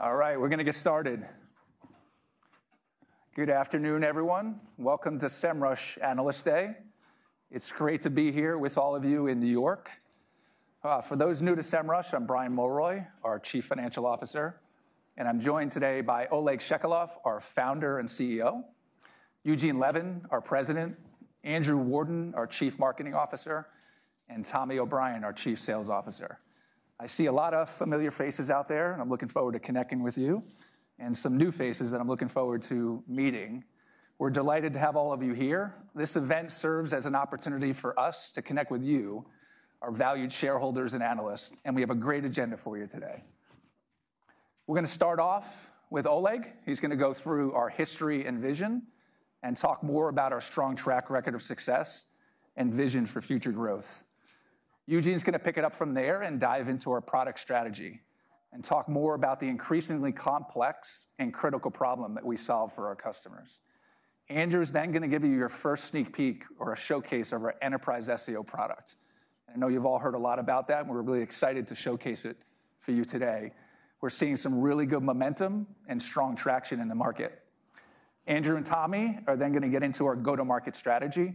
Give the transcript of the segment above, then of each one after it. All right, we're gonna get started. Good afternoon, everyone. Welcome to Semrush Analyst Day. It's great to be here with all of you in New York. For those new to Semrush, I'm Brian Mulroy, our Chief Financial Officer, and I'm joined today by Oleg Shchegolev, our founder and CEO, Eugene Levin, our president, Andrew Warden, our Chief Marketing Officer, and Tommie O'Brien, our Chief Sales Officer. I see a lot of familiar faces out there, and I'm looking forward to connecting with you, and some new faces that I'm looking forward to meeting. We're delighted to have all of you here. This event serves as an opportunity for us to connect with you, our valued shareholders and analysts, and we have a great agenda for you today. We're gonna start off with Oleg. He's gonna go through our history and vision, and talk more about our strong track record of success and vision for future growth. Eugene's gonna pick it up from there and dive into our product strategy, and talk more about the increasingly complex and critical problem that we solve for our customers. Andrew's then gonna give you your first sneak peek or a showcase of our enterprise SEO product. I know you've all heard a lot about that, and we're really excited to showcase it for you today. We're seeing some really good momentum and strong traction in the market. Andrew and Tommie are then gonna get into our go-to-market strategy,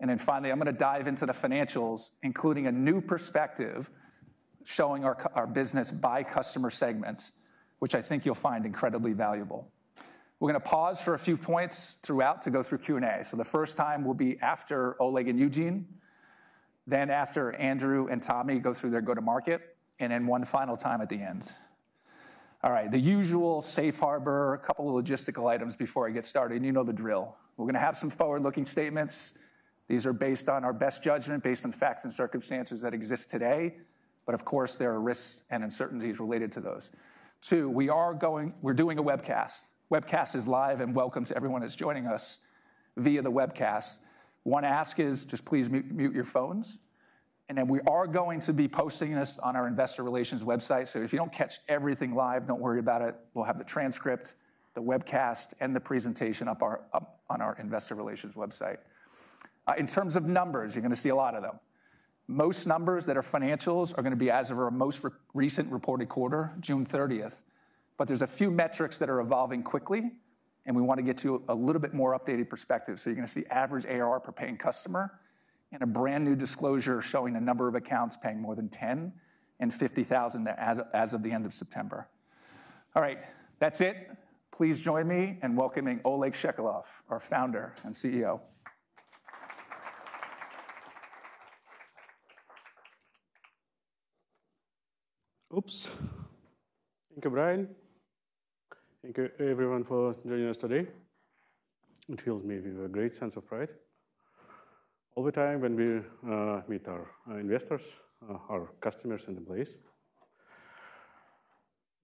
and then finally, I'm gonna dive into the financials, including a new perspective, showing our business by customer segments, which I think you'll find incredibly valuable. We're gonna pause for a few points throughout to go through Q&A. So the first time will be after Oleg and Eugene, then after Andrew and Tommie go through their go-to-market, and then one final time at the end. All right, the usual safe harbor, a couple of logistical items before I get started, and you know the drill. We're gonna have some forward-looking statements. These are based on our best judgment, based on facts and circumstances that exist today, but of course, there are risks and uncertainties related to those. Two, we're doing a webcast. Webcast is live, and welcome to everyone that's joining us via the webcast. One ask is, just please mute your phones, and then we are going to be posting this on our investor relations website. So if you don't catch everything live, don't worry about it. We'll have the transcript, the webcast, and the presentation up on our investor relations website. In terms of numbers, you're gonna see a lot of them. Most numbers that are financials are gonna be as of our most recent reported quarter, June thirtieth. But there's a few metrics that are evolving quickly, and we want to get to a little bit more updated perspective. So you're gonna see average ARR per paying customer and a brand-new disclosure showing the number of accounts paying more than 10 and 50 thousand as of the end of September. All right, that's it. Please join me in welcoming Oleg Shchegolev, our founder and CEO. Oops! Thank you, Brian. Thank you, everyone, for joining us today. It fills me with a great sense of pride all the time when we meet our investors, our customers, and employees.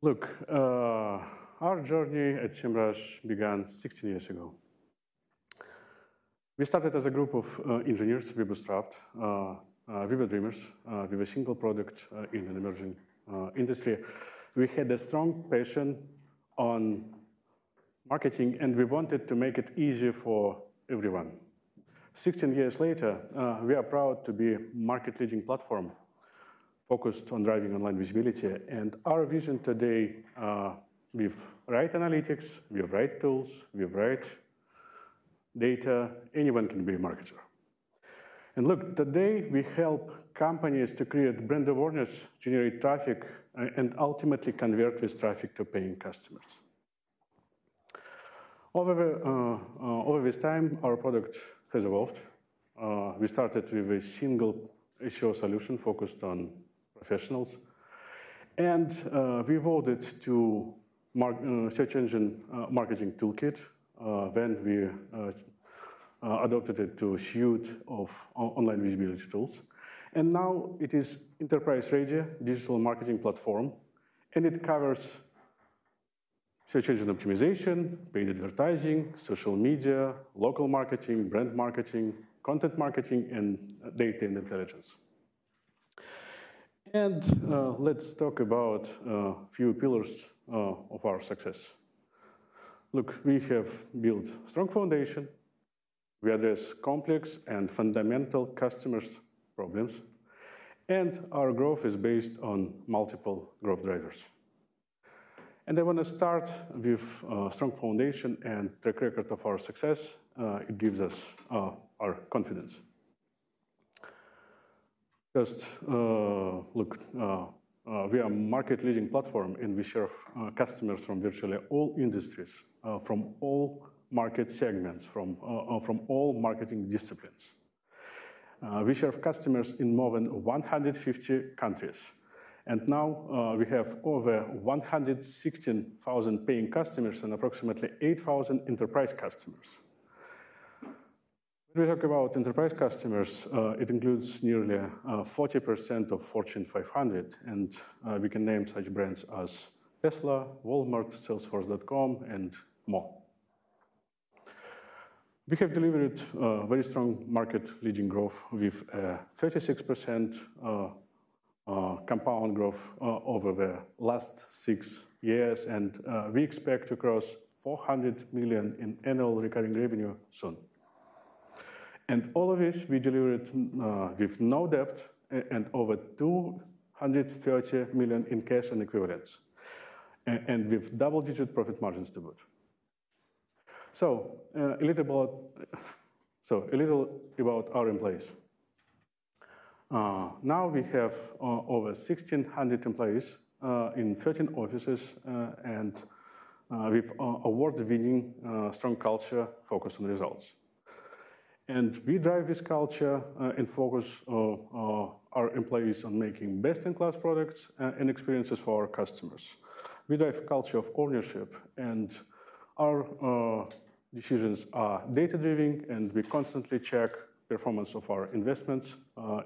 Look, our journey at Semrush began 16 years ago. We started as a group of engineers. We bootstrapped. We were dreamers with a single product in an emerging industry. We had a strong passion on marketing, and we wanted to make it easier for everyone. 16 years later, we are proud to be a market-leading platform focused on driving online visibility and our vision today with right analytics, with right tools, with right data, anyone can be a marketer. And look, today we help companies to create brand awareness, generate traffic, and ultimately convert this traffic to paying customers. Over this time, our product has evolved. We started with a single SEO solution focused on professionals, and we evolved it to search engine marketing toolkit. Then we adapted it to a suite of online visibility tools, and now it is enterprise-ready digital marketing platform, and it covers search engine optimization, paid advertising, social media, local marketing, brand marketing, content marketing, and data and intelligence. Let's talk about few pillars of our success. Look, we have built a strong foundation. We address complex and fundamental customers' problems, and our growth is based on multiple growth drivers, and I want to start with a strong foundation and track record of our success. It gives us our confidence. First, look, we are a market-leading platform, and we serve customers from virtually all industries, from all market segments, from all marketing disciplines. We serve customers in more than 150 countries, and now, we have over 116,000 paying customers and approximately 8,000 enterprise customers. When we talk about enterprise customers, it includes nearly 40% of Fortune 500, and we can name such brands as Tesla, Walmart, Salesforce, and more. We have delivered very strong market-leading growth with 36% compound growth over the last six years, and we expect to cross $400 million in annual recurring revenue soon. And all of this we delivered with no debt and over $230 million in cash and equivalents and with double-digit profit margins to boot. So, a little about our employees. Now we have over 1,600 employees in 13 offices and with award-winning strong culture focused on results. And we drive this culture and focus our employees on making best-in-class products and experiences for our customers. We drive a culture of ownership, and our decisions are data-driven, and we constantly check performance of our investments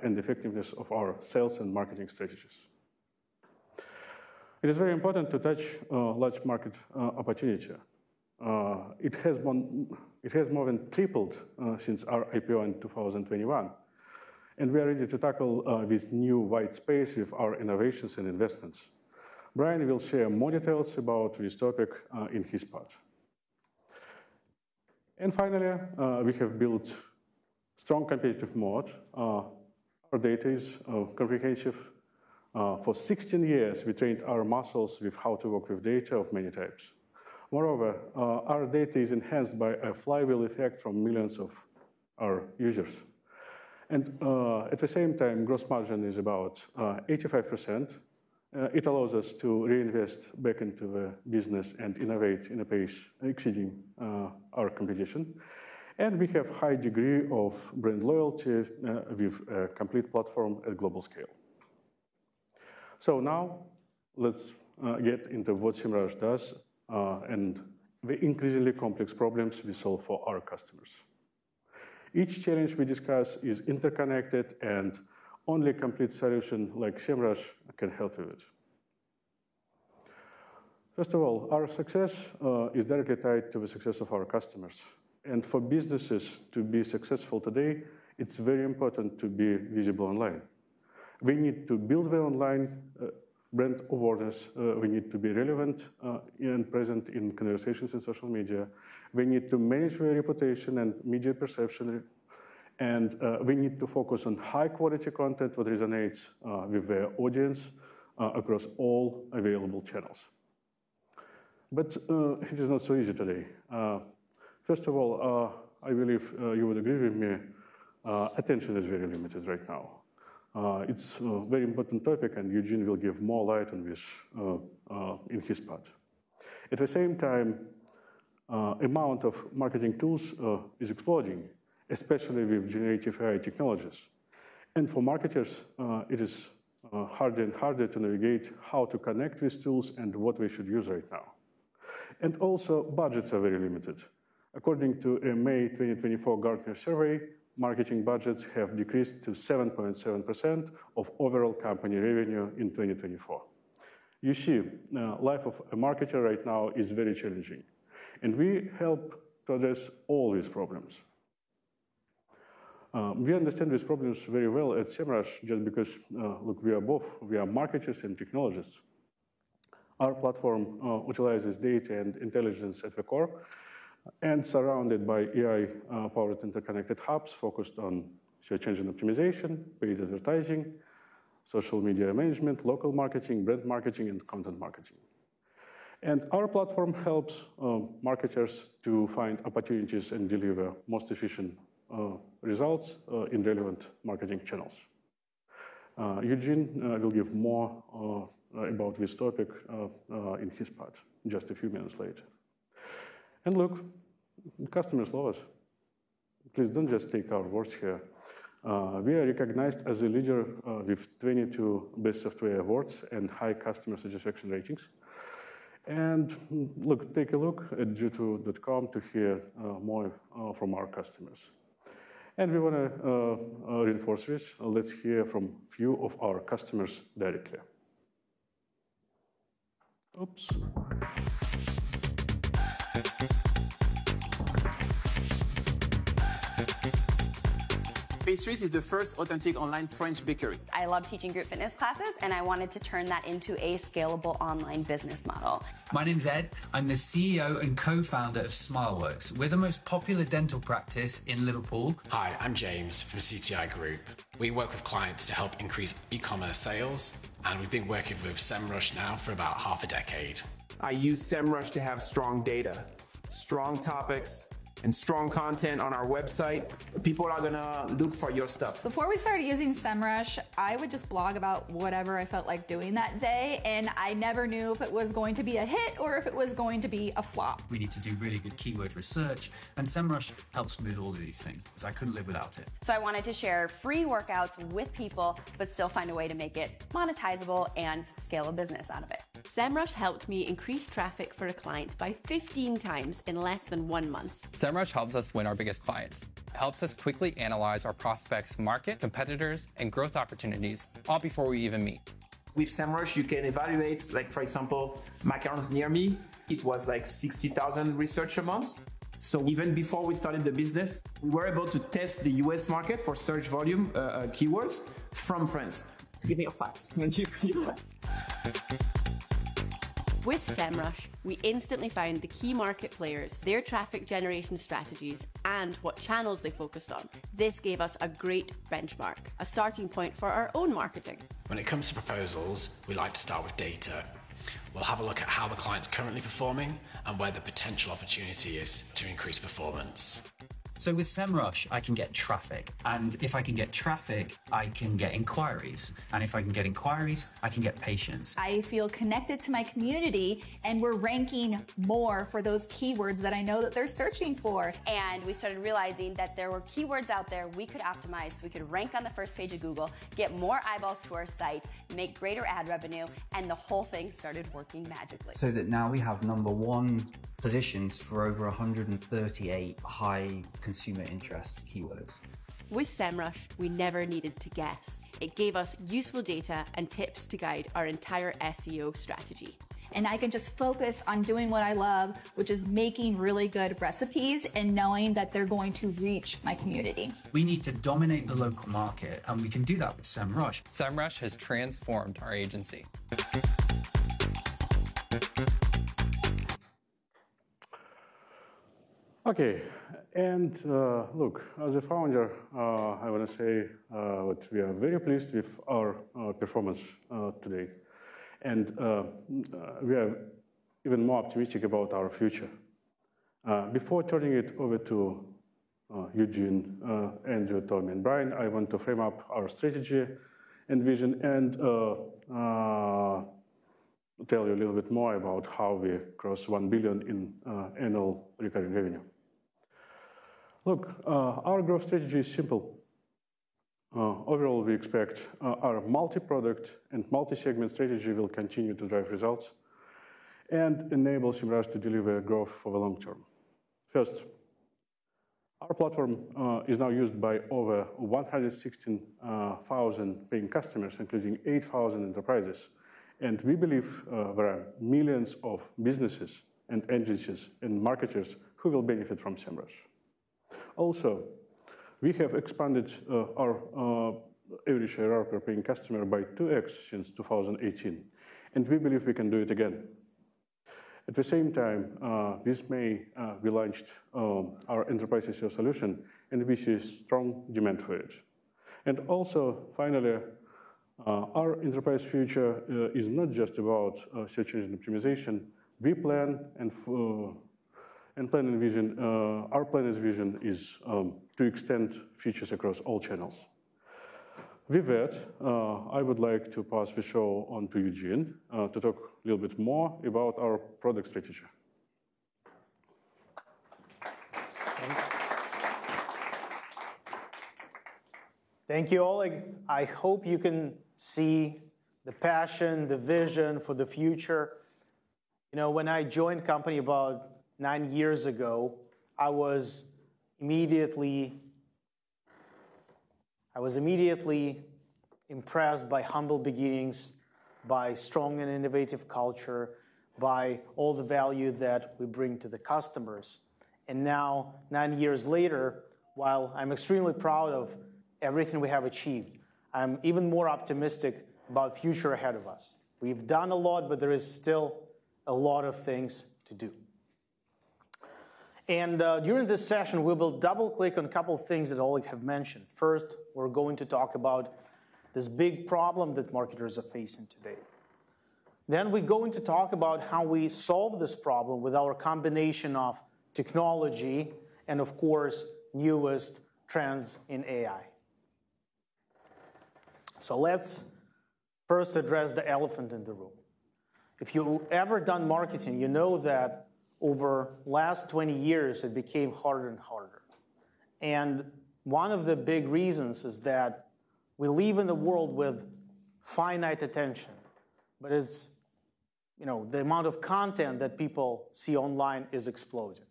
and effectiveness of our sales and marketing strategies. It is very important to touch large market opportunity. It has more than tripled since our IPO in 2021, and we are ready to tackle this new white space with our innovations and investments. Brian will share more details about this topic in his part. Finally, we have built strong competitive moat. Our data is comprehensive. For 16 years, we trained our muscles with how to work with data of many types. Moreover, our data is enhanced by a flywheel effect from millions of our users. And at the same time, gross margin is about 85%. It allows us to reinvest back into the business and innovate in a pace exceeding our competition, and we have high degree of brand loyalty with a complete platform at global scale. So now let's get into what Semrush does and the increasingly complex problems we solve for our customers. Each challenge we discuss is interconnected, and only a complete solution like Semrush can help with it. First of all, our success is directly tied to the success of our customers, and for businesses to be successful today, it's very important to be visible online. We need to build their online brand awareness. We need to be relevant and present in conversations in social media. We need to manage their reputation and media perception, and we need to focus on high-quality content that resonates with their audience across all available channels, but it is not so easy today. First of all, I believe you would agree with me, attention is very limited right now. It's a very important topic, and Eugene will give more light on this in his part. At the same time, amount of marketing tools is exploding, especially with generative AI technologies, and for marketers it is harder and harder to navigate how to connect these tools and what we should use right now, and also budgets are very limited. According to a May 2024 Gartner survey, marketing budgets have decreased to 7.7% of overall company revenue in 2024. You see, life of a marketer right now is very challenging, and we help to address all these problems. We understand these problems very well at Semrush just because, look, we are both... We are marketers and technologists. Our platform utilizes data and intelligence at the core and surrounded by AI powered interconnected hubs focused on search engine optimization, paid advertising, social media management, local marketing, brand marketing, and content marketing. And our platform helps marketers to find opportunities and deliver most efficient results in relevant marketing channels. Eugene will give more about this topic in his part, just a few minutes later. And look, customers love us. Please don't just take our words here. We are recognized as a leader with 22 best software awards and high customer satisfaction ratings. Look, take a look at G2.com to hear more from our customers. We want to reinforce this. Let's hear from few of our customers directly. Oops. Pastreez is the first authentic online French bakery. I love teaching group fitness classes, and I wanted to turn that into a scalable online business model. My name's Ed. I'm the CEO and co-founder of Smileworks. We're the most popular dental practice in Liverpool. Hi, I'm James from CTI Group. We work with clients to help increase e-commerce sales, and we've been working with Semrush now for about half a decade. I use Semrush to have strong data, strong topics, and strong content on our website. People are gonna look for your stuff. Before we started using Semrush, I would just blog about whatever I felt like doing that day, and I never knew if it was going to be a hit or if it was going to be a flop. We need to do really good keyword research, and Semrush helps me with all of these things, because I couldn't live without it. I wanted to share free workouts with people, but still find a way to make it monetizable and scale a business out of it. Semrush helped me increase traffic for a client by 15 times in less than one month. Semrush helps us win our biggest clients. It helps us quickly analyze our prospects, market, competitors, and growth opportunities, all before we even meet. With Semrush, you can evaluate, like, for example, macarons near me. It was, like, 60,000 searches a month. So even before we started the business, we were able to test the U.S. market for search volume, keywords from France. Give me a five. ...With Semrush, we instantly found the key market players, their traffic generation strategies, and what channels they focused on. This gave us a great benchmark, a starting point for our own marketing. When it comes to proposals, we like to start with data. We'll have a look at how the client's currently performing and where the potential opportunity is to increase performance. With Semrush, I can get traffic, and if I can get traffic, I can get inquiries, and if I can get inquiries, I can get patients. I feel connected to my community, and we're ranking more for those keywords that I know that they're searching for. We started realizing that there were keywords out there we could optimize, we could rank on the first page of Google, get more eyeballs to our site, make greater ad revenue, and the whole thing started working magically. So that now we have number one positions for over one hundred and thirty-eight high consumer interest keywords. With Semrush, we never needed to guess. It gave us useful data and tips to guide our entire SEO strategy. I can just focus on doing what I love, which is making really good recipes and knowing that they're going to reach my community. We need to dominate the local market, and we can do that with Semrush. Semrush has transformed our agency. Okay, and look, as a founder, I wanna say that we are very pleased with our performance today, and we are even more optimistic about our future. Before turning it over to Eugene, Andrew, Tommie, and Brian, I want to frame up our strategy and vision and tell you a little bit more about how we crossed one billion in annual recurring revenue. Look, our growth strategy is simple. Overall, we expect our multi-product and multi-segment strategy will continue to drive results and enable Semrush to deliver growth for the long term. First, our platform is now used by over one hundred and sixteen thousand paying customers, including eight thousand enterprises, and we believe there are millions of businesses, and agencies, and marketers who will benefit from Semrush. Also, we have expanded our average ARR per paying customer by 2x since 2018, and we believe we can do it again. At the same time, we launched our enterprise SEO solution, and we see strong demand for it and also, finally, our enterprise future is not just about search engine optimization. We plan, and our plan and vision is to extend features across all channels. With that, I would like to pass the show on to Eugene to talk a little bit more about our product strategy. Thank you, Oleg. I hope you can see the passion, the vision for the future. You know, when I joined the company about nine years ago, I was immediately impressed by humble beginnings, by strong and innovative culture, by all the value that we bring to the customers. And now, nine years later, while I'm extremely proud of everything we have achieved, I'm even more optimistic about the future ahead of us. We've done a lot, but there is still a lot of things to do. And, during this session, we will double-click on a couple of things that Oleg have mentioned. First, we're going to talk about this big problem that marketers are facing today. Then, we're going to talk about how we solve this problem with our combination of technology and, of course, newest trends in AI. So let's first address the elephant in the room. If you've ever done marketing, you know that over the last twenty years, it became harder and harder, and one of the big reasons is that we live in a world with finite attention. But as you know, the amount of content that people see online is exploding.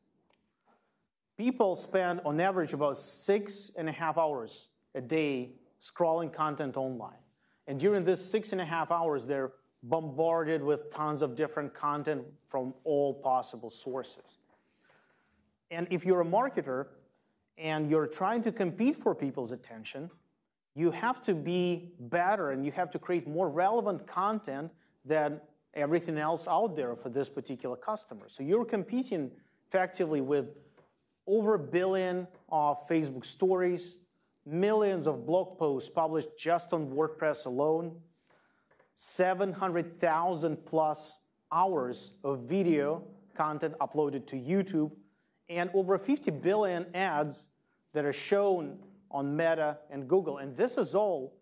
People spend, on average, about six and a half hours a day scrolling content online, and during this six and a half hours, they're bombarded with tons of different content from all possible sources. And if you're a marketer and you're trying to compete for people's attention, you have to be better, and you have to create more relevant content than everything else out there for this particular customer. So you're competing effectively with over 1 billion of Facebook stories, millions of blog posts published just on WordPress alone, 700,000+ hours of video content uploaded to YouTube, and over 50 billion ads that are shown on Meta and Google. And this is all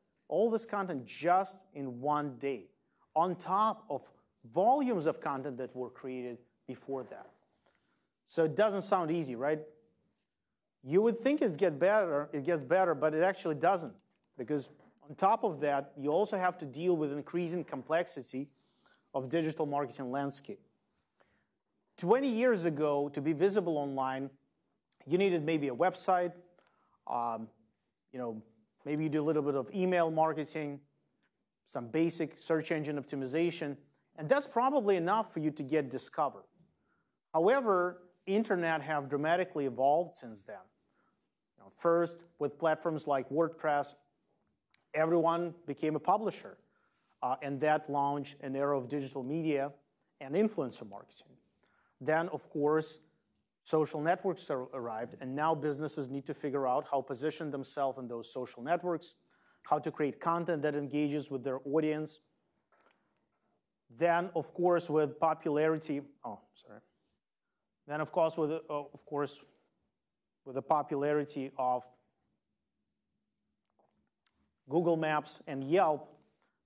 this content just in 1 day, on top of volumes of content that were created before that. So it doesn't sound easy, right? You would think it's get better - it gets better, but it actually doesn't, because on top of that, you also have to deal with increasing complexity of digital marketing landscape. 20 years ago, to be visible online, you needed maybe a website, you know, maybe you do a little bit of email marketing, some basic search engine optimization, and that's probably enough for you to get discovered. However, internet have dramatically evolved since then. First, with platforms like WordPress, everyone became a publisher, and that launched an era of digital media and influencer marketing. Then, of course, social networks arrived, and now businesses need to figure out how to position themselves in those social networks, how to create content that engages with their audience. Then, of course, with the popularity of Google Maps and Yelp,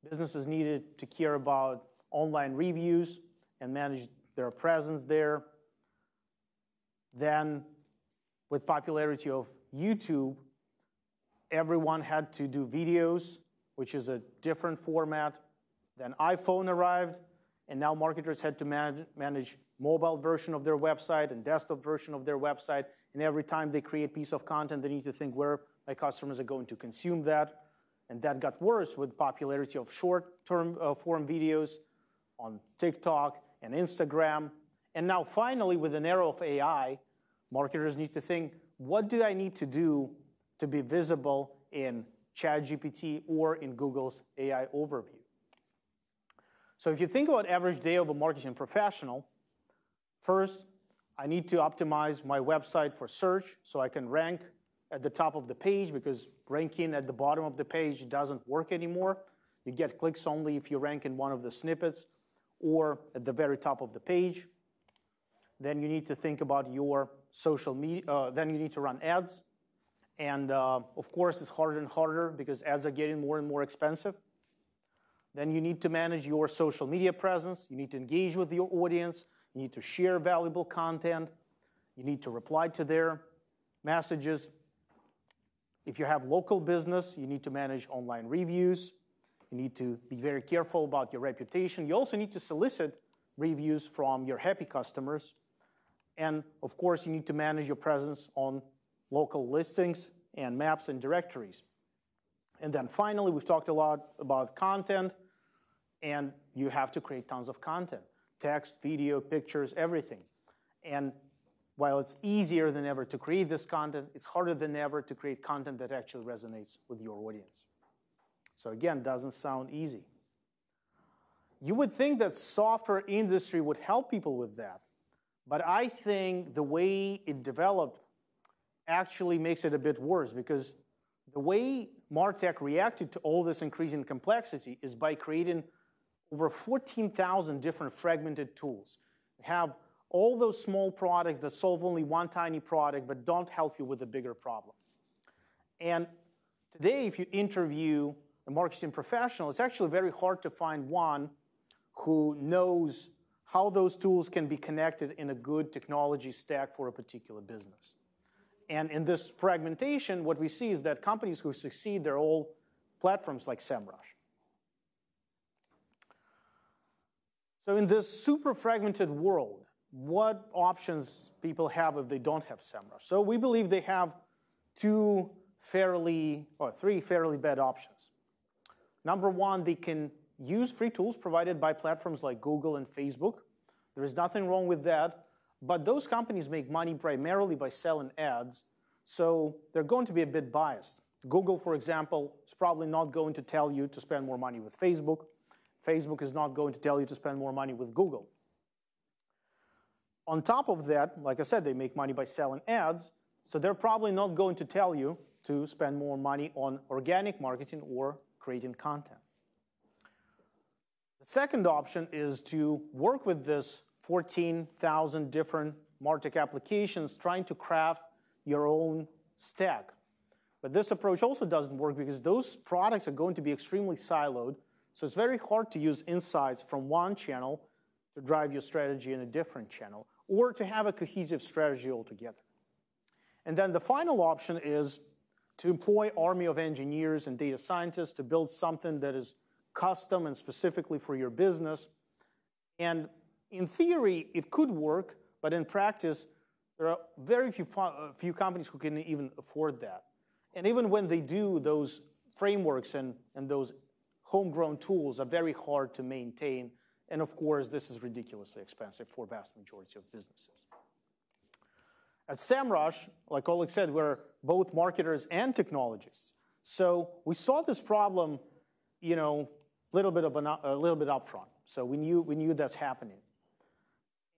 businesses needed to care about online reviews and manage their presence there. Then, with popularity of YouTube, everyone had to do videos, which is a different format. Then iPhone arrived, and now marketers had to manage mobile version of their website and desktop version of their website, and every time they create a piece of content, they need to think where my customers are going to consume that. That got worse with the popularity of short-form videos on TikTok and Instagram. Now, finally, with an era of AI, marketers need to think: What do I need to do to be visible in ChatGPT or in Google's AI Overview? If you think about average day of a marketing professional, first, I need to optimize my website for search so I can rank at the top of the page, because ranking at the bottom of the page doesn't work anymore. You get clicks only if you rank in one of the snippets or at the very top of the page. You need to think about your social media, then you need to run ads, and, of course, it's harder and harder because ads are getting more and more expensive. You need to manage your social media presence. You need to engage with your audience. You need to share valuable content. You need to reply to their messages. If you have local business, you need to manage online reviews. You need to be very careful about your reputation. You also need to solicit reviews from your happy customers, and of course, you need to manage your presence on local listings and maps and directories. And then finally, we've talked a lot about content, and you have to create tons of content: text, video, pictures, everything. And while it's easier than ever to create this content, it's harder than ever to create content that actually resonates with your audience. So again, doesn't sound easy. You would think that software industry would help people with that, but I think the way it developed actually makes it a bit worse, because the way MarTech reacted to all this increasing complexity is by creating over 14,000 different fragmented tools. You have all those small products that solve only one tiny product but don't help you with the bigger problem. And today, if you interview a marketing professional, it's actually very hard to find one who knows how those tools can be connected in a good technology stack for a particular business. And in this fragmentation, what we see is that companies who succeed, they're all platforms like Semrush. So in this super fragmented world, what options people have if they don't have Semrush? So we believe they have two fairly... or three fairly bad options. Number one, they can use free tools provided by platforms like Google and Facebook. There is nothing wrong with that, but those companies make money primarily by selling ads, so they're going to be a bit biased. Google, for example, is probably not going to tell you to spend more money with Facebook. Facebook is not going to tell you to spend more money with Google. On top of that, like I said, they make money by selling ads, so they're probably not going to tell you to spend more money on organic marketing or creating content. The second option is to work with this 14,000 different MarTech applications, trying to craft your own stack. But this approach also doesn't work because those products are going to be extremely siloed, so it's very hard to use insights from one channel to drive your strategy in a different channel or to have a cohesive strategy altogether. And then the final option is to employ army of engineers and data scientists to build something that is custom and specifically for your business. And in theory, it could work, but in practice, there are very few companies who can even afford that. And even when they do, those frameworks and those homegrown tools are very hard to maintain, and of course, this is ridiculously expensive for vast majority of businesses. At Semrush, like Oleg said, we're both marketers and technologists, so we saw this problem, you know, a little bit upfront. We knew, we knew that's happening,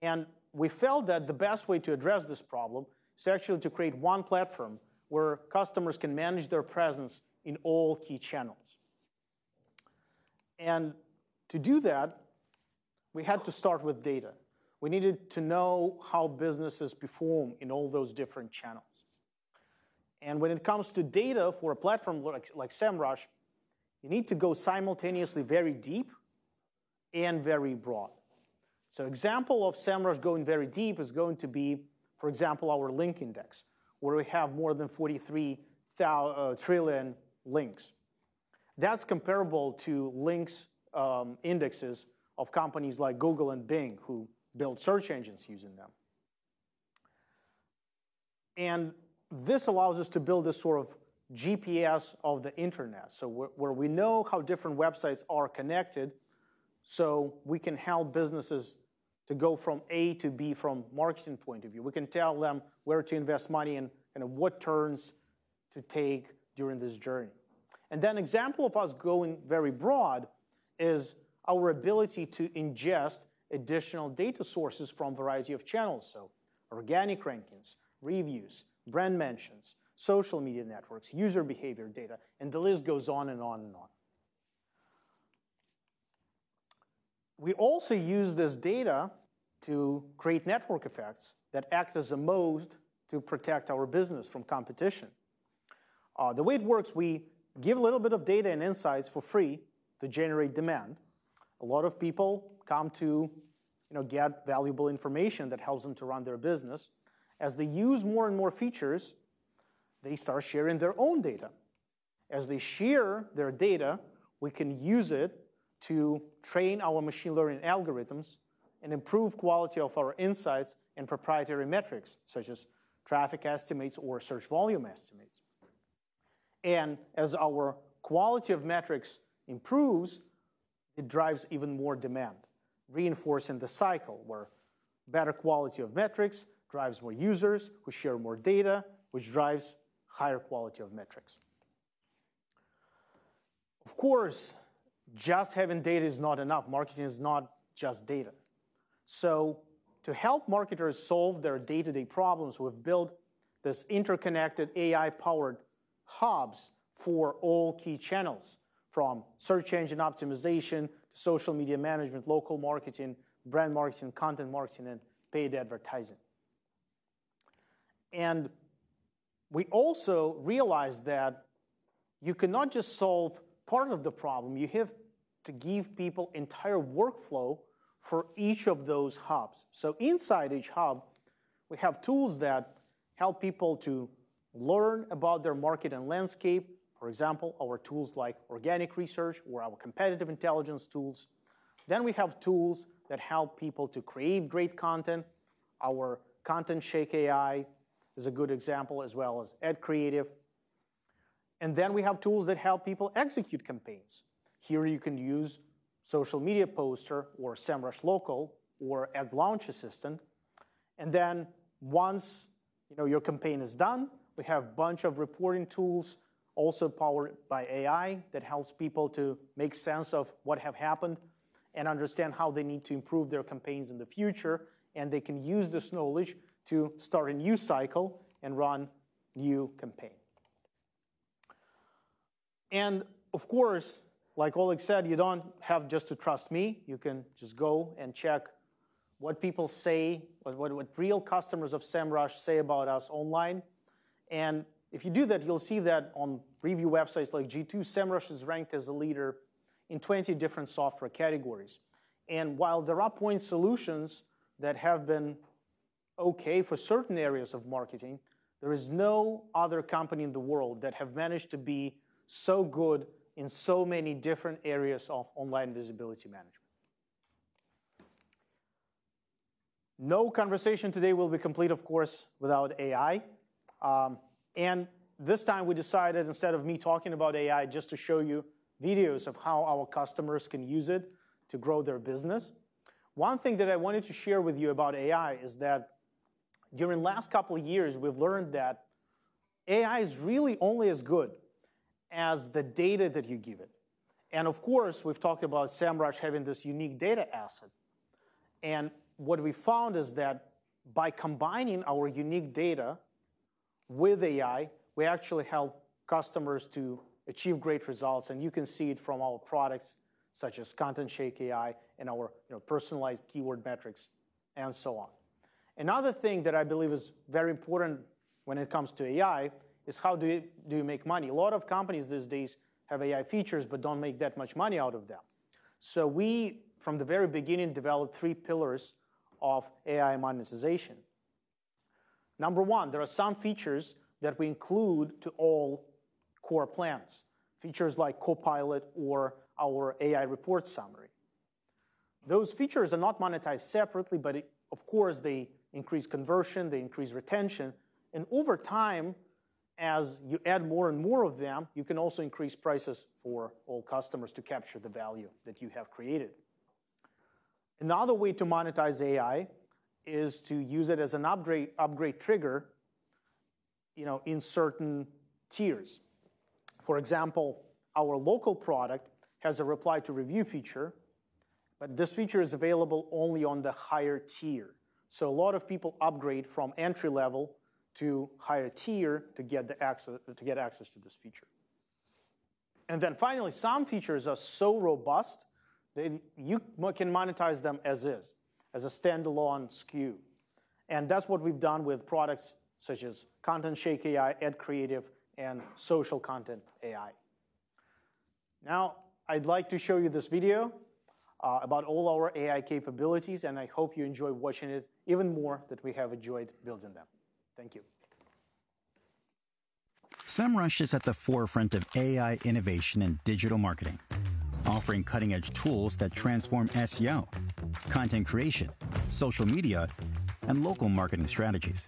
and we felt that the best way to address this problem is actually to create one platform where customers can manage their presence in all key channels. To do that, we had to start with data. We needed to know how businesses perform in all those different channels. When it comes to data for a platform like Semrush, you need to go simultaneously very deep and very broad. An example of Semrush going very deep is going to be, for example, our link index, where we have more than forty-three trillion links. That's comparable to link indexes of companies like Google and Bing, who build search engines using them. This allows us to build a sort of GPS of the internet, so where we know how different websites are connected... So we can help businesses to go from A to B from marketing point of view. We can tell them where to invest money and, kind of, what turns to take during this journey. And then example of us going very broad is our ability to ingest additional data sources from variety of channels, so organic rankings, reviews, brand mentions, social media networks, user behavior data, and the list goes on and on and on. We also use this data to create network effects that act as a moat to protect our business from competition. The way it works, we give a little bit of data and insights for free to generate demand. A lot of people come to, you know, get valuable information that helps them to run their business. As they use more and more features, they start sharing their own data. As they share their data, we can use it to train our machine learning algorithms and improve quality of our insights and proprietary metrics, such as traffic estimates or search volume estimates. And as our quality of metrics improves, it drives even more demand, reinforcing the cycle where better quality of metrics drives more users, who share more data, which drives higher quality of metrics. Of course, just having data is not enough. Marketing is not just data. So to help marketers solve their day-to-day problems, we've built this interconnected AI-powered hubs for all key channels, from search engine optimization to social media management, local marketing, brand marketing, content marketing, and paid advertising. And we also realize that you cannot just solve part of the problem. You have to give people entire workflow for each of those hubs. So inside each hub, we have tools that help people to learn about their market and landscape. For example, our tools like Organic Research or our competitive intelligence tools. Then we have tools that help people to create great content. Our ContentShake AI is a good example, as well as Creative. And then we have tools that help people execute campaigns. Here, you can use Social Media Poster or Semrush Local or Ads Launch Assistant. And then once, you know, your campaign is done, we have bunch of reporting tools, also powered by AI, that helps people to make sense of what have happened and understand how they need to improve their campaigns in the future, and they can use this knowledge to start a new cycle and run new campaign. And of course, like Oleg said, you don't have just to trust me. You can just go and check what people say, what real customers of Semrush say about us online. And if you do that, you'll see that on review websites like G2, Semrush is ranked as a leader in 20 different software categories. And while there are point solutions that have been okay for certain areas of marketing, there is no other company in the world that have managed to be so good in so many different areas of online visibility management. No conversation today will be complete, of course, without AI, and this time we decided, instead of me talking about AI, just to show you videos of how our customers can use it to grow their business. One thing that I wanted to share with you about AI is that during last couple of years, we've learned that AI is really only as good as the data that you give it. And of course, we've talked about Semrush having this unique data asset, and what we found is that by combining our unique data with AI, we actually help customers to achieve great results. And you can see it from our products, such as Content Shake AI, and our, you know, personalized keyword metrics, and so on. Another thing that I believe is very important when it comes to AI is how do you make money? A lot of companies these days have AI features but don't make that much money out of them. So we, from the very beginning, developed three pillars of AI monetization. Number one, there are some features that we include to all core plans, features like Copilot or our AI report summary. Those features are not monetized separately, but it... Of course, they increase conversion, they increase retention, and over time, as you add more and more of them, you can also increase prices for all customers to capture the value that you have created. Another way to monetize AI is to use it as an upgrade, upgrade trigger, you know, in certain tiers. For example, our local product has a reply to review feature, but this feature is available only on the higher tier. So a lot of people upgrade from entry level to higher tier to get to get access to this feature. And then finally, some features are so robust that you can monetize them as is, as a standalone SKU, and that's what we've done with products such as Content Shake AI, Ad Creative, and Social Content AI. Now, I'd like to show you this video about all our AI capabilities, and I hope you enjoy watching it even more than we have enjoyed building them. Thank you. Semrush is at the forefront of AI innovation and digital marketing, offering cutting-edge tools that transform SEO, content creation, social media, and local marketing strategies.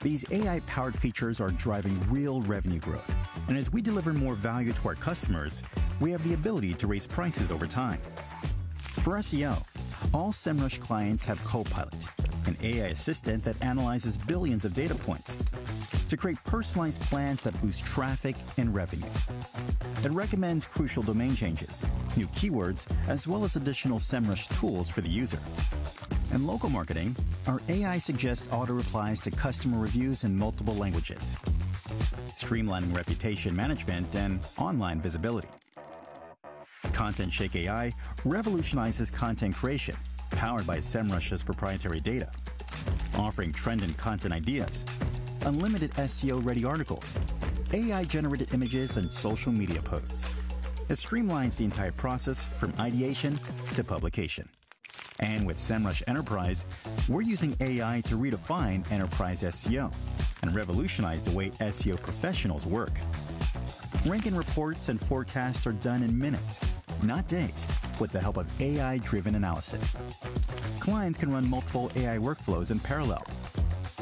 These AI-powered features are driving real revenue growth, and as we deliver more value to our customers, we have the ability to raise prices over time. For SEO, all Semrush clients have Copilot, an AI assistant that analyzes billions of data points to create personalized plans that boost traffic and revenue. It recommends crucial domain changes, new keywords, as well as additional Semrush tools for the user. In local marketing, our AI suggests auto-replies to customer reviews in multiple languages, streamlining reputation management and online visibility. Content Shake AI revolutionizes content creation, powered by Semrush's proprietary data, offering trending content ideas, unlimited SEO-ready articles, AI-generated images, and social media posts. It streamlines the entire process from ideation to publication. And with Semrush Enterprise, we're using AI to redefine enterprise SEO and revolutionize the way SEO professionals work. Ranking reports and forecasts are done in minutes, not days, with the help of AI-driven analysis. Clients can run multiple AI workflows in parallel,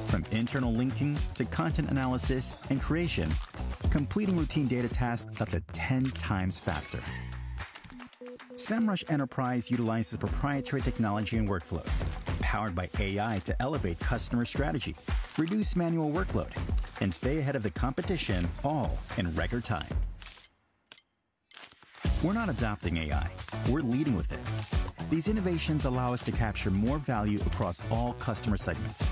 from internal linking to content analysis and creation, completing routine data tasks up to ten times faster. Semrush Enterprise utilizes proprietary technology and workflows powered by AI to elevate customer strategy, reduce manual workload, and stay ahead of the competition, all in record time. We're not adopting AI. We're leading with it. These innovations allow us to capture more value across all customer segments.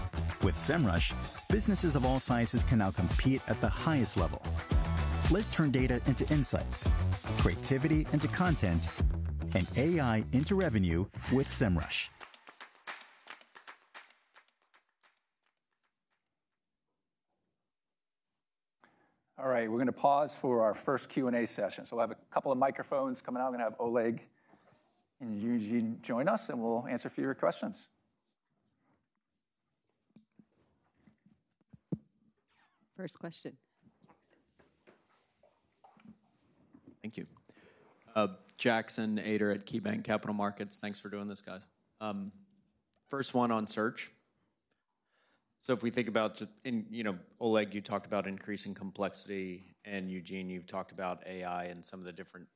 With Semrush, businesses of all sizes can now compete at the highest level. Let's turn data into insights, creativity into content, and AI into revenue with Semrush. All right, we're gonna pause for our first Q&A session. So we'll have a couple of microphones coming out. We're gonna have Oleg and Eugene join us, and we'll answer a few of your questions. First question. Thank you. Jackson Ader at KeyBank Capital Markets. Thanks for doing this, guys. First one on search: so if we think about... You know, Oleg, you talked about increasing complexity, and Eugene, you've talked about AI and some of the different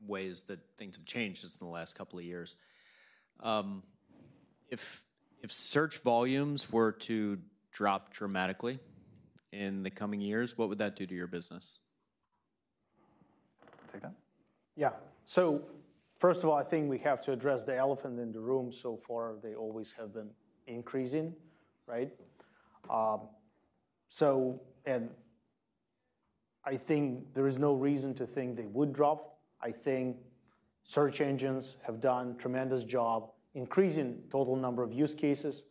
ways that things have changed just in the last couple of years. If search volumes were to drop dramatically in the coming years, what would that do to your business? Take that? Yeah. So first of all, I think we have to address the elephant in the room. So far, they always have been increasing, right? So and I think there is no reason to think they would drop. I think search engines have done tremendous job increasing total number of use cases,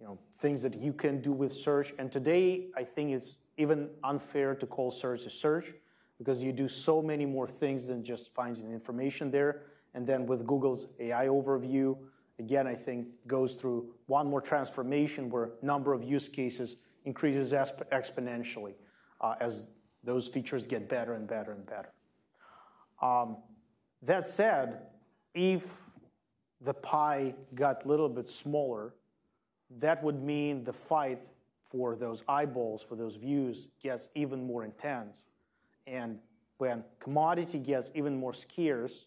you know, things that you can do with search. And today, I think it's even unfair to call search a search because you do so many more things than just finding information there. And then with Google's AI Overview, again, I think goes through one more transformation, where number of use cases increases exponentially, as those features get better and better and better. That said, if the pie got a little bit smaller, that would mean the fight for those eyeballs, for those views, gets even more intense. And when commodity gets even more scarce,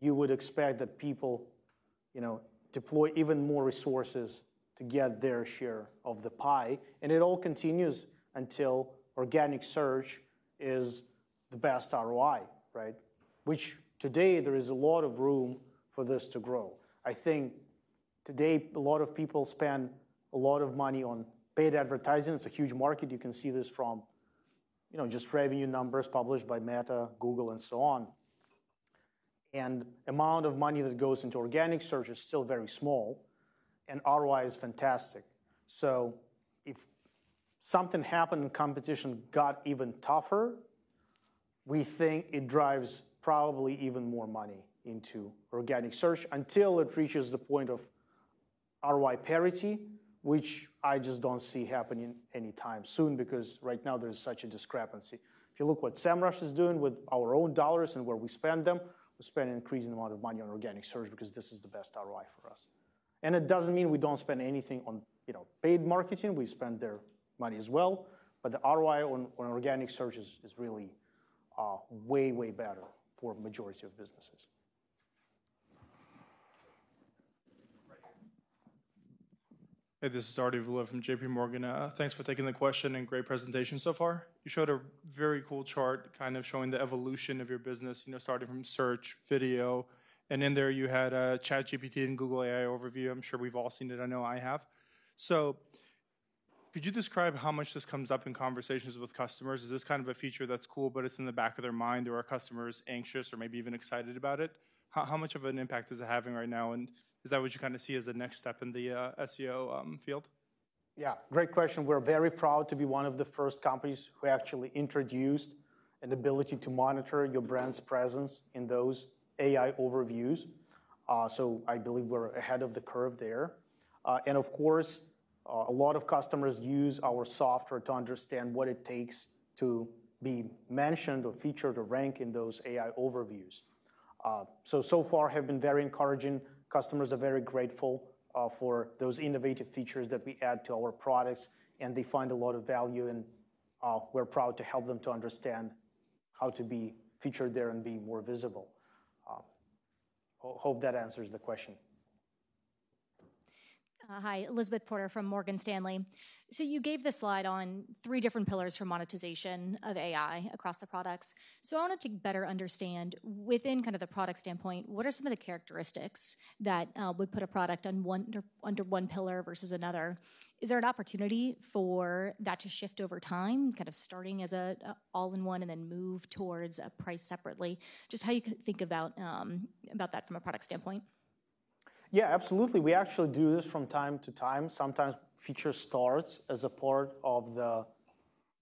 you would expect that people, you know, deploy even more resources to get their share of the pie, and it all continues until organic search is the best ROI, right? Which, today, there is a lot of room for this to grow. I think today a lot of people spend a lot of money on paid advertising. It's a huge market. You can see this from, you know, just revenue numbers published by Meta, Google, and so on. And amount of money that goes into organic search is still very small, and ROI is fantastic. So if something happened and competition got even tougher, we think it drives probably even more money into organic search until it reaches the point of ROI parity, which I just don't see happening anytime soon, because right now there is such a discrepancy. If you look what Semrush is doing with our own dollars and where we spend them, we're spending an increasing amount of money on organic search because this is the best ROI for us. And it doesn't mean we don't spend anything on, you know, paid marketing. We spend their money as well, but the ROI on organic search is really way, way better for majority of businesses. Right here. Hey, this is Arti Vula from JP Morgan. Thanks for taking the question, and great presentation so far. You showed a very cool chart, kind of showing the evolution of your business, you know, starting from search, video, and in there you had ChatGPT and Google AI Overview. I'm sure we've all seen it. I know I have. So could you describe how much this comes up in conversations with customers? Is this kind of a feature that's cool, but it's in the back of their mind, or are customers anxious or maybe even excited about it? How much of an impact is it having right now, and is that what you kind of see as the next step in the SEO field? Yeah, great question. We're very proud to be one of the first companies who actually introduced an ability to monitor your brand's presence in those AI Overviews. So I believe we're ahead of the curve there, and of course, a lot of customers use our software to understand what it takes to be mentioned, or featured, or rank in those AI overviews. So far have been very encouraging. Customers are very grateful for those innovative features that we add to our products, and they find a lot of value, and we're proud to help them to understand how to be featured there and be more visible. Hope that answers the question. Hi, Elizabeth Porter from Morgan Stanley. So you gave the slide on three different pillars for monetization of AI across the products. So I wanted to better understand, within kind of the product standpoint, what are some of the characteristics that would put a product on one under one pillar versus another? Is there an opportunity for that to shift over time, kind of starting as a all-in-one and then move towards a price separately? Just how you think about that from a product standpoint. Yeah, absolutely. We actually do this from time to time. Sometimes feature starts as a part of the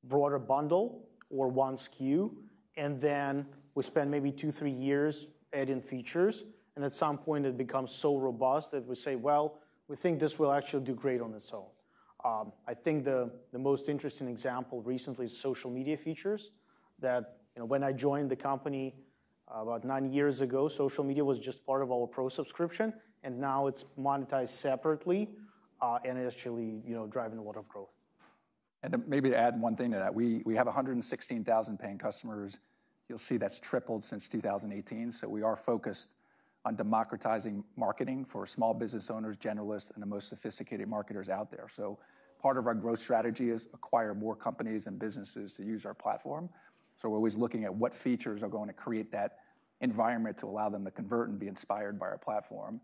broader bundle or one SKU, and then we spend maybe two, three years adding features, and at some point it becomes so robust that we say: "Well, we think this will actually do great on its own." I think the most interesting example recently is social media features, that, you know, when I joined the company, about nine years ago, social media was just part of our pro subscription, and now it's monetized separately, and it's actually, you know, driving a lot of growth. Then maybe to add one thing to that. We have 116,000 paying customers. You'll see that's tripled since 2018, so we are focused on democratizing marketing for small business owners, generalists, and the most sophisticated marketers out there. So part of our growth strategy is acquire more companies and businesses to use our platform, so we're always looking at what features are going to create that environment to allow them to convert and be inspired by our platform.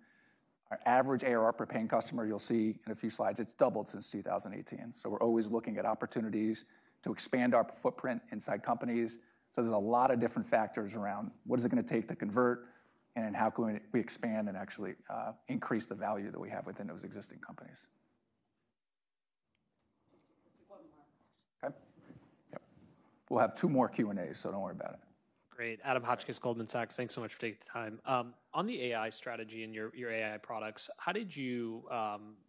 Our average ARR per paying customer, you'll see in a few slides, it's doubled since 2018. So we're always looking at opportunities to expand our footprint inside companies. There's a lot of different factors around what is it gonna take to convert, and then how can we expand and actually increase the value that we have within those existing companies? Let's do one more. Okay. Yep. We'll have two more Q&As, so don't worry about it. Great! Adam Hotchkiss, Goldman Sachs. Thanks so much for taking the time. On the AI strategy and your AI products, how did you,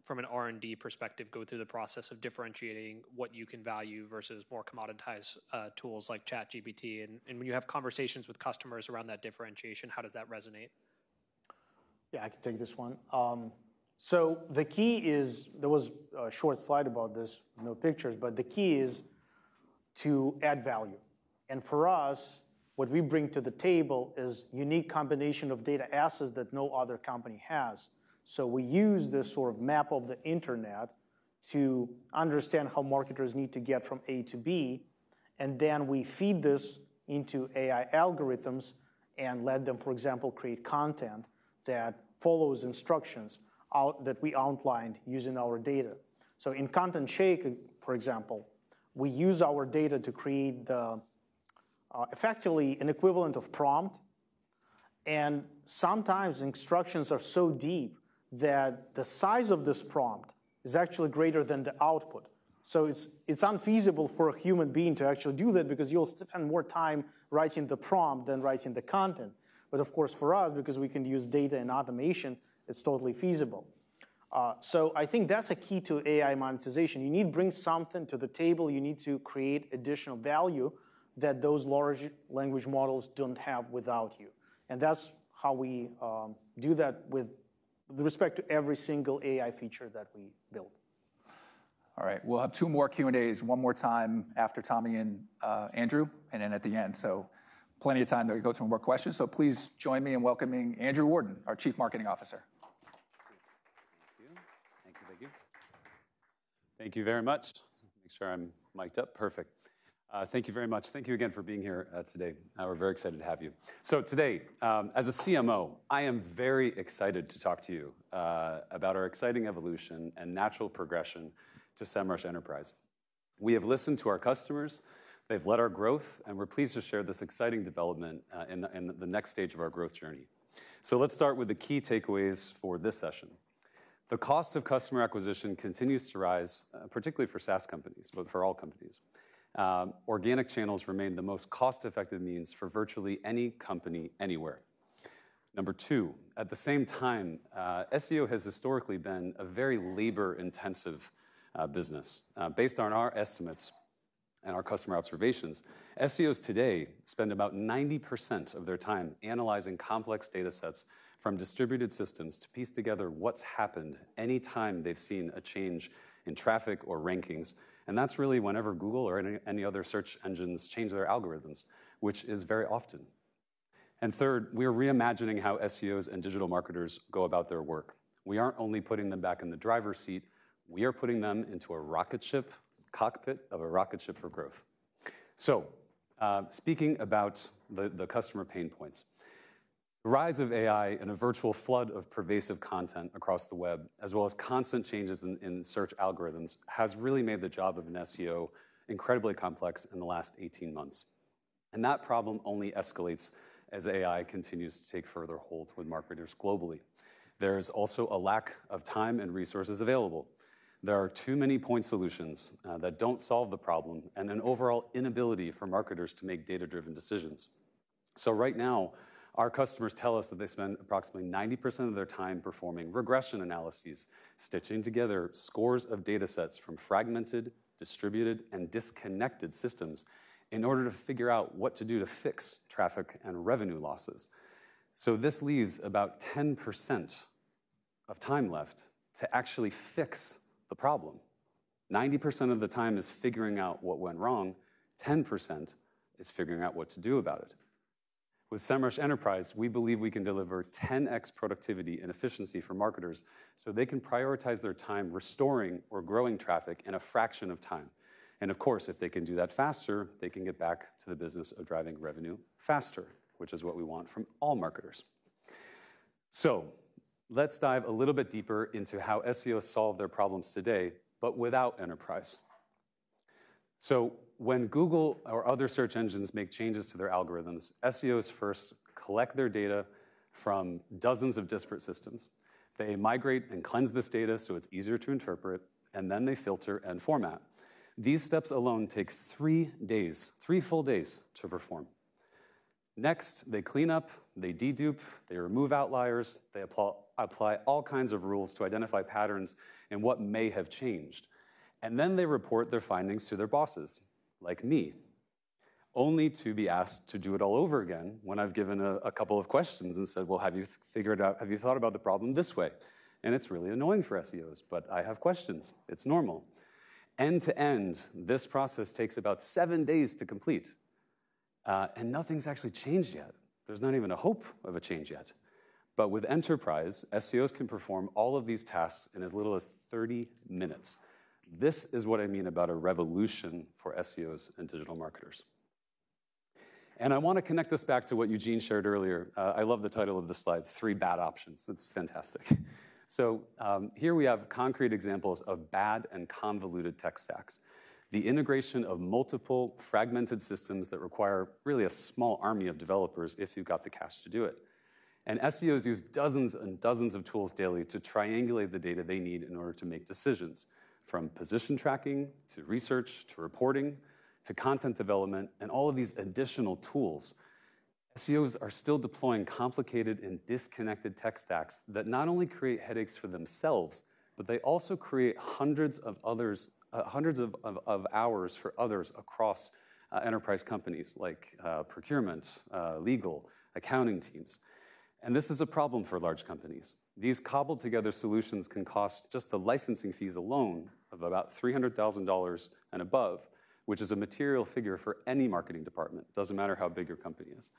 from an R&D perspective, go through the process of differentiating what you can value versus more commoditized tools like ChatGPT? And when you have conversations with customers around that differentiation, how does that resonate? Yeah, I can take this one, so the key is to add value. There was a short slide about this, no pictures, but the key is to add value, and for us, what we bring to the table is unique combination of data assets that no other company has, so we use this sort of map of the internet to understand how marketers need to get from A to B, and then we feed this into AI algorithms and let them, for example, create content that follows instructions that we outlined using our data, so in Content Shake, for example, we use our data to create effectively an equivalent of prompt, and sometimes the instructions are so deep that the size of this prompt is actually greater than the output. It's unfeasible for a human being to actually do that because you'll spend more time writing the prompt than writing the content. Of course, for us, because we can use data and automation, it's totally feasible. I think that's a key to AI monetization. You need to bring something to the table. You need to create additional value that those large language models don't have without you, and that's how we do that with respect to every single AI feature that we build. All right, we'll have two more Q&As, one more time after Tommie and Andrew, and then at the end. So plenty of time to go through more questions. So please join me in welcoming Andrew Warden, our Chief Marketing Officer. Thank you. Thank you. Thank you. Thank you very much. Make sure I'm miked up. Perfect. Thank you very much. Thank you again for being here, today. We're very excited to have you. So today, as a CMO, I am very excited to talk to you, about our exciting evolution and natural progression to Semrush Enterprise. We have listened to our customers, they've led our growth, and we're pleased to share this exciting development, and the next stage of our growth journey. So let's start with the key takeaways for this session. The cost of customer acquisition continues to rise, particularly for SaaS companies, but for all companies. Organic channels remain the most cost-effective means for virtually any company anywhere. Number two, at the same time, SEO has historically been a very labor-intensive, business. Based on our estimates and our customer observations, SEOs today spend about 90% of their time analyzing complex data sets from distributed systems to piece together what's happened anytime they've seen a change in traffic or rankings, and that's really whenever Google or any other search engines change their algorithms, which is very often. And third, we are reimagining how SEOs and digital marketers go about their work. We aren't only putting them back in the driver's seat, we are putting them into a rocket ship, cockpit of a rocket ship for growth. Speaking about the customer pain points, the rise of AI and a virtual flood of pervasive content across the web, as well as constant changes in search algorithms, has really made the job of an SEO incredibly complex in the last 18 months. That problem only escalates as AI continues to take further hold with marketers globally. There is also a lack of time and resources available. There are too many point solutions that don't solve the problem, and an overall inability for marketers to make data-driven decisions. Right now, our customers tell us that they spend approximately 90% of their time performing regression analyses, stitching together scores of data sets from fragmented, distributed, and disconnected systems in order to figure out what to do to fix traffic and revenue losses. This leaves about 10% of time left to actually fix the problem. 90% of the time is figuring out what went wrong, 10% is figuring out what to do about it. With Semrush Enterprise, we believe we can deliver 10x productivity and efficiency for marketers, so they can prioritize their time restoring or growing traffic in a fraction of time. And of course, if they can do that faster, they can get back to the business of driving revenue faster, which is what we want from all marketers. So let's dive a little bit deeper into how SEOs solve their problems today, but without Enterprise. So when Google or other search engines make changes to their algorithms, SEOs first collect their data from dozens of disparate systems. They migrate and cleanse this data, so it's easier to interpret, and then they filter and format. These steps alone take three days, three full days to perform. Next, they clean up, they dedupe, they remove outliers, they apply all kinds of rules to identify patterns and what may have changed. And then they report their findings to their bosses, like me, only to be asked to do it all over again when I've given a couple of questions and said: "Well, have you figured out? Have you thought about the problem this way?" It's really annoying for SEOs, but I have questions. It's normal. End-to-end, this process takes about seven days to complete, and nothing's actually changed yet. There's not even a hope of a change yet. But with Enterprise, SEOs can perform all of these tasks in as little as thirty minutes. This is what I mean about a revolution for SEOs and digital marketers. And I wanna connect this back to what Eugene shared earlier. I love the title of this slide, Three Bad Options. It's fantastic. So, here we have concrete examples of bad and convoluted tech stacks. The integration of multiple fragmented systems that require really a small army of developers if you've got the cash to do it. SEOs use dozens and dozens of tools daily to triangulate the data they need in order to make decisions, from position tracking, to research, to reporting, to content development, and all of these additional tools. SEOs are still deploying complicated and disconnected tech stacks that not only create headaches for themselves, but they also create hundreds of hours for others across enterprise companies like procurement, legal, accounting teams. This is a problem for large companies. These cobbled-together solutions can cost just the licensing fees alone of about $300,000 and above, which is a material figure for any marketing department. Doesn't matter how big your company is.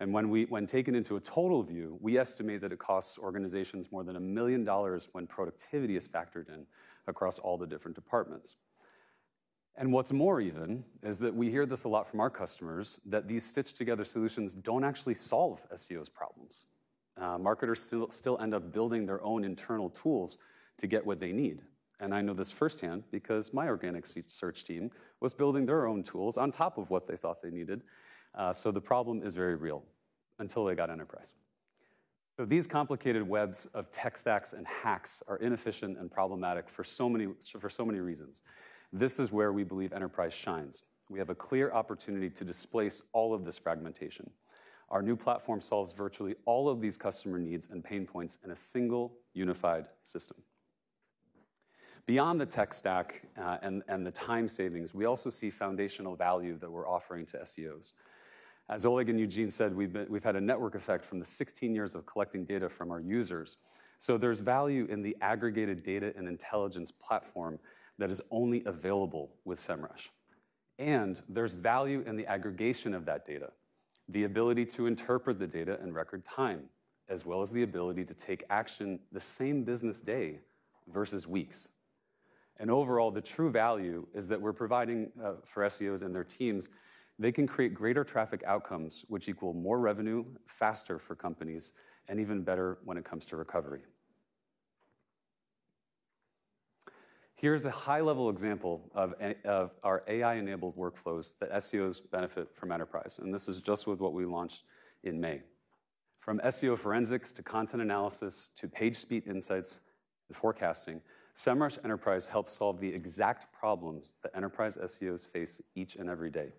And when taken into a total view, we estimate that it costs organizations more than $1 million when productivity is factored in across all the different departments. And what's more even is that we hear this a lot from our customers, that these stitched-together solutions don't actually solve SEO's problems. Marketers still end up building their own internal tools to get what they need. And I know this firsthand because my organic search team was building their own tools on top of what they thought they needed. So the problem is very real, until they got Enterprise. So these complicated webs of tech stacks and hacks are inefficient and problematic for so many reasons. This is where we believe Enterprise shines. We have a clear opportunity to displace all of this fragmentation. Our new platform solves virtually all of these customer needs and pain points in a single, unified system. Beyond the tech stack, and the time savings, we also see foundational value that we're offering to SEOs. As Oleg and Eugene said, we've had a network effect from the 16 years of collecting data from our users, so there's value in the aggregated data and intelligence platform that is only available with Semrush. And there's value in the aggregation of that data, the ability to interpret the data in record time, as well as the ability to take action the same business day versus weeks. And overall, the true value is that we're providing, for SEOs and their teams, they can create greater traffic outcomes, which equal more revenue, faster for companies, and even better when it comes to recovery. Here's a high-level example of an... of our AI-enabled workflows that SEOs benefit from Enterprise, and this is just with what we launched in May. From SEO forensics to content analysis, to page speed insights and forecasting, Semrush Enterprise helps solve the exact problems that Enterprise SEOs face each and every day.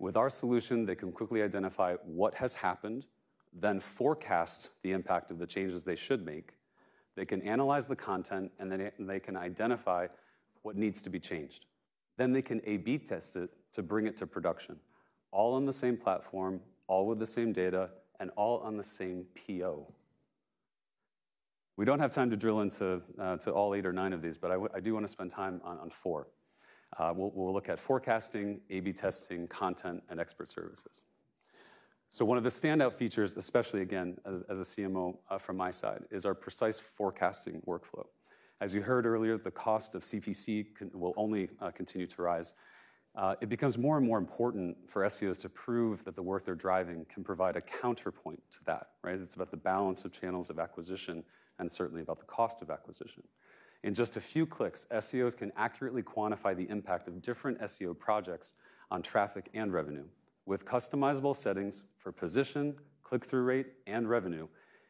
With our solution, they can quickly identify what has happened, then forecast the impact of the changes they should make. They can analyze the content, and then they can identify what needs to be changed. Then they can A/B test it to bring it to production, all on the same platform, all with the same data, and all on the same PO. We don't have time to drill into, to all eight or nine of these, but I do wanna spend time on four. We'll look at forecasting, A/B testing, content, and expert services. So one of the standout features, especially again, as a CMO, from my side, is our precise forecasting workflow. As you heard earlier, the cost of CPC will only continue to rise. It becomes more and more important for SEOs to prove that the work they're driving can provide a counterpoint to that, right? It's about the balance of channels of acquisition and certainly about the cost of acquisition. In just a few clicks, SEOs can accurately quantify the impact of different SEO projects on traffic and revenue. With customizable settings for position, click-through rate, and revenue,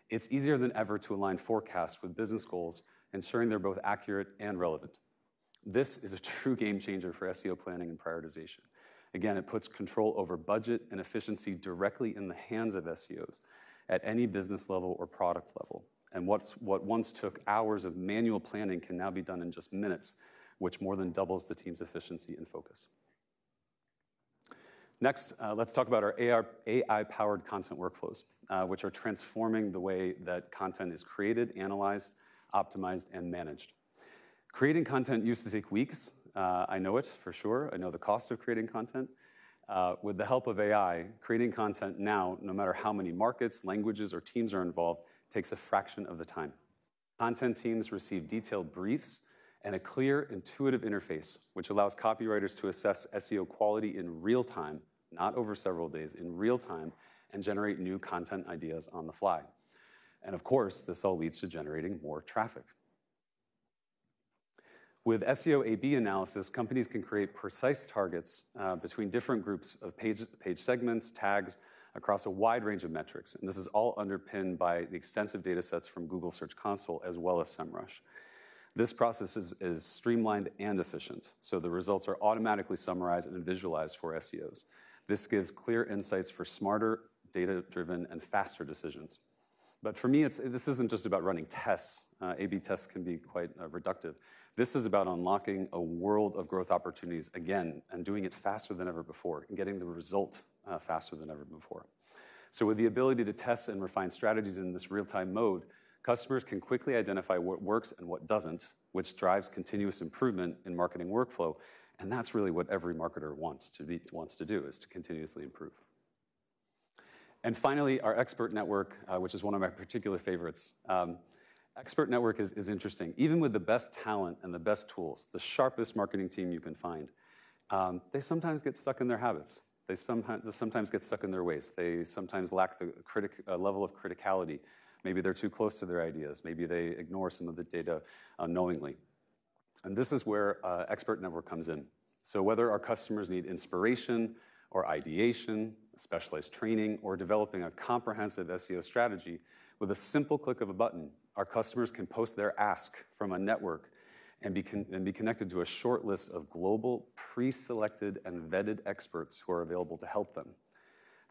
it's easier than ever to align forecasts with business goals, ensuring they're both accurate and relevant.... This is a true game changer for SEO planning and prioritization. Again, it puts control over budget and efficiency directly in the hands of SEOs at any business level or product level. What once took hours of manual planning can now be done in just minutes, which more than doubles the team's efficiency and focus. Next, let's talk about our AI-powered content workflows, which are transforming the way that content is created, analyzed, optimized, and managed. Creating content used to take weeks. I know it for sure. I know the cost of creating content. With the help of AI, creating content now, no matter how many markets, languages, or teams are involved, takes a fraction of the time. Content teams receive detailed briefs and a clear, intuitive interface, which allows copywriters to assess SEO quality in real time, not over several days, in real time, and generate new content ideas on the fly. Of course, this all leads to generating more traffic. With SEO A/B analysis, companies can create precise targets, between different groups of page segments, tags across a wide range of metrics, and this is all underpinned by the extensive data sets from Google Search Console as well as Semrush. This process is streamlined and efficient, so the results are automatically summarized and visualized for SEOs. This gives clear insights for smarter, data-driven, and faster decisions. But for me, it's... This isn't just about running tests. A/B tests can be quite reductive. This is about unlocking a world of growth opportunities again and doing it faster than ever before and getting the result, faster than ever before. So with the ability to test and refine strategies in this real-time mode, customers can quickly identify what works and what doesn't, which drives continuous improvement in marketing workflow, and that's really what every marketer wants to be--wants to do, is to continuously improve. And finally, our Expert Network, which is one of my particular favorites. Expert Network is interesting. Even with the best talent and the best tools, the sharpest marketing team you can find, they sometimes get stuck in their habits. They sometimes get stuck in their ways. They sometimes lack the level of criticality. Maybe they're too close to their ideas. Maybe they ignore some of the data unknowingly, and this is where Expert Network comes in. So whether our customers need inspiration or ideation, specialized training, or developing a comprehensive SEO strategy, with a simple click of a button, our customers can post their ask from a network and be connected to a shortlist of global pre-selected and vetted experts who are available to help them.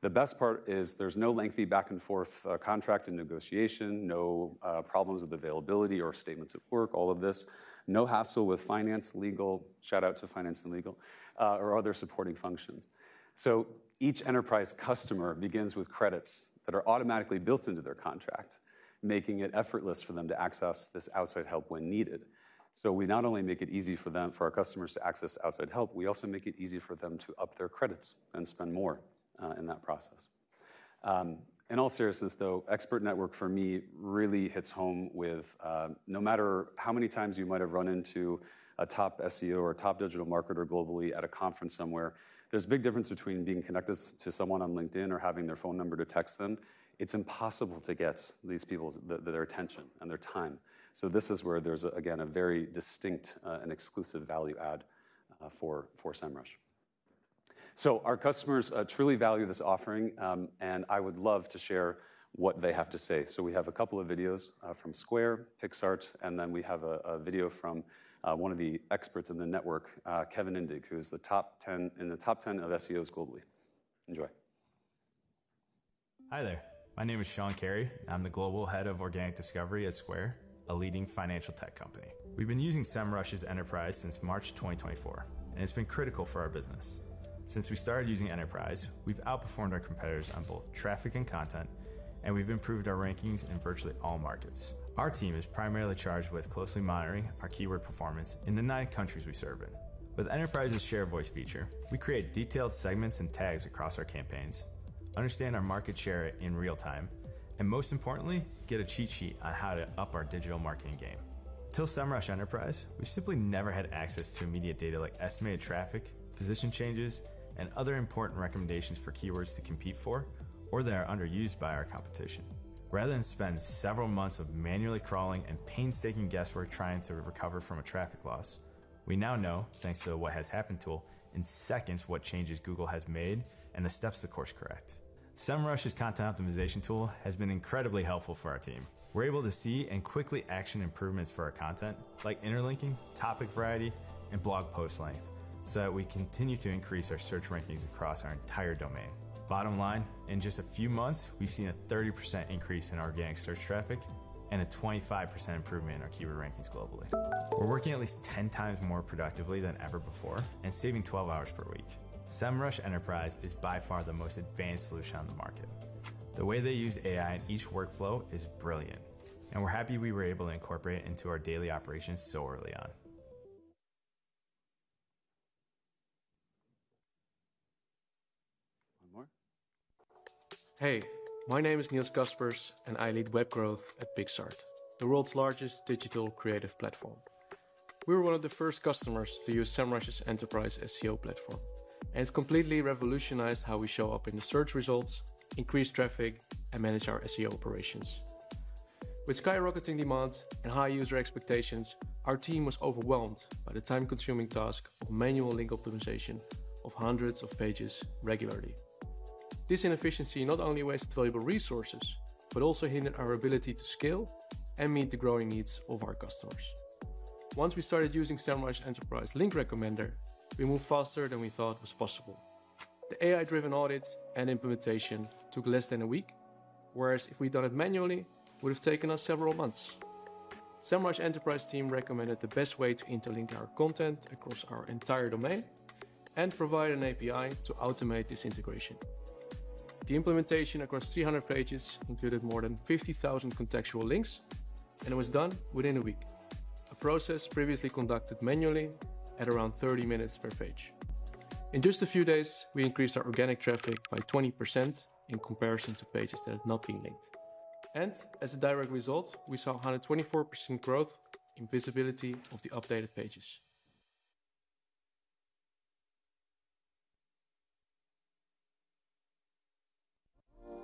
The best part is there's no lengthy back-and-forth, contract and negotiation, no problems with availability or statements of work, all of this, no hassle with finance, legal, shout out to finance and legal, or other supporting functions. So each Enterprise customer begins with credits that are automatically built into their contract, making it effortless for them to access this outside help when needed. So we not only make it easy for them, for our customers, to access outside help, we also make it easy for them to up their credits and spend more, in that process. In all seriousness, though, Expert Network for me really hits home with, no matter how many times you might have run into a top SEO or a top digital marketer globally at a conference somewhere, there's a big difference between being connected to someone on LinkedIn or having their phone number to text them. It's impossible to get these people, their attention and their time. So this is where there's, again, a very distinct, and exclusive value add, for Semrush. So our customers truly value this offering, and I would love to share what they have to say. So we have a couple of videos from Square, Picsart, and then we have a video from one of the experts in the network, Kevin Indig, who is in the top ten of SEOs globally. Enjoy. Hi there. My name is Sean Carey, and I'm the global head of organic discovery at Square, a leading financial tech company. We've been using Semrush Enterprise since March 2024, and it's been critical for our business. Since we started using Enterprise, we've outperformed our competitors on both traffic and content, and we've improved our rankings in virtually all markets. Our team is primarily charged with closely monitoring our keyword performance in the nine countries we serve in. With Enterprise's Share of Voice feature, we create detailed segments and tags across our campaigns, understand our market share in real time, and most importantly, get a cheat sheet on how to up our digital marketing game. Until Semrush Enterprise, we simply never had access to immediate data like estimated traffic, position changes, and other important recommendations for keywords to compete for or that are underused by our competition. Rather than spend several months of manually crawling and painstaking guesswork trying to recover from a traffic loss, we now know, thanks to the What Has Happened tool, in seconds what changes Google has made and the steps to course correct. Semrush's content optimization tool has been incredibly helpful for our team. We're able to see and quickly action improvements for our content, like interlinking, topic variety, and blog post length, so that we continue to increase our search rankings across our entire domain. Bottom line, in just a few months, we've seen a 30% increase in organic search traffic and a 25% improvement in our keyword rankings globally. We're working at least 10 times more productively than ever before and saving 12 hours per week. Semrush Enterprise is by far the most advanced solution on the market. The way they use AI in each workflow is brilliant, and we're happy we were able to incorporate it into our daily operations so early on. One more. Hey, my name is Niels Caspers, and I lead web growth at Pixart, the world's largest digital creative platform. We were one of the first customers to use Semrush's Enterprise SEO platform, and it's completely revolutionized how we show up in the search results, increase traffic, and manage our SEO operations. With skyrocketing demand and high user expectations, our team was overwhelmed by the time-consuming task of manual link optimization of hundreds of pages regularly. This inefficiency not only wasted valuable resources, but also hindered our ability to scale and meet the growing needs of our customers. Once we started using Semrush Enterprise Link Recommender, we moved faster than we thought was possible. The AI-driven audit and implementation took less than a week, whereas if we'd done it manually, it would have taken us several months. Semrush Enterprise team recommended the best way to interlink our content across our entire domain and provide an API to automate this integration. The implementation across 300 pages included more than 50,000 contextual links, and it was done within a week, a process previously conducted manually at around 30 minutes per page. In just a few days, we increased our organic traffic by 20% in comparison to pages that had not been linked. And as a direct result, we saw a 124% growth in visibility of the updated pages.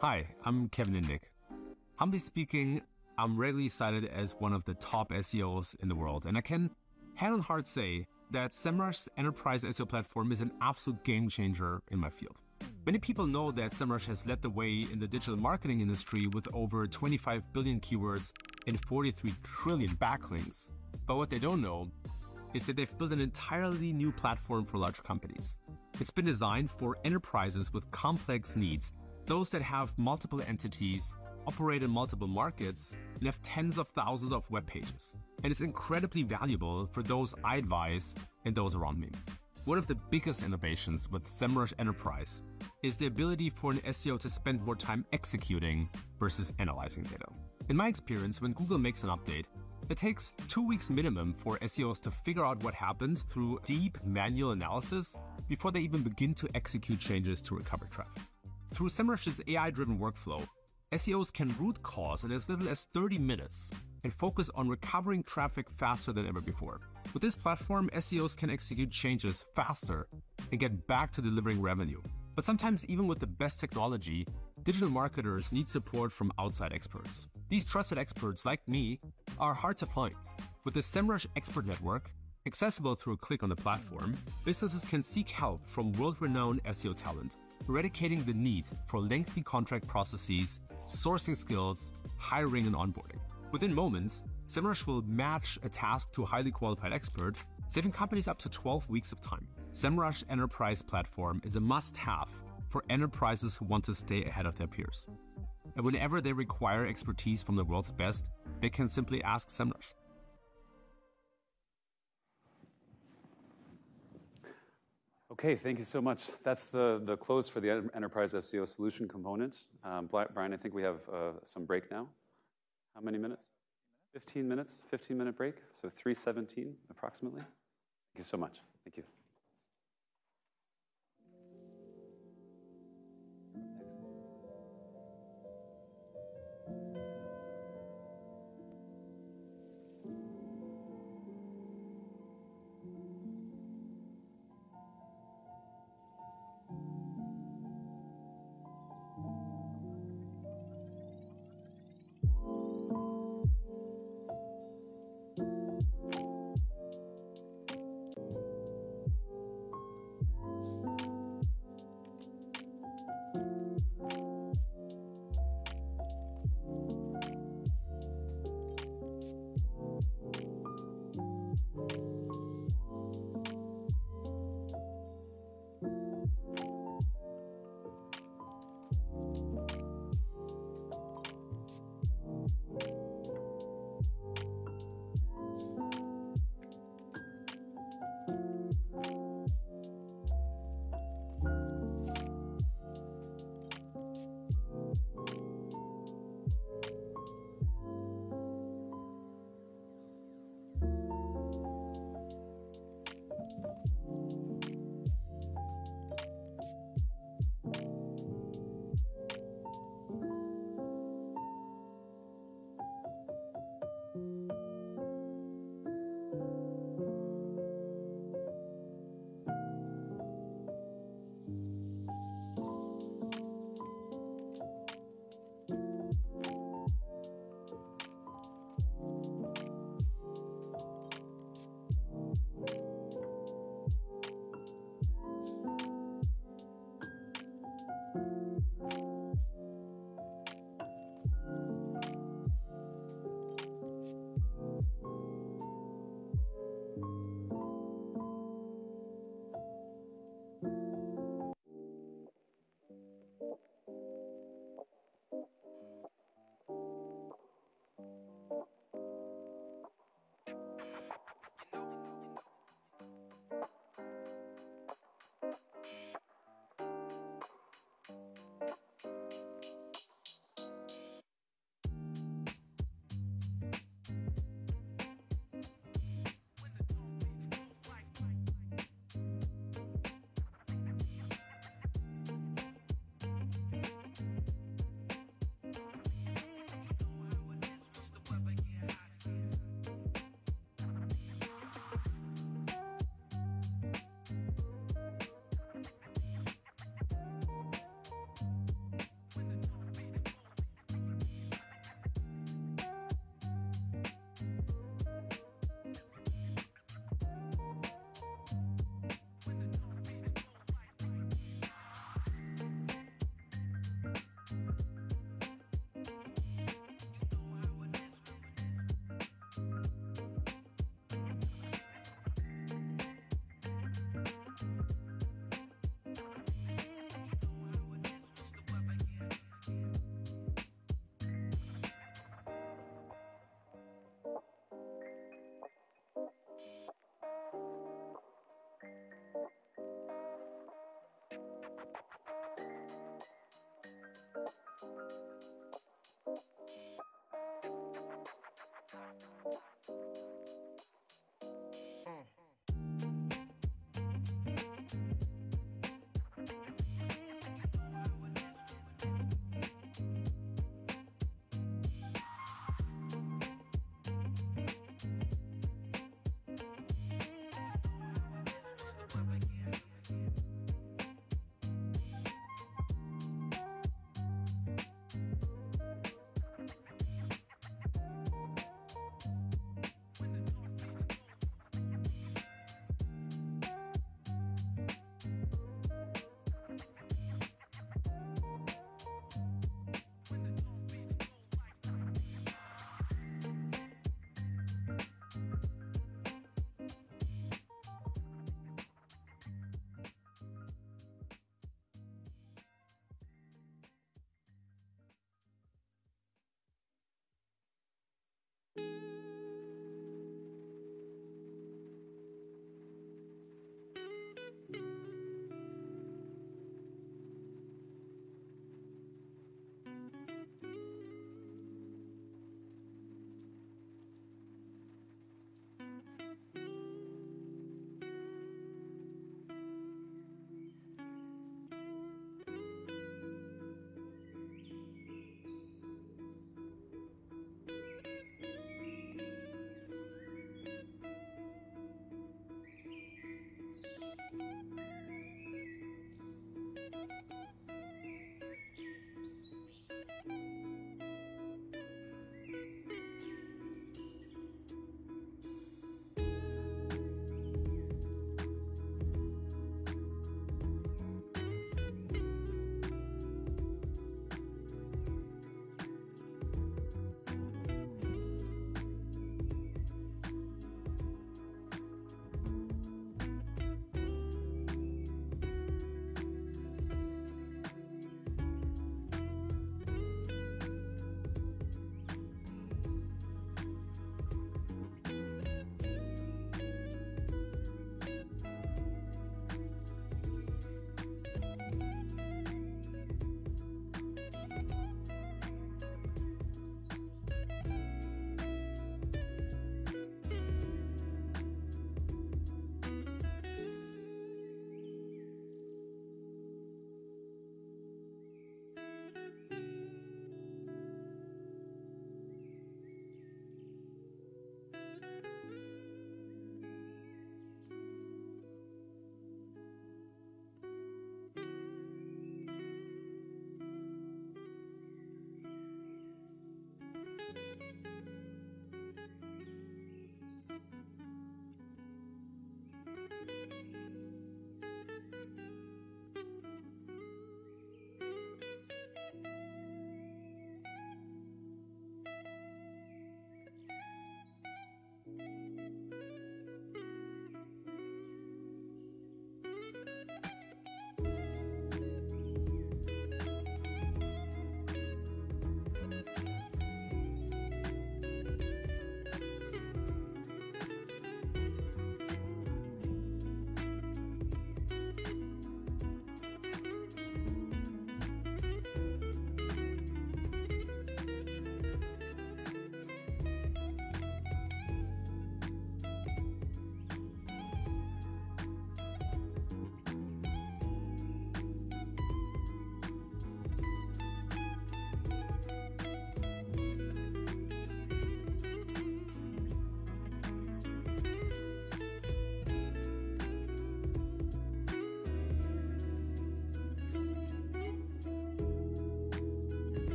Hi, I'm Kevin Indig. Humbly speaking, I'm regularly cited as one of the top SEOs in the world, and I can hand on heart say that Semrush Enterprise SEO platform is an absolute game changer in my field. Many people know that Semrush has led the way in the digital marketing industry with over 25 billion keywords and 43 trillion backlinks, but what they don't know is that they've built an entirely new platform for large companies. It's been designed for enterprises with complex needs, those that have multiple entities, operate in multiple markets, and have tens of thousands of web pages, and it's incredibly valuable for those I advise and those around me. One of the biggest innovations with Semrush Enterprise is the ability for an SEO to spend more time executing versus analyzing data. In my experience, when Google makes an update, it takes two weeks minimum for SEOs to figure out what happens through deep manual analysis before they even begin to execute changes to recover traffic. Through Semrush's AI-driven workflow, SEOs can root cause in as little as thirty minutes and focus on recovering traffic faster than ever before. With this platform, SEOs can execute changes faster and get back to delivering revenue. But sometimes, even with the best technology, digital marketers need support from outside experts. These trusted experts, like me, are hard to find. With the Semrush Expert Network, accessible through a click on the platform, businesses can seek help from world-renowned SEO talent, eradicating the need for lengthy contract processes, sourcing skills, hiring, and onboarding. Within moments, Semrush will match a task to a highly qualified expert, saving companies up to twelve weeks of time. Semrush Enterprise platform is a must-have for enterprises who want to stay ahead of their peers, and whenever they require expertise from the world's best, they can simply ask Semrush. Okay, thank you so much. That's the close for the Enterprise SEO solution component. Brian, I think we have some break now. How many minutes? Fifteen minutes. Fifteen-minute break, so 3:17, approximately. Thank you so much. Thank you.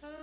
Okay,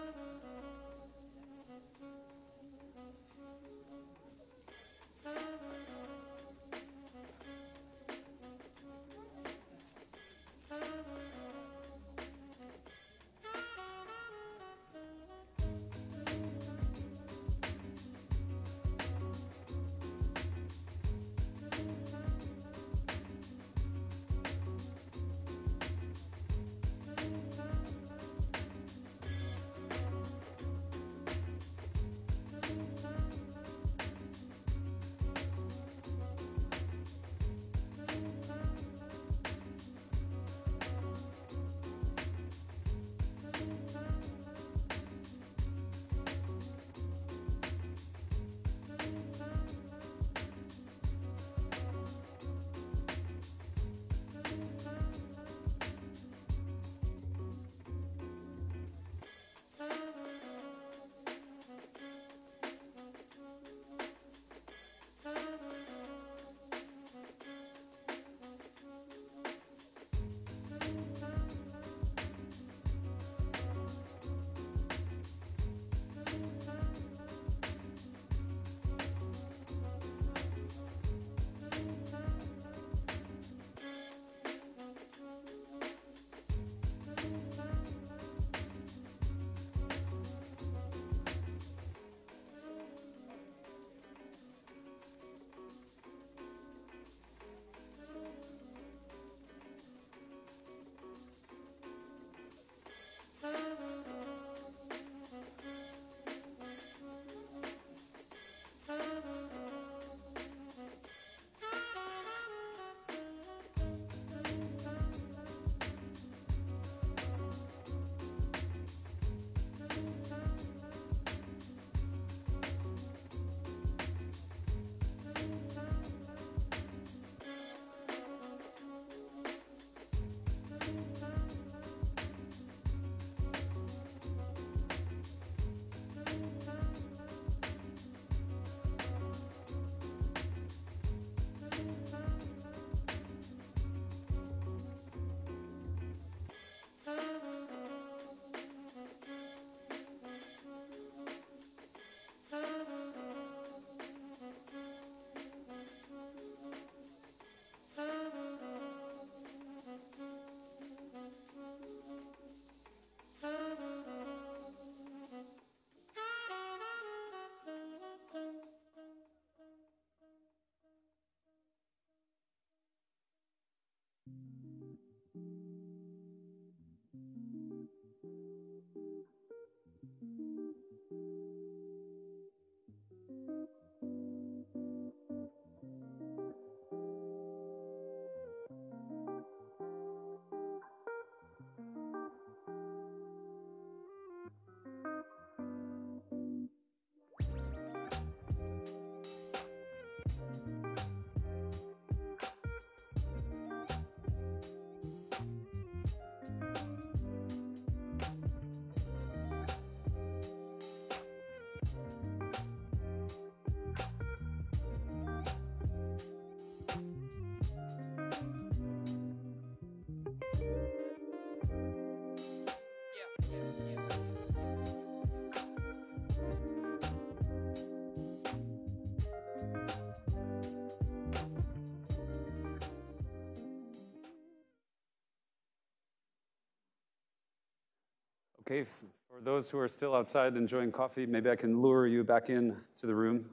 for those who are still outside enjoying coffee, maybe I can lure you back into the room.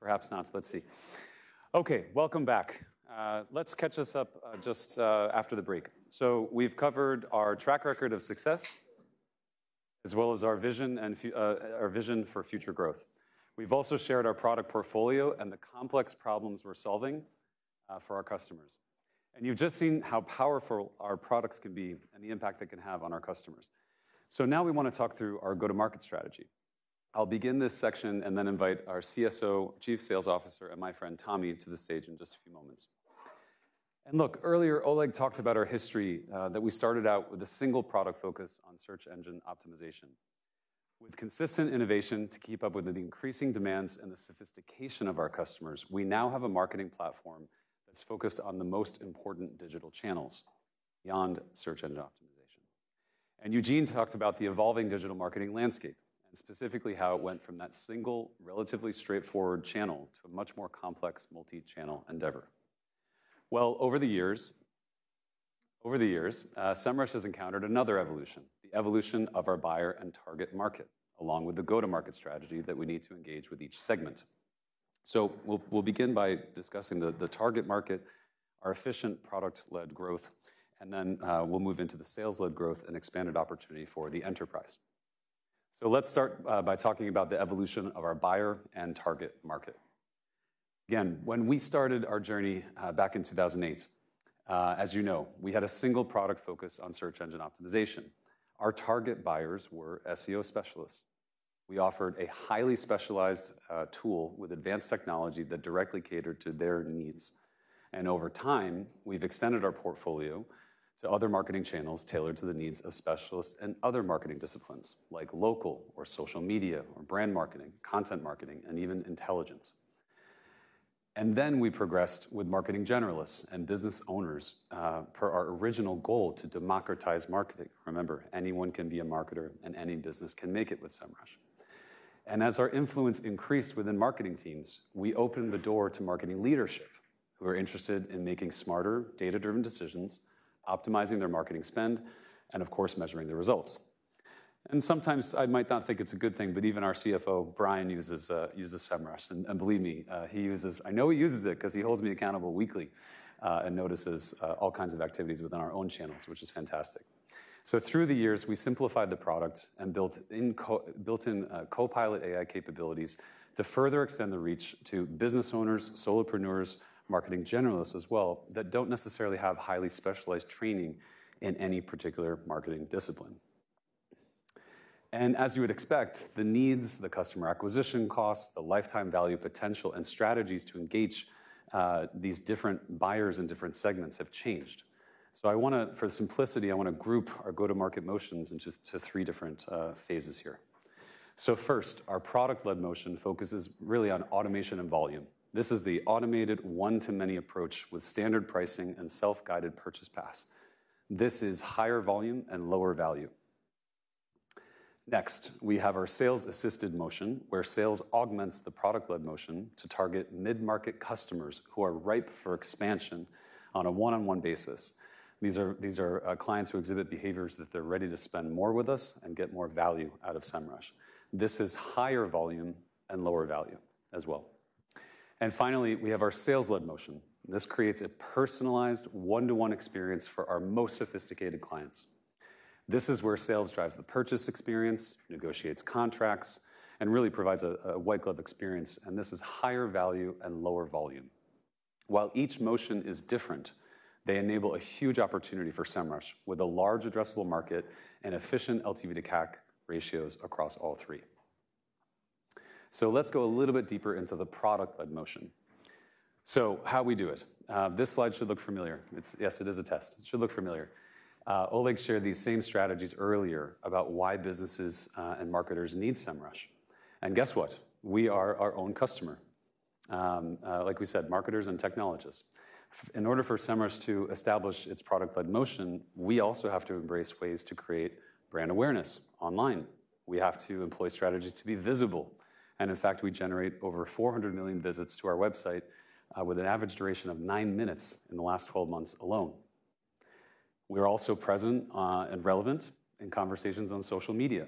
Perhaps not, but let's see. Okay, welcome back. Let's catch us up just after the break. So we've covered our track record of success, as well as our vision for future growth. We've also shared our product portfolio and the complex problems we're solving for our customers. And you've just seen how powerful our products can be and the impact they can have on our customers. So now we want to talk through our go-to-market strategy. I'll begin this section and then invite our CSO, chief sales officer, and my friend Tommie, to the stage in just a few moments. Look, earlier, Oleg talked about our history, that we started out with a single product focus on search engine optimization. With consistent innovation to keep up with the increasing demands and the sophistication of our customers, we now have a marketing platform that's focused on the most important digital channels beyond search engine optimization. Eugene talked about the evolving digital marketing landscape and specifically how it went from that single, relatively straightforward channel to a much more complex multi-channel endeavor. Over the years, Semrush has encountered another evolution, the evolution of our buyer and target market, along with the go-to-market strategy that we need to engage with each segment. We'll begin by discussing the target market, our efficient product-led growth, and then we'll move into the sales-led growth and expanded opportunity for the enterprise. Let's start by talking about the evolution of our buyer and target market. Again, when we started our journey back in 2008, as you know, we had a single product focus on search engine optimization. Our target buyers were SEO specialists. We offered a highly specialized tool with advanced technology that directly catered to their needs. Over time, we've extended our portfolio to other marketing channels tailored to the needs of specialists and other marketing disciplines, like local or social media or brand marketing, content marketing, and even intelligence. Then we progressed with marketing generalists and business owners per our original goal to democratize marketing. Remember, anyone can be a marketer, and any business can make it with Semrush. And as our influence increased within marketing teams, we opened the door to marketing leadership, who are interested in making smarter, data-driven decisions, optimizing their marketing spend, and of course, measuring the results. And sometimes I might not think it's a good thing, but even our CFO, Brian, uses Semrush, and believe me, he uses... I know he uses it 'cause he holds me accountable weekly, and notices all kinds of activities within our own channels, which is fantastic. So through the years, we simplified the product and built-in Copilot AI capabilities to further extend the reach to business owners, solopreneurs, marketing generalists as well, that don't necessarily have highly specialized training in any particular marketing discipline. As you would expect, the needs, the customer acquisition costs, the lifetime value potential, and strategies to engage these different buyers in different segments have changed. I wanna, for simplicity, group our go-to-market motions into three different phases here. First, our product-led motion focuses really on automation and volume. This is the automated one-to-many approach with standard pricing and self-guided purchase paths. This is higher volume and lower value. Next, we have our sales-assisted motion, where sales augments the product-led motion to target mid-market customers who are ripe for expansion on a one-on-one basis. These are clients who exhibit behaviors that they're ready to spend more with us and get more value out of Semrush. This is higher volume and lower value as well. Finally, we have our sales-led motion. This creates a personalized one-to-one experience for our most sophisticated clients. This is where sales drives the purchase experience, negotiates contracts, and really provides a white glove experience, and this is higher value and lower volume. While each motion is different, they enable a huge opportunity for Semrush, with a large addressable market and efficient LTV to CAC ratios across all three. So let's go a little bit deeper into the product-led motion. So how we do it? This slide should look familiar. It's. Yes, it is a test. It should look familiar. Oleg shared these same strategies earlier about why businesses and marketers need Semrush. And guess what? We are our own customer. Like we said, marketers and technologists. In order for Semrush to establish its product-led motion, we also have to embrace ways to create brand awareness online. We have to employ strategies to be visible, and in fact, we generate over 400 million visits to our website with an average duration of nine minutes in the last 12 months alone. We are also present and relevant in conversations on social media.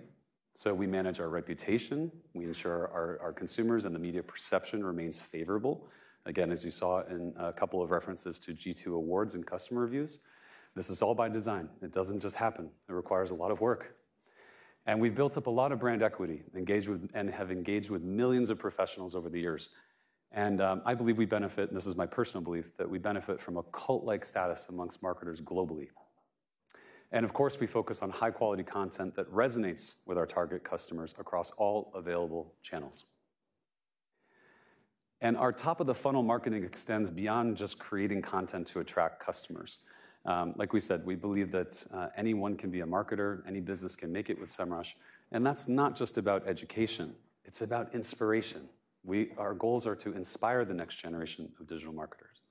So we manage our reputation, we ensure our consumers and the media perception remains favorable. Again, as you saw in a couple of references to G2 awards and customer reviews, this is all by design. It doesn't just happen. It requires a lot of work. And we've built up a lot of brand equity, engaged with millions of professionals over the years, and I believe we benefit, and this is my personal belief, that we benefit from a cult-like status among marketers globally. And of course, we focus on high-quality content that resonates with our target customers across all available channels. And our top-of-the-funnel marketing extends beyond just creating content to attract customers. Like we said, we believe that anyone can be a marketer, any business can make it with Semrush, and that's not just about education, it's about inspiration. Our goals are to inspire the next generation of digital marketers.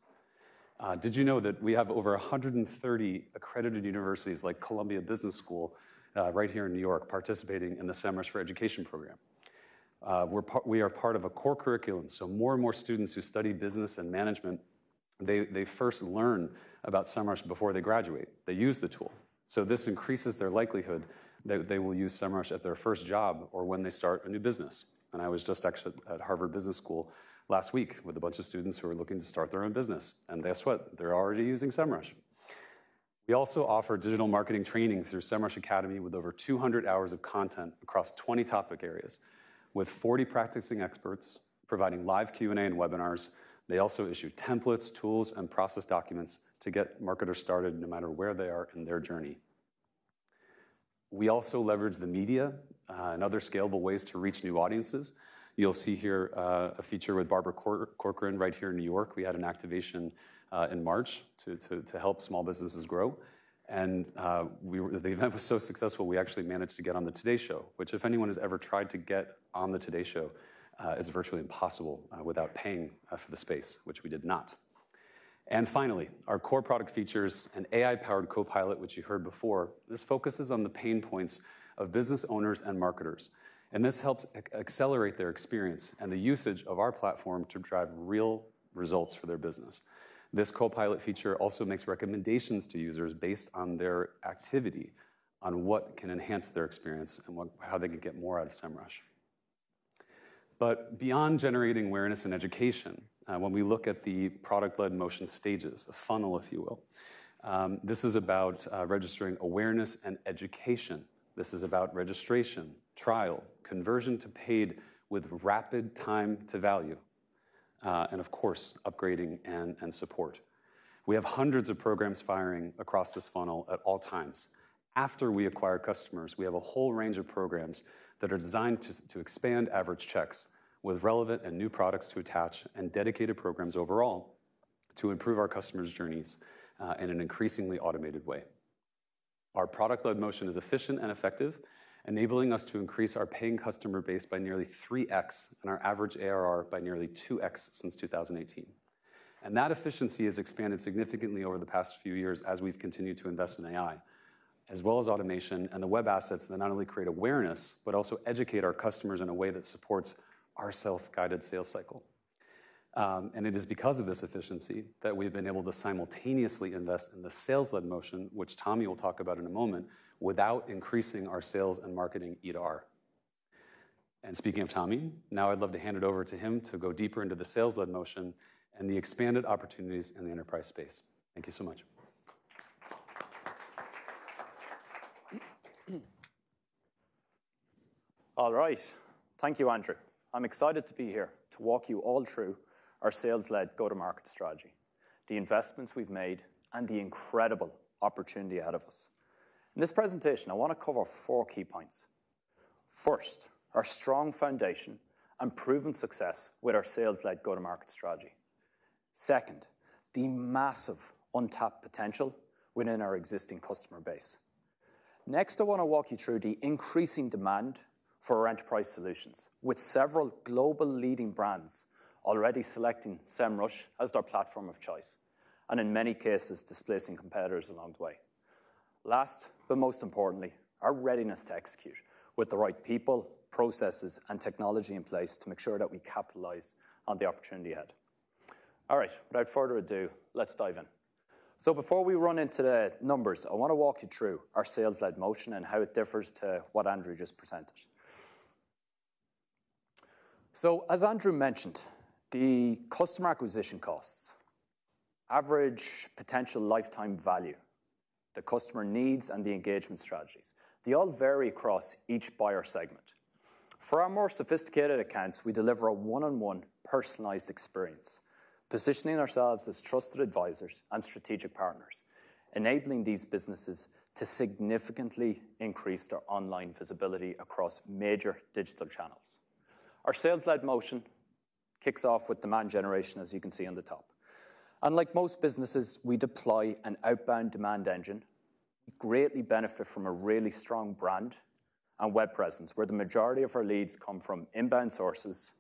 Did you know that we have over 130 accredited universities, like Columbia Business School, right here in New York, participating in the Semrush for Education program? We are part of a core curriculum, so more and more students who study business and management, they first learn about Semrush before they graduate. They use the tool, so this increases their likelihood that they will use Semrush at their first job or when they start a new business. And I was just actually at Harvard Business School last week with a bunch of students who are looking to start their own business, and guess what? They're already using Semrush. We also offer digital marketing training through Semrush Academy, with over two hundred hours of content across twenty topic areas, with forty practicing experts providing live Q&A and webinars. They also issue templates, tools, and process documents to get marketers started no matter where they are in their journey. We also leverage the media, and other scalable ways to reach new audiences. You'll see here, a feature with Barbara Corcoran right here in New York. We had an activation in March to help small businesses grow, and the event was so successful, we actually managed to get on the Today Show, which, if anyone has ever tried to get on the Today Show, is virtually impossible without paying for the space, which we did not. And finally, our core product features an AI-powered Copilot, which you heard before. This focuses on the pain points of business owners and marketers, and this helps accelerate their experience and the usage of our platform to drive real results for their business. This Copilot feature also makes recommendations to users based on their activity, on what can enhance their experience and what, how they can get more out of Semrush. But beyond generating awareness and education, when we look at the product-led motion stages, a funnel, if you will, this is about registering awareness and education. This is about registration, trial, conversion to paid with rapid time to value, and of course, upgrading and support. We have hundreds of programs firing across this funnel at all times. After we acquire customers, we have a whole range of programs that are designed to expand average checks with relevant and new products to attach and dedicated programs overall to improve our customers' journeys, in an increasingly automated way. Our product-led motion is efficient and effective, enabling us to increase our paying customer base by nearly 3x and our average ARR by nearly 2x since 2018. That efficiency has expanded significantly over the past few years as we've continued to invest in AI, as well as automation and the web assets that not only create awareness, but also educate our customers in a way that supports our self-guided sales cycle. It is because of this efficiency that we've been able to simultaneously invest in the sales-led motion, which Tommie will talk about in a moment, without increasing our sales and marketing Efficiency. Speaking of Tommie, now I'd love to hand it over to him to go deeper into the sales-led motion and the expanded opportunities in the enterprise space. Thank you so much. All right. Thank you, Andrew. I'm excited to be here to walk you all through our sales-led go-to-market strategy, the investments we've made, and the incredible opportunity ahead of us. In this presentation, I want to cover four key points. First, our strong foundation and proven success with our sales-led go-to-market strategy. Second, the massive untapped potential within our existing customer base. Next, I want to walk you through the increasing demand for our enterprise solutions, with several global leading brands already selecting Semrush as their platform of choice, and in many cases, displacing competitors along the way. Last, but most importantly, our readiness to execute with the right people, processes, and technology in place to make sure that we capitalize on the opportunity ahead. All right, without further ado, let's dive in. Before we run into the numbers, I want to walk you through our sales-led motion and how it differs to what Andrew just presented. As Andrew mentioned, the customer acquisition costs, average potential lifetime value, the customer needs, and the engagement strategies, they all vary across each buyer segment. For our more sophisticated accounts, we deliver a one-on-one personalized experience, positioning ourselves as trusted advisors and strategic partners, enabling these businesses to significantly increase their online visibility across major digital channels. Our sales-led motion kicks off with demand generation, as you can see on the top. Like most businesses, we deploy an outbound demand engine, greatly benefit from a really strong brand and web presence, where the majority of our leads come from inbound sources,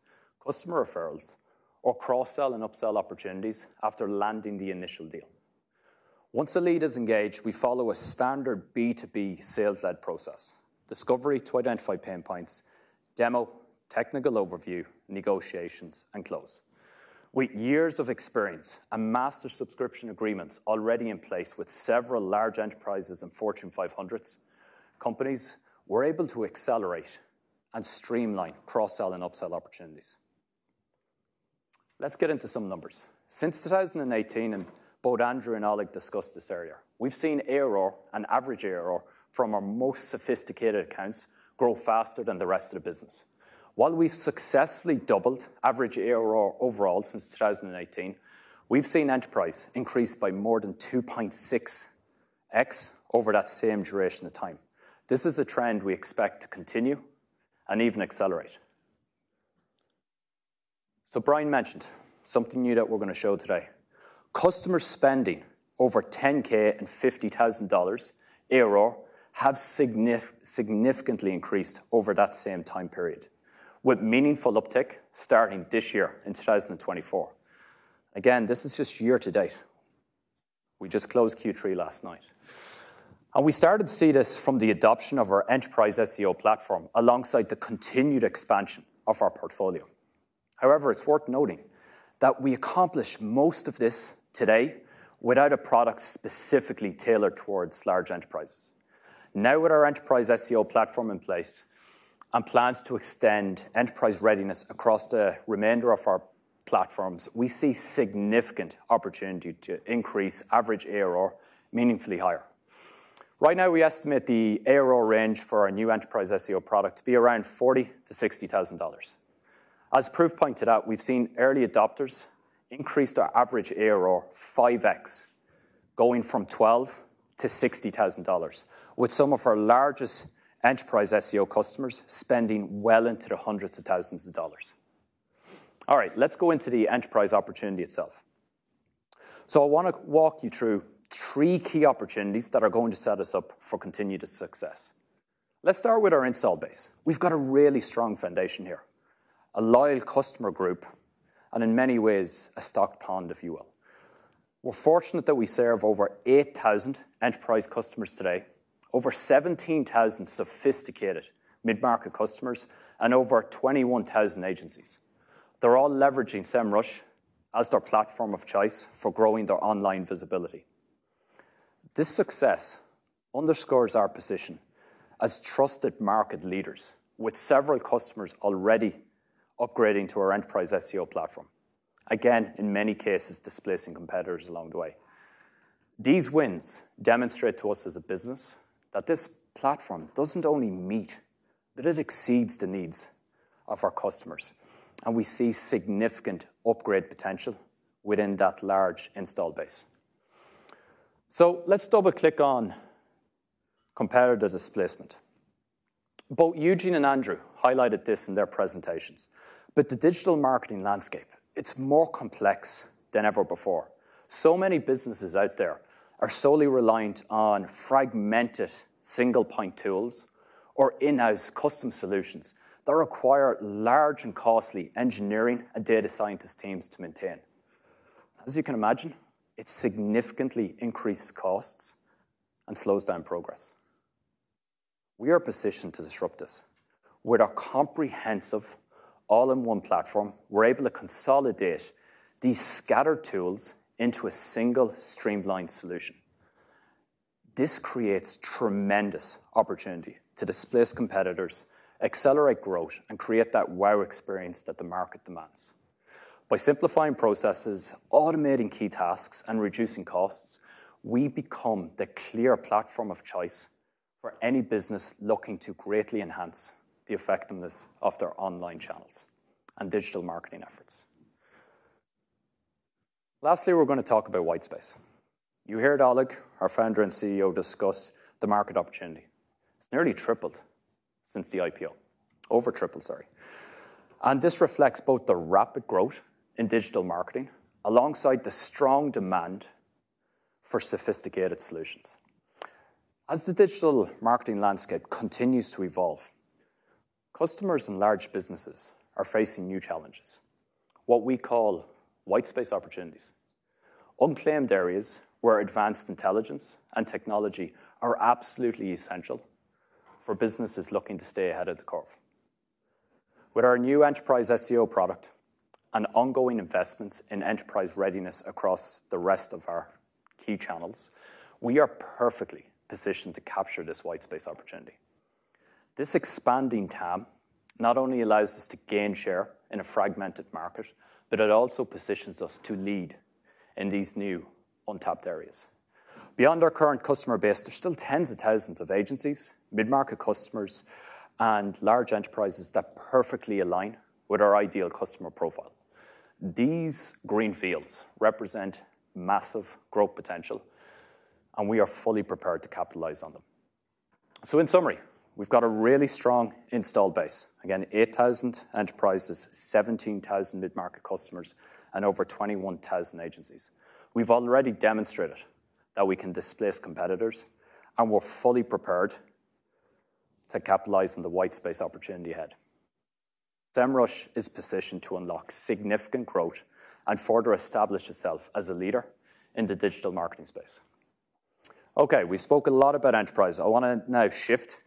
customer referrals, or cross-sell and upsell opportunities after landing the initial deal. Once a lead is engaged, we follow a standard B2B sales-led process: discovery to identify pain points, demo, technical overview, negotiations, and close. With years of experience and master subscription agreements already in place with several large enterprises and Fortune 500 companies, we're able to accelerate and streamline cross-sell and upsell opportunities. Let's get into some numbers. Since 2018, and both Andrew and Oleg discussed this earlier, we've seen ARR and average ARR from our most sophisticated accounts grow faster than the rest of the business. While we've successfully doubled average ARR overall since 2018, we've seen enterprise increase by more than 2.6x over that same duration of time. This is a trend we expect to continue and even accelerate. So Brian mentioned something new that we're gonna show today. Customer spending over $10,000 and $50,000 ARR has significantly increased over that same time period, with meaningful uptick starting this year in 2024. Again, this is just year to date. We just closed Q3 last night. We started to see this from the adoption of our enterprise SEO platform, alongside the continued expansion of our portfolio. However, it's worth noting that we accomplished most of this today without a product specifically tailored towards large enterprises. Now, with our enterprise SEO platform in place and plans to extend enterprise readiness across the remainder of our platforms, we see significant opportunity to increase average ARR meaningfully higher. Right now, we estimate the ARR range for our new enterprise SEO product to be around $40,000-$60,000. As Prove pointed out, we've seen early adopters increase their average ARR 5X, going from $12,000 to $60,000, with some of our largest enterprise SEO customers spending well into the hundreds of thousands of dollars. All right, let's go into the enterprise opportunity itself. So I wanna walk you through three key opportunities that are going to set us up for continued success. Let's start with our installed base. We've got a really strong foundation here, a loyal customer group, and in many ways, a stock pond, if you will. We're fortunate that we serve over 8,000 enterprise customers today, over 17,000 sophisticated mid-market customers, and over 21,000 agencies. They're all leveraging Semrush as their platform of choice for growing their online visibility. This success underscores our position as trusted market leaders, with several customers already upgrading to our enterprise SEO platform, again, in many cases, displacing competitors along the way. These wins demonstrate to us as a business that this platform doesn't only meet, but it exceeds the needs of our customers, and we see significant upgrade potential within that large install base. So let's double-click on competitive displacement. Both Eugene and Andrew highlighted this in their presentations, but the digital marketing landscape, it's more complex than ever before. So many businesses out there are solely reliant on fragmented single-point tools or in-house custom solutions that require large and costly engineering and data scientist teams to maintain. As you can imagine, it significantly increases costs and slows down progress. We are positioned to disrupt this. With our comprehensive all-in-one platform, we're able to consolidate these scattered tools into a single, streamlined solution. This creates tremendous opportunity to displace competitors, accelerate growth, and create that wow experience that the market demands. By simplifying processes, automating key tasks, and reducing costs, we become the clear platform of choice for any business looking to greatly enhance the effectiveness of their online channels and digital marketing efforts. Lastly, we're gonna talk about whitespace. You heard Oleg, our founder and CEO, discuss the market opportunity. It's nearly tripled since the IPO. Over tripled, sorry, and this reflects both the rapid growth in digital marketing, alongside the strong demand for sophisticated solutions. As the digital marketing landscape continues to evolve, customers and large businesses are facing new challenges, what we call whitespace opportunities, unclaimed areas where advanced intelligence and technology are absolutely essential for businesses looking to stay ahead of the curve. With our new enterprise SEO product-... And ongoing investments in enterprise readiness across the rest of our key channels, we are perfectly positioned to capture this white space opportunity. This expanding TAM not only allows us to gain share in a fragmented market, but it also positions us to lead in these new untapped areas. Beyond our current customer base, there's still tens of thousands of agencies, mid-market customers, and large enterprises that perfectly align with our ideal customer profile. These greenfields rEfficiencyesent massive growth potential, and we are fully prepared to capitalize on them. So in summary, we've got a really strong installed base. Again, eight thousand enterprises, seventeen thousand mid-market customers, and over twenty-one thousand agencies. We've already demonstrated that we can displace competitors, and we're fully prepared to capitalize on the white space opportunity ahead. Semrush is positioned to unlock significant growth and further establish itself as a leader in the digital marketing space. Okay, we spoke a lot about enterprise. I wanna now shift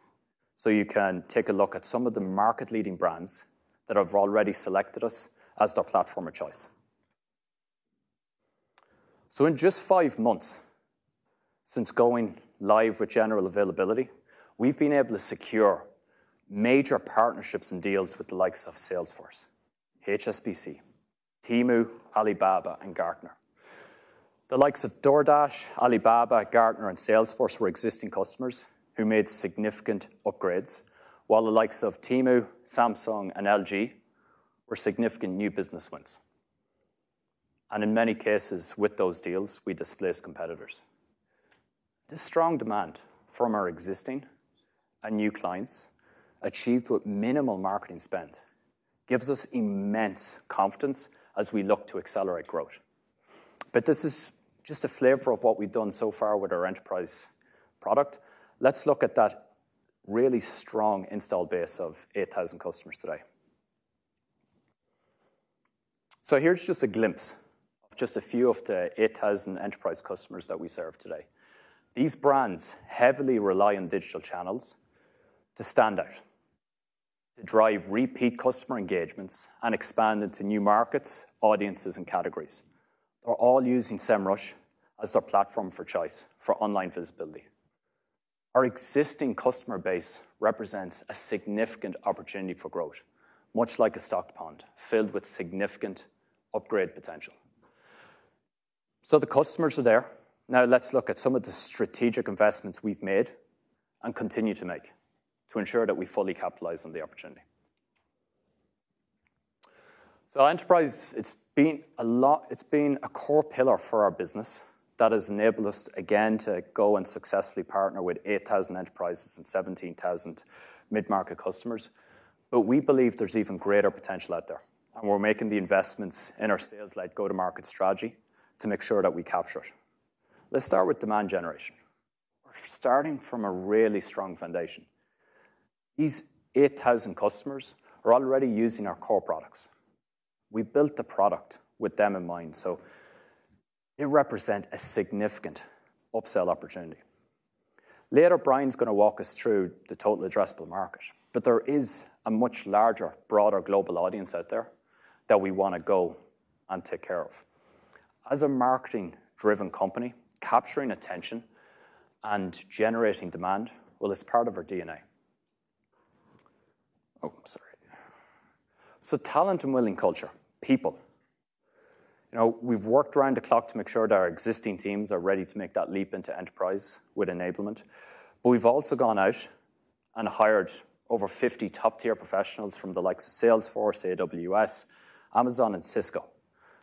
so you can take a look at some of the market-leading brands that have already selected us as their platform of choice, so in just five months since going live with general availability, we've been able to secure major partnerships and deals with the likes of Salesforce, HSBC, Temu, Alibaba, and Gartner. The likes of DoorDash, Alibaba, Gartner, and Salesforce were existing customers who made significant upgrades, while the likes of Temu, Samsung, and LG were significant new business wins, and in many cases, with those deals, we displaced competitors. This strong demand from our existing and new clients, achieved with minimal marketing spend, gives us immense confidence as we look to accelerate growth. But this is just a flavor of what we've done so far with our enterprise product. Let's look at that really strong installed base of 8,000 customers today. So here's just a glimpse of just a few of the 8,000 enterprise customers that we serve today. These brands heavily rely on digital channels to stand out, to drive repeat customer engagements, and expand into new markets, audiences, and categories. They're all using Semrush as their platform for choice for online visibility. Our existing customer base rEfficiencyesents a significant opportunity for growth, much like a stock pond filled with significant upgrade potential. So the customers are there. Now, let's look at some of the strategic investments we've made and continue to make to ensure that we fully capitalize on the opportunity. So, enterprise. It's been a core pillar for our business that has enabled us, again, to go and successfully partner with 8,000 enterprises and 17,000 mid-market customers. But we believe there's even greater potential out there, and we're making the investments in our sales-led go-to-market strategy to make sure that we capture it. Let's start with demand generation. We're starting from a really strong foundation. These 8,000 customers are already using our core products. We built the product with them in mind, so they rEfficiencyesent a significant upsell opportunity. Later, Brian's gonna walk us through the total addressable market, but there is a much larger, broader global audience out there that we wanna go and take care of. As a marketing-driven company, capturing attention and generating demand, well, it's part of our DNA. Oh, I'm sorry. So talent and winning culture, people. You know, we've worked around the clock to make sure that our existing teams are ready to make that leap into enterprise with enablement, but we've also gone out and hired over fifty top-tier professionals from the likes of Salesforce, AWS, Amazon, and Cisco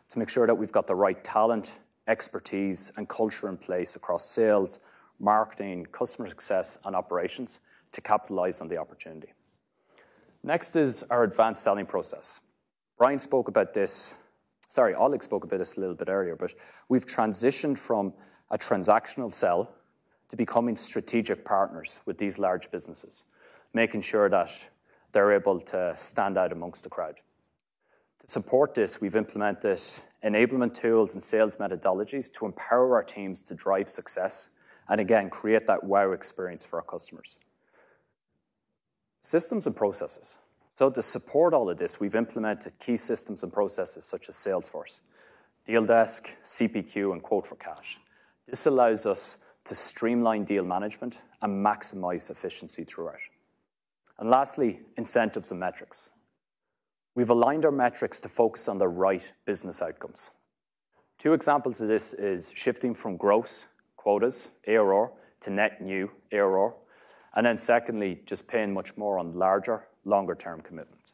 to make sure that we've got the right talent, expertise, and culture in place across sales, marketing, customer success, and operations to capitalize on the opportunity. Next is our advanced selling process. Brian spoke about this. Sorry, Oleg spoke about this a little bit earlier, but we've transitioned from a transactional sell to becoming strategic partners with these large businesses, making sure that they're able to stand out amongst the crowd. To support this, we've implemented enablement tools and sales methodologies to empower our teams to drive success, and again, create that wow experience for our customers. Systems and processes. To support all of this, we've implemented key systems and processes such as Salesforce, Deal Desk, CPQ, and Quote-to-Cash. This allows us to streamline deal management and maximize efficiency throughout. And lastly, incentives and metrics. We've aligned our metrics to focus on the right business outcomes. Two examples of this is shifting from gross quotas, ARR, to net new ARR, and then secondly, just paying much more on larger, longer-term commitments.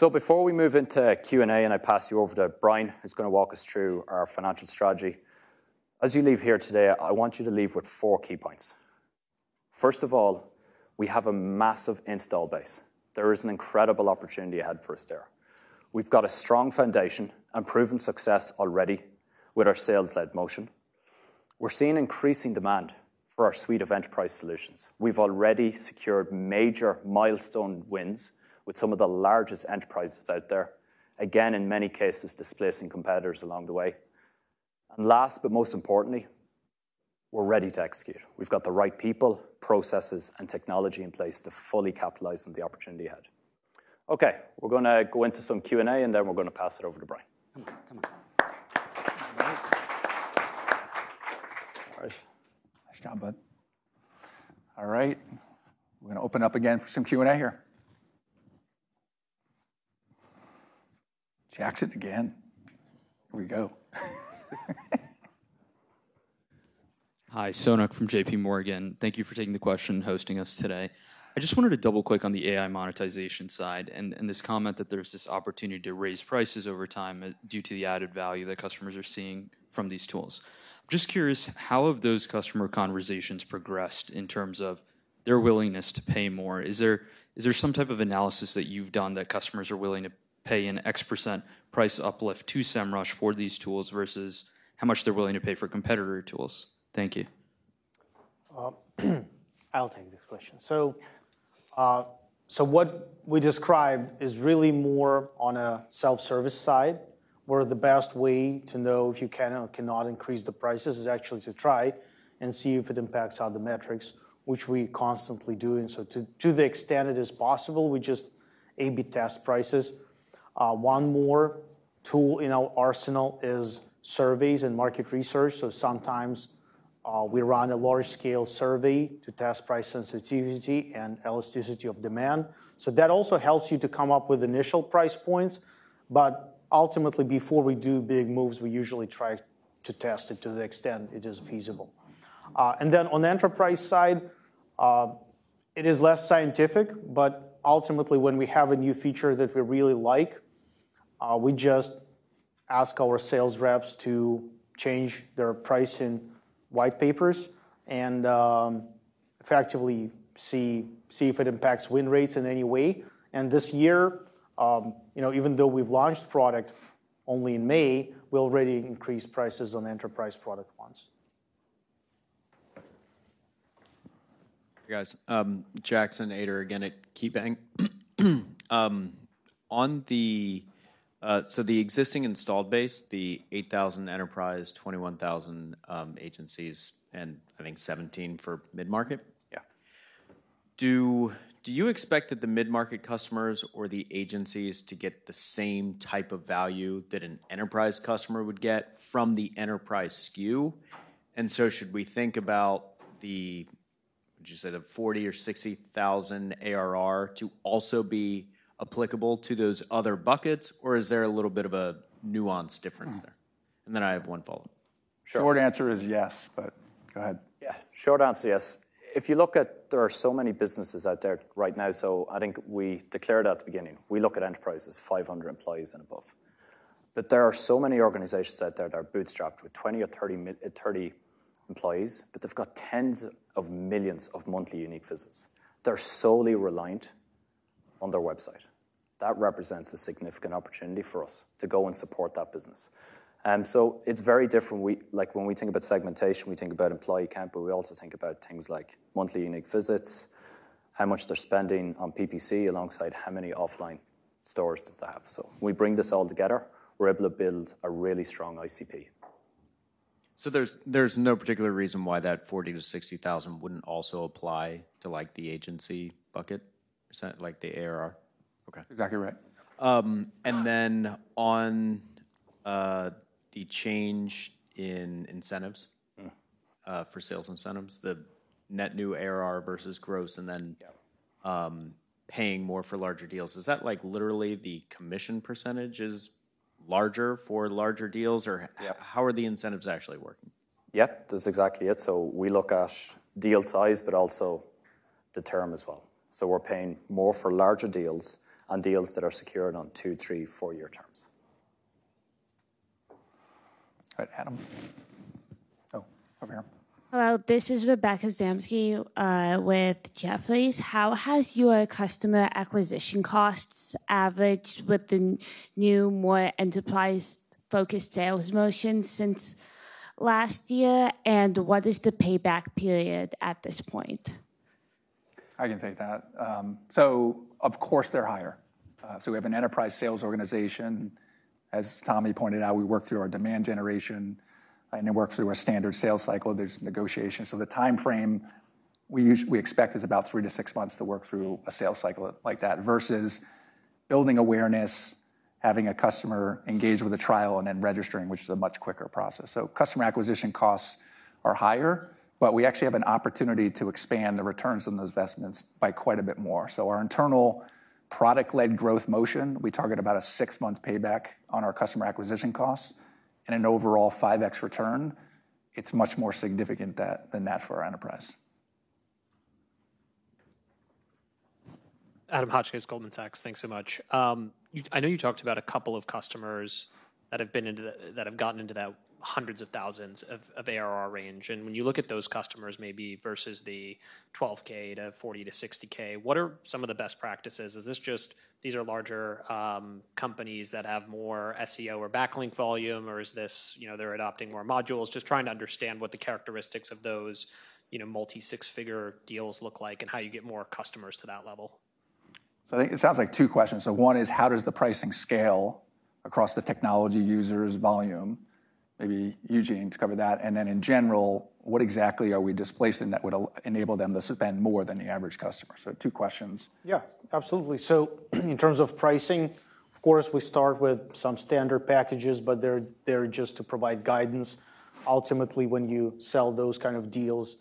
Before we move into Q&A, and I pass you over to Brian, who's gonna walk us through our financial strategy. As you leave here today, I want you to leave with four key points. First of all, we have a massive install base. There is an incredible opportunity ahead for us there. We've got a strong foundation and proven success already with our sales-led motion. We're seeing increasing demand for our suite of enterprise solutions. We've already secured major milestone wins with some of the largest enterprises out there, again, in many cases, displacing competitors along the way. And last, but most importantly, we're ready to execute. We've got the right people, processes, and technology in place to fully capitalize on the opportunity ahead. Okay, we're gonna go into some Q&A, and then we're going to pass it over to Brian. All right. Nice job, bud. All right, we're going to open up again for some Q&A here. Jackson again. Here we go. Hi, Sonak from JP Morgan. Thank you for taking the question and hosting us today. I just wanted to double-click on the AI monetization side and this comment that there's this opportunity to raise prices over time due to the added value that customers are seeing from these tools. Just curious, how have those customer conversations progressed in terms of their willingness to pay more? Is there some type of analysis that you've done that customers are willing to pay an X% price uplift to Semrush for these tools versus how much they're willing to pay for competitor tools? Thank you. I'll take this question. So, so what we described is really more on a self-service side, where the best way to know if you can or cannot increase the prices is actually to try and see if it impacts on the metrics, which we constantly doing. So to the extent it is possible, we just A/B test prices. One more tool in our arsenal is surveys and market research, so sometimes, we run a large-scale survey to test price sensitivity and elasticity of demand. So that also helps you to come up with initial price points, but ultimately, before we do big moves, we usually try to test it to the extent it is feasible. And then on the enterprise side, it is less scientific, but ultimately, when we have a new feature that we really like, we just ask our sales reps to change their price in white papers and, effectively see if it impacts win rates in any way. And this year, you know, even though we've launched product only in May, we already increased prices on enterprise product once. Hey, guys, Jackson Ader again at KeyBank. So the existing installed base, the 8,000 enterprise, 21,000 agencies, and I think 17 for mid-market? Yeah. Do you expect that the mid-market customers or the agencies to get the same type of value that an enterprise customer would get from the enterprise SKU? And so should we think about the, would you say, the 40 or 60 thousand ARR to also be applicable to those other buckets, or is there a little bit of a nuance difference there? And then I have one follow-up. Short answer is yes, but go ahead. Yeah, short answer, yes. If you look at... There are so many businesses out there right now, so I think we declared at the beginning, we look at enterprises, five hundred employees and above. But there are so many organizations out there that are bootstrapped with twenty or thirty employees, but they've got tens of millions of monthly unique visits. They're solely reliant on their website. That rEfficiencyesents a significant opportunity for us to go and support that business. So it's very different. Like, when we think about segmentation, we think about employee count, but we also think about things like monthly unique visits, how much they're spending on PPC, alongside how many offline stores do they have. So we bring this all together, we're able to build a really strong ICP. There's no particular reason why that 40-60 thousand wouldn't also apply to, like, the agency bucket. Is that, like, the ARR? Okay. Exactly right. And then on the change in incentives- Mm. - for sales incentives, the net new ARR versus gross, and then- Yeah... paying more for larger deals, is that, like, literally the commission percentage is larger for larger deals? Or- Yeah. How are the incentives actually working? Yeah, that's exactly it. So we look at deal size, but also the term as well. So we're paying more for larger deals and deals that are secured on two, three, four-year terms. All right, Adam. Oh, over here. Hello, this is Rebecca Zamsky with Jefferies. How has your customer acquisition costs averaged with the new, more enterprise-focused sales motion since last year, and what is the payback period at this point? I can take that. So of course, they're higher. So we have an enterprise sales organization. As Tommy pointed out, we work through our demand generation, and it works through a standard sales cycle. There's negotiation. So the time frame we expect is about three to six months to work through a sales cycle like that, versus building awareness, having a customer engage with a trial, and then registering, which is a much quicker process. So customer acquisition costs are higher, but we actually have an opportunity to expand the returns on those investments by quite a bit more. So our internal product-led growth motion, we target about a six-month payback on our customer acquisition costs and an overall five X return. It's much more significant than that for our enterprise. Adam Hotchkiss, Goldman Sachs. Thanks so much. I know you talked about a couple of customers that have gotten into that hundreds of thousands of ARR range. And when you look at those customers, maybe versus the $12K to $40K to $60K, what are some of the best practices? Is this just, these are larger companies that have more SEO or backlink volume, or is this, you know, they're adopting more modules? Just trying to understand what the characteristics of those, you know, multi-six-figure deals look like and how you get more customers to that level.... So I think it sounds like two questions. So one is, how does the pricing scale across the technology users volume? Maybe Eugene to cover that. And then in general, what exactly are we displacing that would enable them to spend more than the average customer? So two questions. Yeah, absolutely. So in terms of pricing, of course, we start with some standard packages, but they're just to provide guidance. Ultimately, when you sell those kind of deals,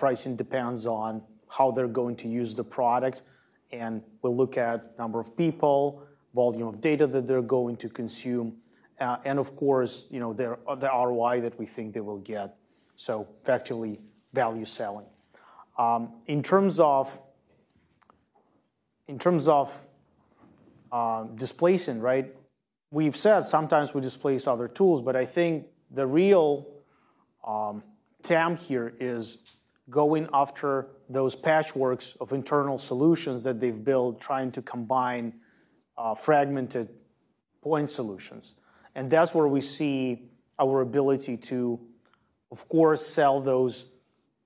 pricing depends on how they're going to use the product, and we'll look at number of people, volume of data that they're going to consume, and of course, you know, the ROI that we think they will get. So effectively, value selling. In terms of displacing, right? We've said sometimes we displace other tools, but I think the real TAM here is going after those patchworks of internal solutions that they've built, trying to combine fragmented point solutions. And that's where we see our ability to, of course, sell those,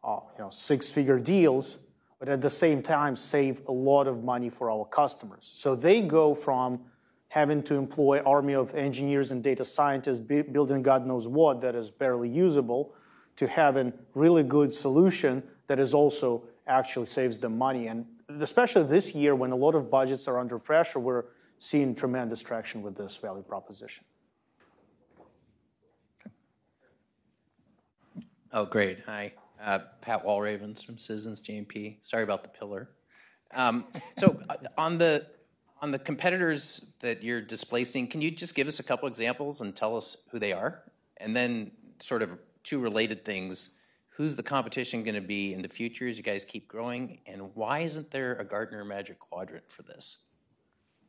you know, six-figure deals, but at the same time, save a lot of money for our customers. So they go from having to employ army of engineers and data scientists, building God knows what, that is barely usable, to have a really good solution that is also actually saves them money. And especially this year, when a lot of budgets are under pressure, we're seeing tremendous traction with this value proposition. Okay. Oh, great. Hi, Pat Walravens from Citizens JMP. Sorry about the pillar. So on the competitors that you're displacing, can you just give us a couple examples and tell us who they are? And then sort of two related things: Who's the competition going to be in the future as you guys keep growing, and why isn't there a Gartner Magic Quadrant for this?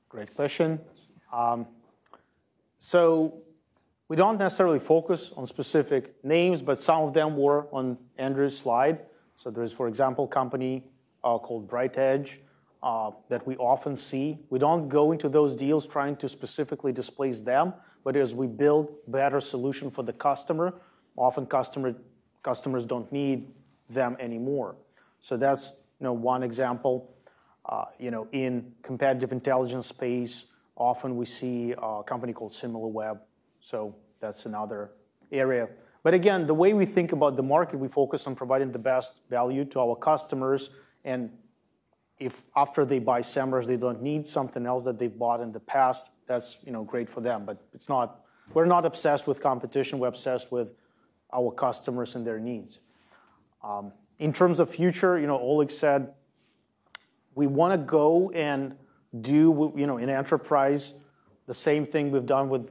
Great question. So we don't necessarily focus on specific names, but some of them were on Andrew's slide. So there is, for example, a company called BrightEdge that we often see. We don't go into those deals trying to specifically displace them, but as we build better solution for the customer, often customers don't need them anymore. So that's, you know, one example. You know, in competitive intelligence space, often we see a company called Similarweb, so that's another area. But again, the way we think about the market, we focus on providing the best value to our customers, and if after they buy Semrush, they don't need something else that they've bought in the past, that's, you know, great for them, but it's not. We're not obsessed with competition, we're obsessed with our customers and their needs. In terms of future, you know, Oleg said we want to go and do what, you know, in enterprise, the same thing we've done with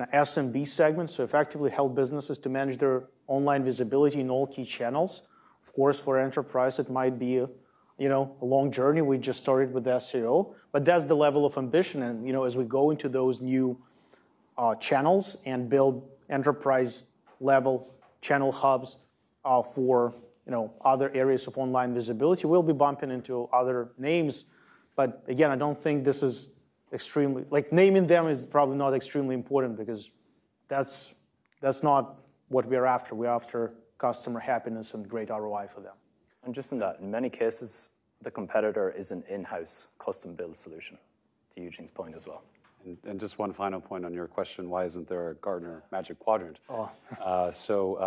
an SMB segment, so effectively help businesses to manage their online visibility in all key channels. Of course, for enterprise, it might be a, you know, a long journey. We just started with SEO, but that's the level of ambition, and, you know, as we go into those new channels and build enterprise-level channel hubs for, you know, other areas of online visibility, we'll be bumping into other names. But again, I don't think this is extremely, like, naming them is probably not extremely important because that's, that's not what we are after. We're after customer happiness and great ROI for them. And just in that, in many cases, the competitor is an in-house, custom-built solution, to Eugene's point as well. Just one final point on your question: Why isn't there a Gartner Magic Quadrant? Oh.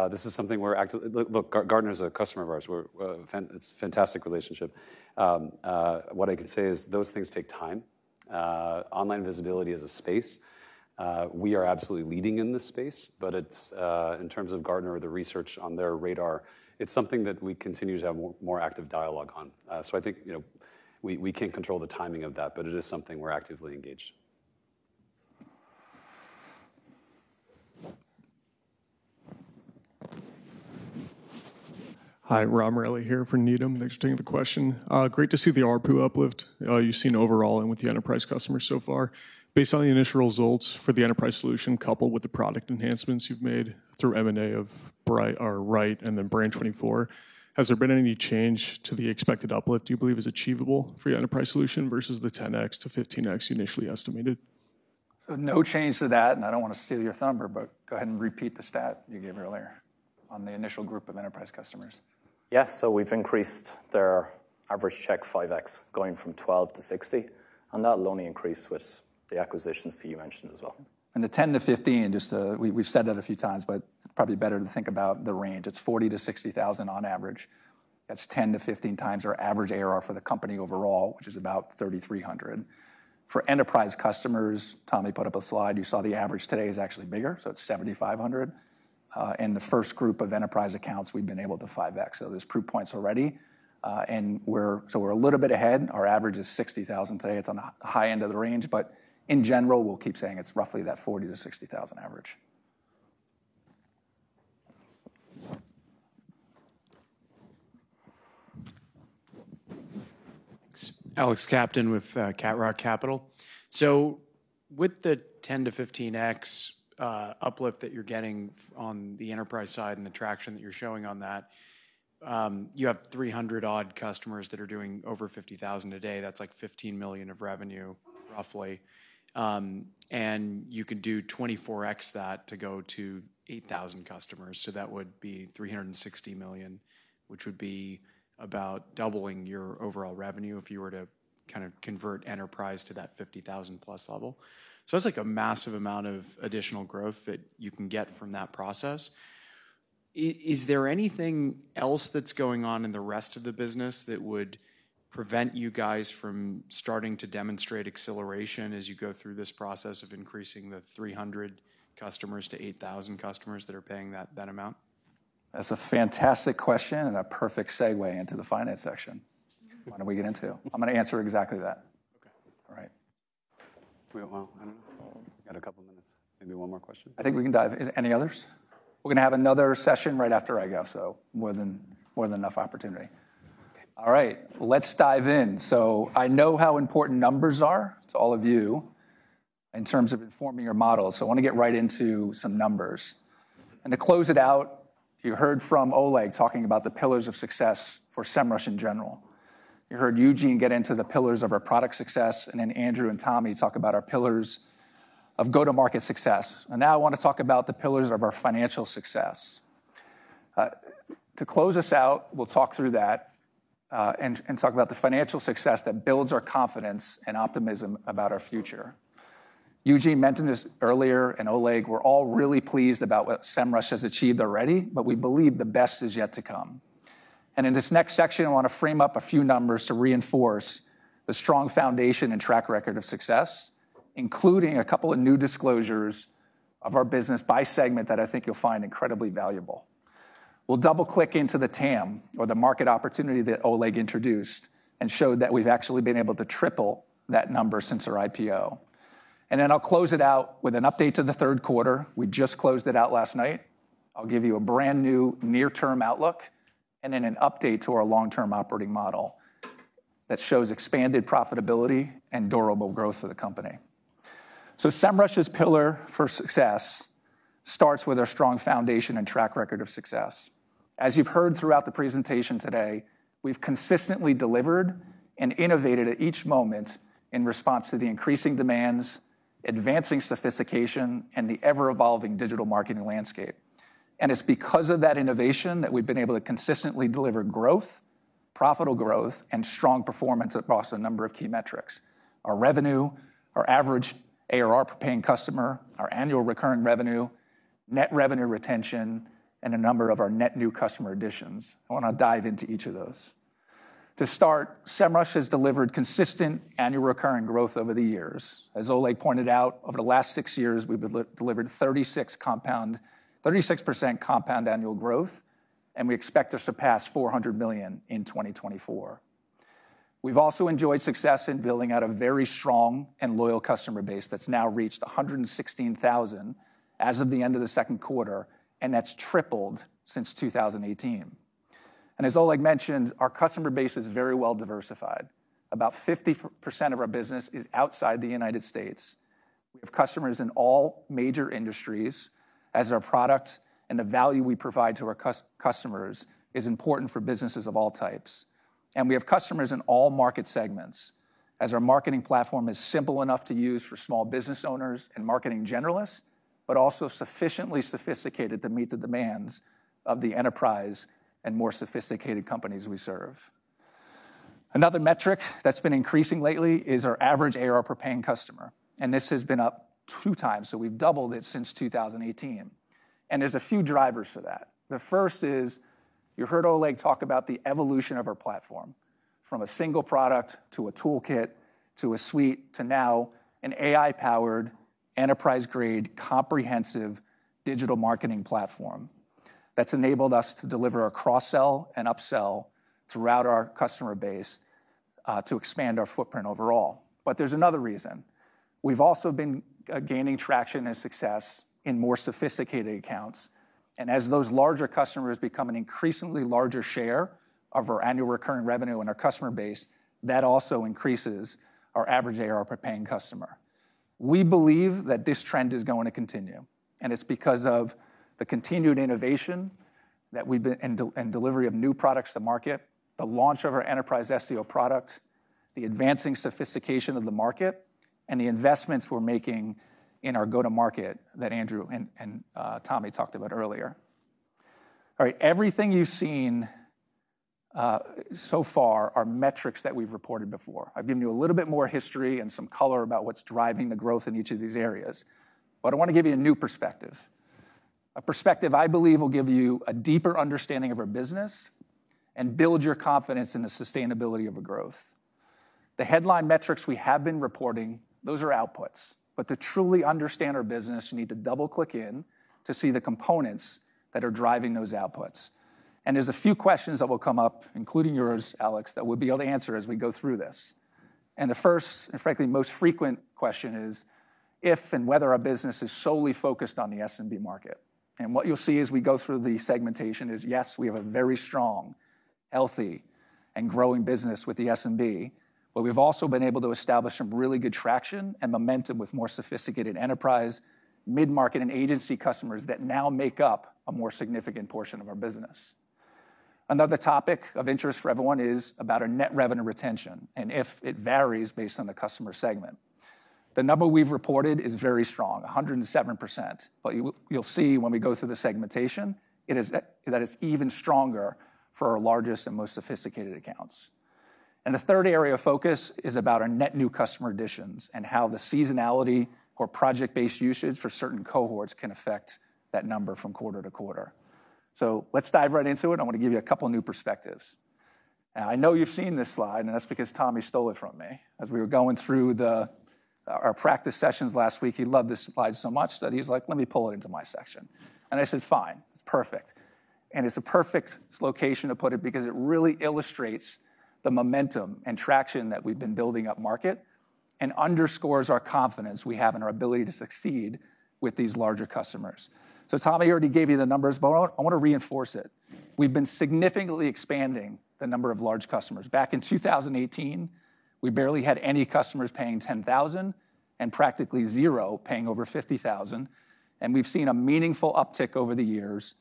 This is something we're actively. Look, Gartner is a customer of ours. We're fans, it's a fantastic relationship. What I can say is those things take time. Online visibility is a space. We are absolutely leading in this space, but it's in terms of Gartner or the research on their radar, it's something that we continue to have more active dialogue on, so I think, you know, we can't control the timing of that, but it is something we're actively engaged in. Hi, Rob Morelli here from Needham. Thanks for taking the question. Great to see the ARPU uplift you've seen overall and with the enterprise customers so far. Based on the initial results for the enterprise solution, coupled with the product enhancements you've made through M&A of Ryte and then Brand24, has there been any change to the expected uplift you believe is achievable for your enterprise solution versus the ten x to fifteen x you initially estimated? So no change to that, and I don't want to steal your thunder, but go ahead and repeat the stat you gave earlier on the initial group of enterprise customers. Yeah, so we've increased their average check 5x, going from 12 to 60, and that'll only increase with the acquisitions that you mentioned as well. The 10 to 15, just to... We've said that a few times, but probably better to think about the range. It's $40,000-$60,000 on average. That's 10 to 15 times our average ARR for the company overall, which is about $3,300. For enterprise customers, Tommy put up a slide. You saw the average today is actually bigger, so it's $7,500. And the first group of enterprise accounts, we've been able to 5x, so there's proof points already. And so we're a little bit ahead. Our average is $60,000 today. It's on the high end of the range, but in general, we'll keep saying it's roughly that $40,000-$60,000 average. Thanks. Alex Captain with Cat Rock Capital. So with the 10-15x uplift that you're getting on the enterprise side and the traction that you're showing on that-... you have 300 odd customers that are doing over $50,000 a day, that's like $15 million of revenue, roughly. And you can do 24x that to go to 8,000 customers, so that would be $360 million, which would be about doubling your overall revenue if you were to kind of convert enterprise to that $50,000 plus level. So that's like a massive amount of additional growth that you can get from that process. Is there anything else that's going on in the rest of the business that would prevent you guys from starting to demonstrate acceleration as you go through this process of increasing the 300 customers to 8,000 customers that are paying that amount? That's a fantastic question, and a perfect segue into the finance section. Why don't we get into? I'm gonna answer exactly that. Okay. All right. Do we have... Well, I don't know. Got a couple minutes, maybe one more question? I think we can dive. Is any others? We're gonna have another session right after I go, so more than enough opportunity. All right, let's dive in. So I know how important numbers are to all of you in terms of informing your model, so I want to get right into some numbers. And to close it out, you heard from Oleg talking about the pillars of success for Semrush in general. You heard Eugene get into the pillars of our product success, and then Andrew and Tommy talk about our pillars of go-to-market success, and now I want to talk about the pillars of our financial success. To close us out, we'll talk through that, and talk about the financial success that builds our confidence and optimism about our future. Eugene mentioned this earlier, and Oleg, we're all really pleased about what Semrush has achieved already, but we believe the best is yet to come and in this next section, I want to frame up a few numbers to reinforce the strong foundation and track record of success, including a couple of new disclosures of our business by segment, that I think you'll find incredibly valuable. We'll double-click into the TAM or the market opportunity that Oleg introduced, and show that we've actually been able to triple that number since our IPO and then I'll close it out with an update to the third quarter. We just closed it out last night. I'll give you a brand-new near-term outlook, and then an update to our long-term operating model that shows expanded profitability and durable growth for the company. Semrush's pillar for success starts with our strong foundation and track record of success. As you've heard throughout the presentation today, we've consistently delivered and innovated at each moment in response to the increasing demands, advancing sophistication, and the ever-evolving digital marketing landscape. And it's because of that innovation that we've been able to consistently deliver growth, profitable growth, and strong performance across a number of key metrics: our revenue, our average ARR per paying customer, our annual recurring revenue, net revenue retention, and a number of our net new customer additions. I wanna dive into each of those. To start, Semrush has delivered consistent annual recurring growth over the years. As Oleg pointed out, over the last six years, we've delivered 36% compound annual growth, and we expect to surpass $400 million in 2024. We've also enjoyed success in building out a very strong and loyal customer base that's now reached 116,000 as of the end of the second quarter, and that's tripled since 2018. As Oleg mentioned, our customer base is very well diversified. About 50% of our business is outside the United States. We have customers in all major industries, as our product and the value we provide to our customers is important for businesses of all types. We have customers in all market segments, as our marketing platform is simple enough to use for small business owners and marketing generalists, but also sufficiently sophisticated to meet the demands of the enterprise and more sophisticated companies we serve. Another metric that's been increasing lately is our average ARR per paying customer, and this has been up two times, so we've doubled it since 2018, and there's a few drivers for that. The first is, you heard Oleg talk about the evolution of our platform, from a single product, to a toolkit, to a suite, to now an AI-powered enterprise-grade, comprehensive digital marketing platform that's enabled us to deliver a cross-sell and upsell throughout our customer base, to expand our footprint overall. But there's another reason. We've also been gaining traction and success in more sophisticated accounts, and as those larger customers become an increasingly larger share of our annual recurring revenue and our customer base, that also increases our average ARR per paying customer. We believe that this trend is going to continue, and it's because of the continued innovation that we've been... and development and delivery of new products to market, the launch of our enterprise SEO products, the advancing sophistication of the market, and the investments we're making in our go-to-market that Andrew and Tommie talked about earlier. All right, everything you've seen so far are metrics that we've reported before. I've given you a little bit more history and some color about what's driving the growth in each of these areas, but I want to give you a new perspective, a perspective I believe will give you a deeper understanding of our business and build your confidence in the sustainability of the growth. The headline metrics we have been reporting, those are outputs, but to truly understand our business, you need to double-click into see the components that are driving those outputs. And there's a few questions that will come up, including yours, Alex, that we'll be able to answer as we go through this. And the first, and frankly, most frequent question is, if and whether our business is solely focused on the SMB market. And what you'll see as we go through the segmentation is, yes, we have a very strong healthy and growing business with the SMB, but we've also been able to establish some really good traction and momentum with more sophisticated enterprise, mid-market, and agency customers that now make up a more significant portion of our business. Another topic of interest for everyone is about our net revenue retention, and if it varies based on the customer segment. The number we've reported is very strong, 107%, but you'll see when we go through the segmentation, it is that it's even stronger for our largest and most sophisticated accounts, and the third area of focus is about our net new customer additions, and how the seasonality or project-based usage for certain cohorts can affect that number from quarter to quarter, so let's dive right into it. I want to give you a couple of new perspectives. Now, I know you've seen this slide, and that's because Tommy stole it from me. As we were going through the, our practice sessions last week, he loved this slide so much that he's like: "Let me pull it into my section." And I said, "Fine, it's perfect." And it's a perfect location to put it because it really illustrates the momentum and traction that we've been building upmarket, and underscores our confidence we have in our ability to succeed with these larger customers. So Tommie already gave you the numbers, but I want to reinforce it. We've been significantly expanding the number of large customers. Back in 2018, we barely had any customers paying $10,000, and practically zero paying over $50,000, and we've seen a meaningful uptick over the years,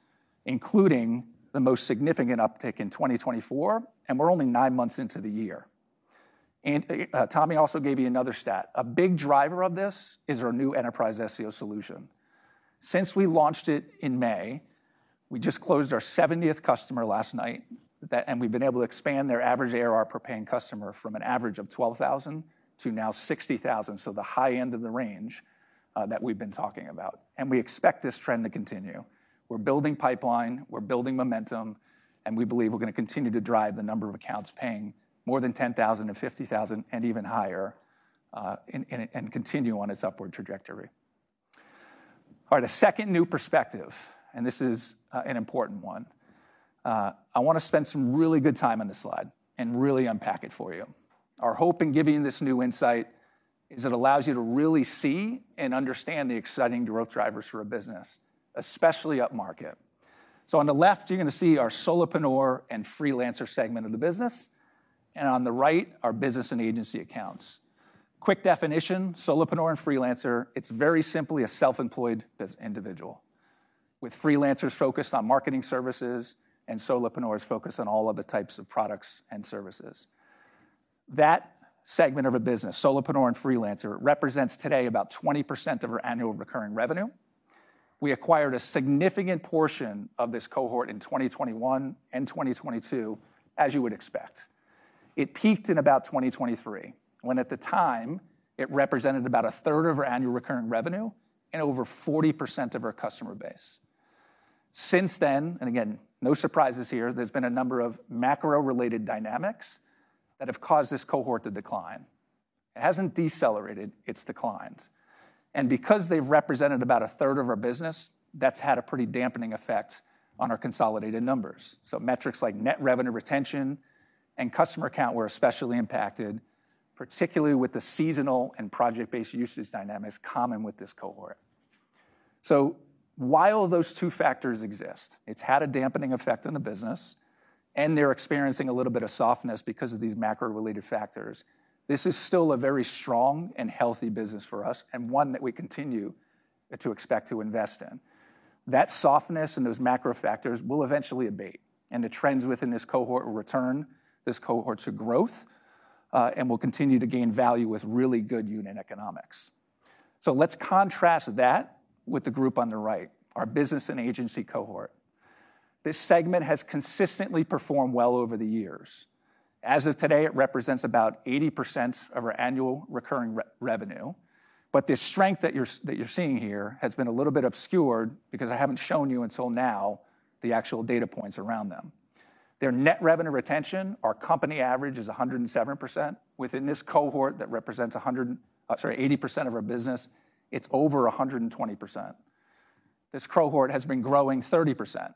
including the most significant uptick in 2024, and we're only 9 months into the year. And, Tommie also gave you another stat. A big driver of this is our new enterprise SEO solution. Since we launched it in May, we just closed our 70th customer last night, and we've been able to expand their average ARR per paying customer from an average of $12,000 to now $60,000, so the high end of the range that we've been talking about. And we expect this trend to continue. We're building pipeline, we're building momentum, and we believe we're gonna continue to drive the number of accounts paying more than $10,000 and $50,000 and even higher, and continue on its upward trajectory. All right, a second new perspective, and this is an important one. I want to spend some really good time on this slide and really unpack it for you. Our hope in giving you this new insight is it allows you to really see and understand the exciting growth drivers for our business, especially upmarket. So on the left, you're gonna see our solopreneur and freelancer segment of the business, and on the right, our business and agency accounts. Quick definition, solopreneur and freelancer, it's very simply a self-employed individual, with freelancers focused on marketing services and solopreneurs focused on all other types of products and services. That segment of a business, solopreneur and freelancer, rEfficiencyesents today about 20% of our annual recurring revenue. We acquired a significant portion of this cohort in twenty twenty-one and twenty twenty-two, as you would expect. It peaked in about twenty twenty-three, when at the time, it rEfficiencyesented about a third of our annual recurring revenue and over 40% of our customer base. Since then, and again, no surprises here, there's been a number of macro-related dynamics that have caused this cohort to decline. It hasn't decelerated, it's declined. And because they've rEfficiencyesented about a third of our business, that's had a pretty dampening effect on our consolidated numbers. So metrics like net revenue retention and customer count were especially impacted, particularly with the seasonal and project-based usage dynamics common with this cohort. So while those two factors exist, it's had a dampening effect on the business, and they're experiencing a little bit of softness because of these macro-related factors. This is still a very strong and healthy business for us, and one that we continue to expect to invest in. That softness and those macro factors will eventually abate, and the trends within this cohort will return this cohort to growth and will continue to gain value with really good unit economics. So let's contrast that with the group on the right, our business and agency cohort. This segment has consistently performed well over the years. As of today, it rEfficiencyesents about 80% of our annual recurring revenue, but the strength that you're seeing here has been a little bit obscured because I haven't shown you until now the actual data points around them. Their net revenue retention, our company average is 107%. Within this cohort that rEfficiencyesents eighty percent of our business, it's over 120%. This cohort has been growing 30%,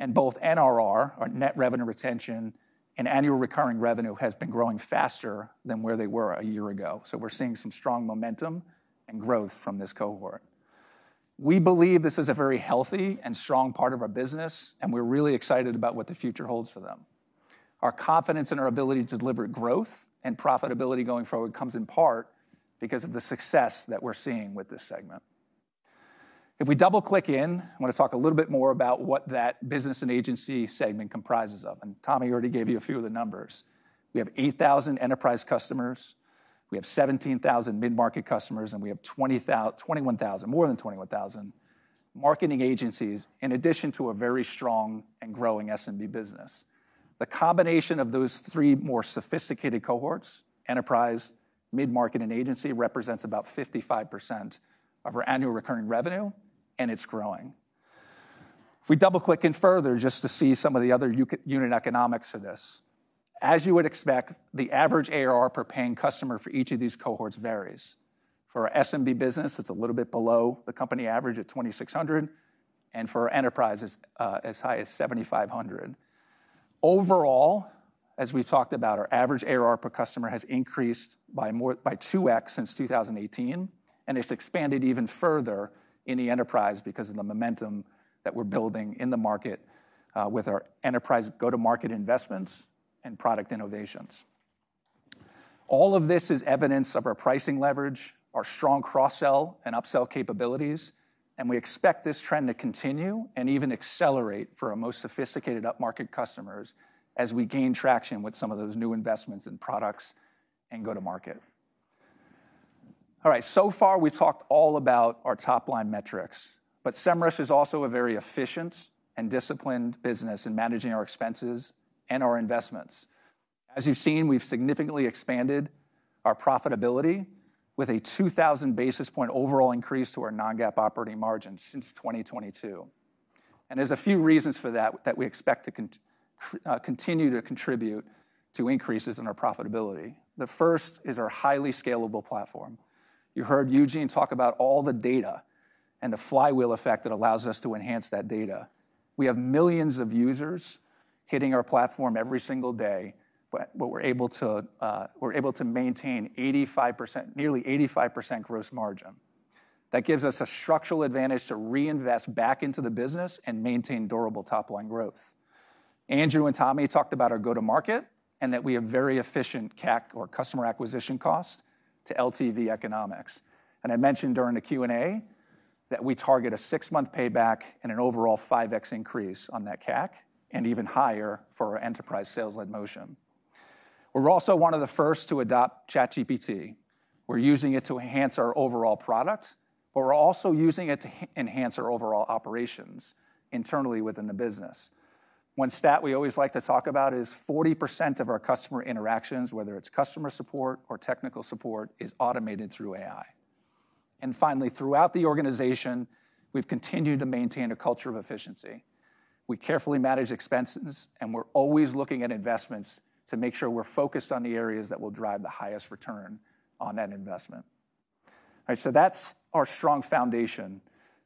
and both NRR, our net revenue retention, and annual recurring revenue has been growing faster than where they were a year ago. So we're seeing some strong momentum and growth from this cohort. We believe this is a very healthy and strong part of our business, and we're really excited about what the future holds for them. Our confidence in our ability to deliver growth and profitability going forward comes in part because of the success that we're seeing with this segment. If we double-click in, I want to talk a little bit more about what that business and agency segment comprises of, and Tommy already gave you a few of the numbers. We have 8,000 enterprise customers, we have 17,000 mid-market customers, and we have 21,000, more than 21,000 marketing agencies, in addition to a very strong and growing SMB business. The combination of those three more sophisticated cohorts, enterprise, mid-market, and agency, rEfficiencyesents about 55% of our annual recurring revenue, and it's growing. If we double-click in further just to see some of the other unit economics of this, as you would expect, the average ARR per paying customer for each of these cohorts varies. For our SMB business, it's a little bit below the company average at $2,600, and for our enterprise, it's as high as $7,500. Overall-... As we've talked about, our average ARR per customer has increased by more, by 2X since 2018, and it's expanded even further in the enterprise because of the momentum that we're building in the market with our enterprise go-to-market investments and product innovations. All of this is evidence of our pricing leverage, our strong cross-sell and upsell capabilities, and we expect this trend to continue and even accelerate for our most sophisticated upmarket customers as we gain traction with some of those new investments and products and go to market. All right, so far, we've talked all about our top-line metrics, but Semrush is also a very efficient and disciplined business in managing our expenses and our investments. As you've seen, we've significantly expanded our profitability with a 2,000 basis point overall increase to our non-GAAP operating margin since 2022. And there's a few reasons for that that we expect to continue to contribute to increases in our profitability. The first is our highly scalable platform. You heard Eugene talk about all the data and the flywheel effect that allows us to enhance that data. We have millions of users hitting our platform every single day, but we're able to maintain 85%, nearly 85% gross margin. That gives us a structural advantage to reinvest back into the business and maintain durable top-line growth. Andrew and Tommie talked about our go-to-market, and that we have very efficient CAC or customer acquisition cost to LTV economics. And I mentioned during the Q&A that we target a six-month payback and an overall five X increase on that CAC, and even higher for our enterprise sales-led motion. We're also one of the first to adopt ChatGPT. We're using it to enhance our overall product, but we're also using it to enhance our overall operations internally within the business. One stat we always like to talk about is 40% of our customer interactions, whether it's customer support or technical support, is automated through AI. And finally, throughout the organization, we've continued to maintain a culture of efficiency. We carefully manage expenses, and we're always looking at investments to make sure we're focused on the areas that will drive the highest return on that investment. Right, so that's our strong foundation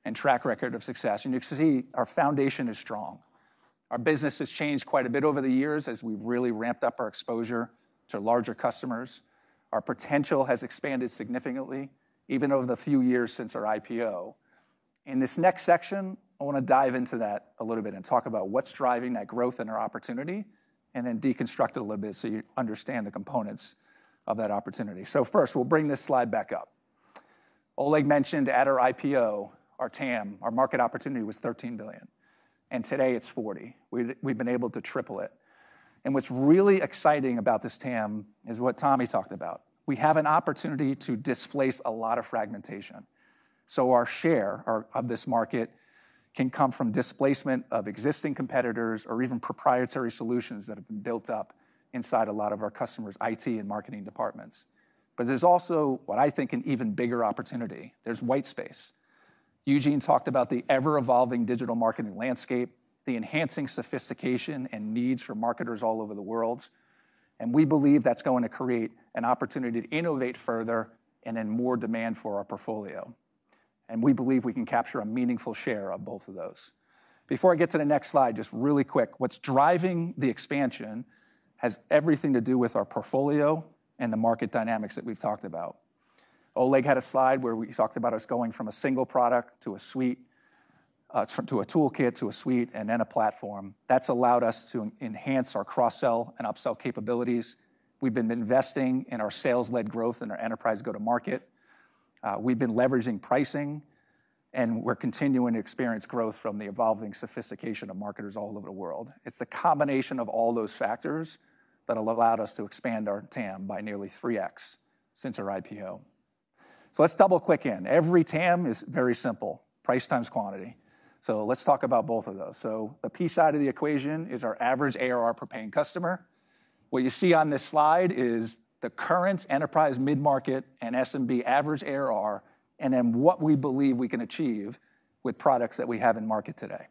and track record of success, and you can see our foundation is strong. Our business has changed quite a bit over the years as we've really ramped up our exposure to larger customers. Our potential has expanded significantly, even over the few years since our IPO. In this next section, I wanna dive into that a little bit and talk about what's driving that growth and our opportunity, and then deconstruct it a little bit so you understand the components of that opportunity. So first, we'll bring this slide back up. Oleg mentioned at our IPO, our TAM, our market opportunity was $13 billion, and today it's $40 billion. We've been able to triple it. And what's really exciting about this TAM is what Tommy talked about. We have an opportunity to displace a lot of fragmentation. So our share of this market can come from displacement of existing competitors or even proprietary solutions that have been built up inside a lot of our customers' IT and marketing departments. But there's also what I think an even bigger opportunity, there's white space. Eugene talked about the ever-evolving digital marketing landscape, the enhancing sophistication and needs for marketers all over the world, and we believe that's going to create an opportunity to innovate further and then more demand for our portfolio, and we believe we can capture a meaningful share of both of those. Before I get to the next slide, just really quick, what's driving the expansion has everything to do with our portfolio and the market dynamics that we've talked about. Oleg had a slide where we talked about us going from a single product to a suite, to a toolkit, to a suite, and then a platform. That's allowed us to enhance our cross-sell and upsell capabilities. We've been investing in our sales-led growth and our enterprise go-to-market. We've been leveraging pricing, and we're continuing to experience growth from the evolving sophistication of marketers all over the world. It's the combination of all those factors that allowed us to expand our TAM by nearly 3x since our IPO. Let's double-click in. Every TAM is very simple: price times quantity. Let's talk about both of those. The P side of the equation is our average ARR per paying customer. What you see on this slide is the current enterprise mid-market and SMB average ARR, and then what we believe we can achieve with products that we have in market today.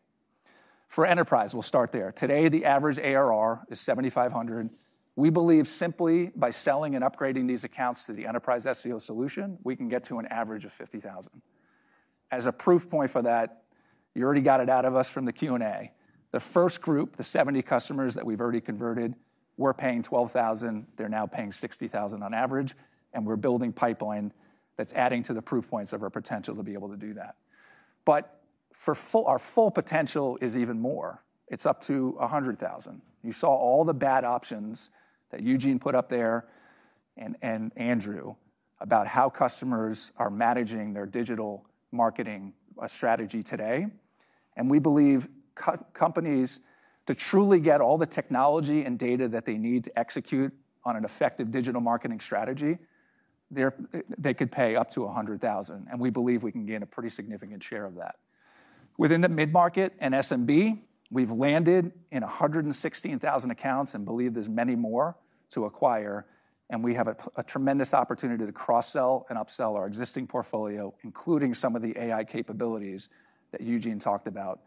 For enterprise, we'll start there. Today, the average ARR is $7,500. We believe simply by selling and upgrading these accounts to the enterprise SEO solution, we can get to an average of $50,000. As a proof point for that, you already got it out of us from the Q&A, the first group, the seventy customers that we've already converted, were paying $12,000, they're now paying $60,000 on average, and we're building pipeline that's adding to the proof points of our potential to be able to do that. But our full potential is even more. It's up to $100,000. You saw all the bad options that Eugene put up there and Andrew, about how customers are managing their digital marketing strategy today, and we believe companies, to truly get all the technology and data that they need to execute on an effective digital marketing strategy, they could pay up to $100,000, and we believe we can gain a pretty significant share of that. Within the mid-market and SMB, we've landed in a hundred and sixteen thousand accounts, and believe there's many more to acquire, and we have a tremendous opportunity to cross-sell and upsell our existing portfolio, including some of the AI capabilities that Eugene talked about.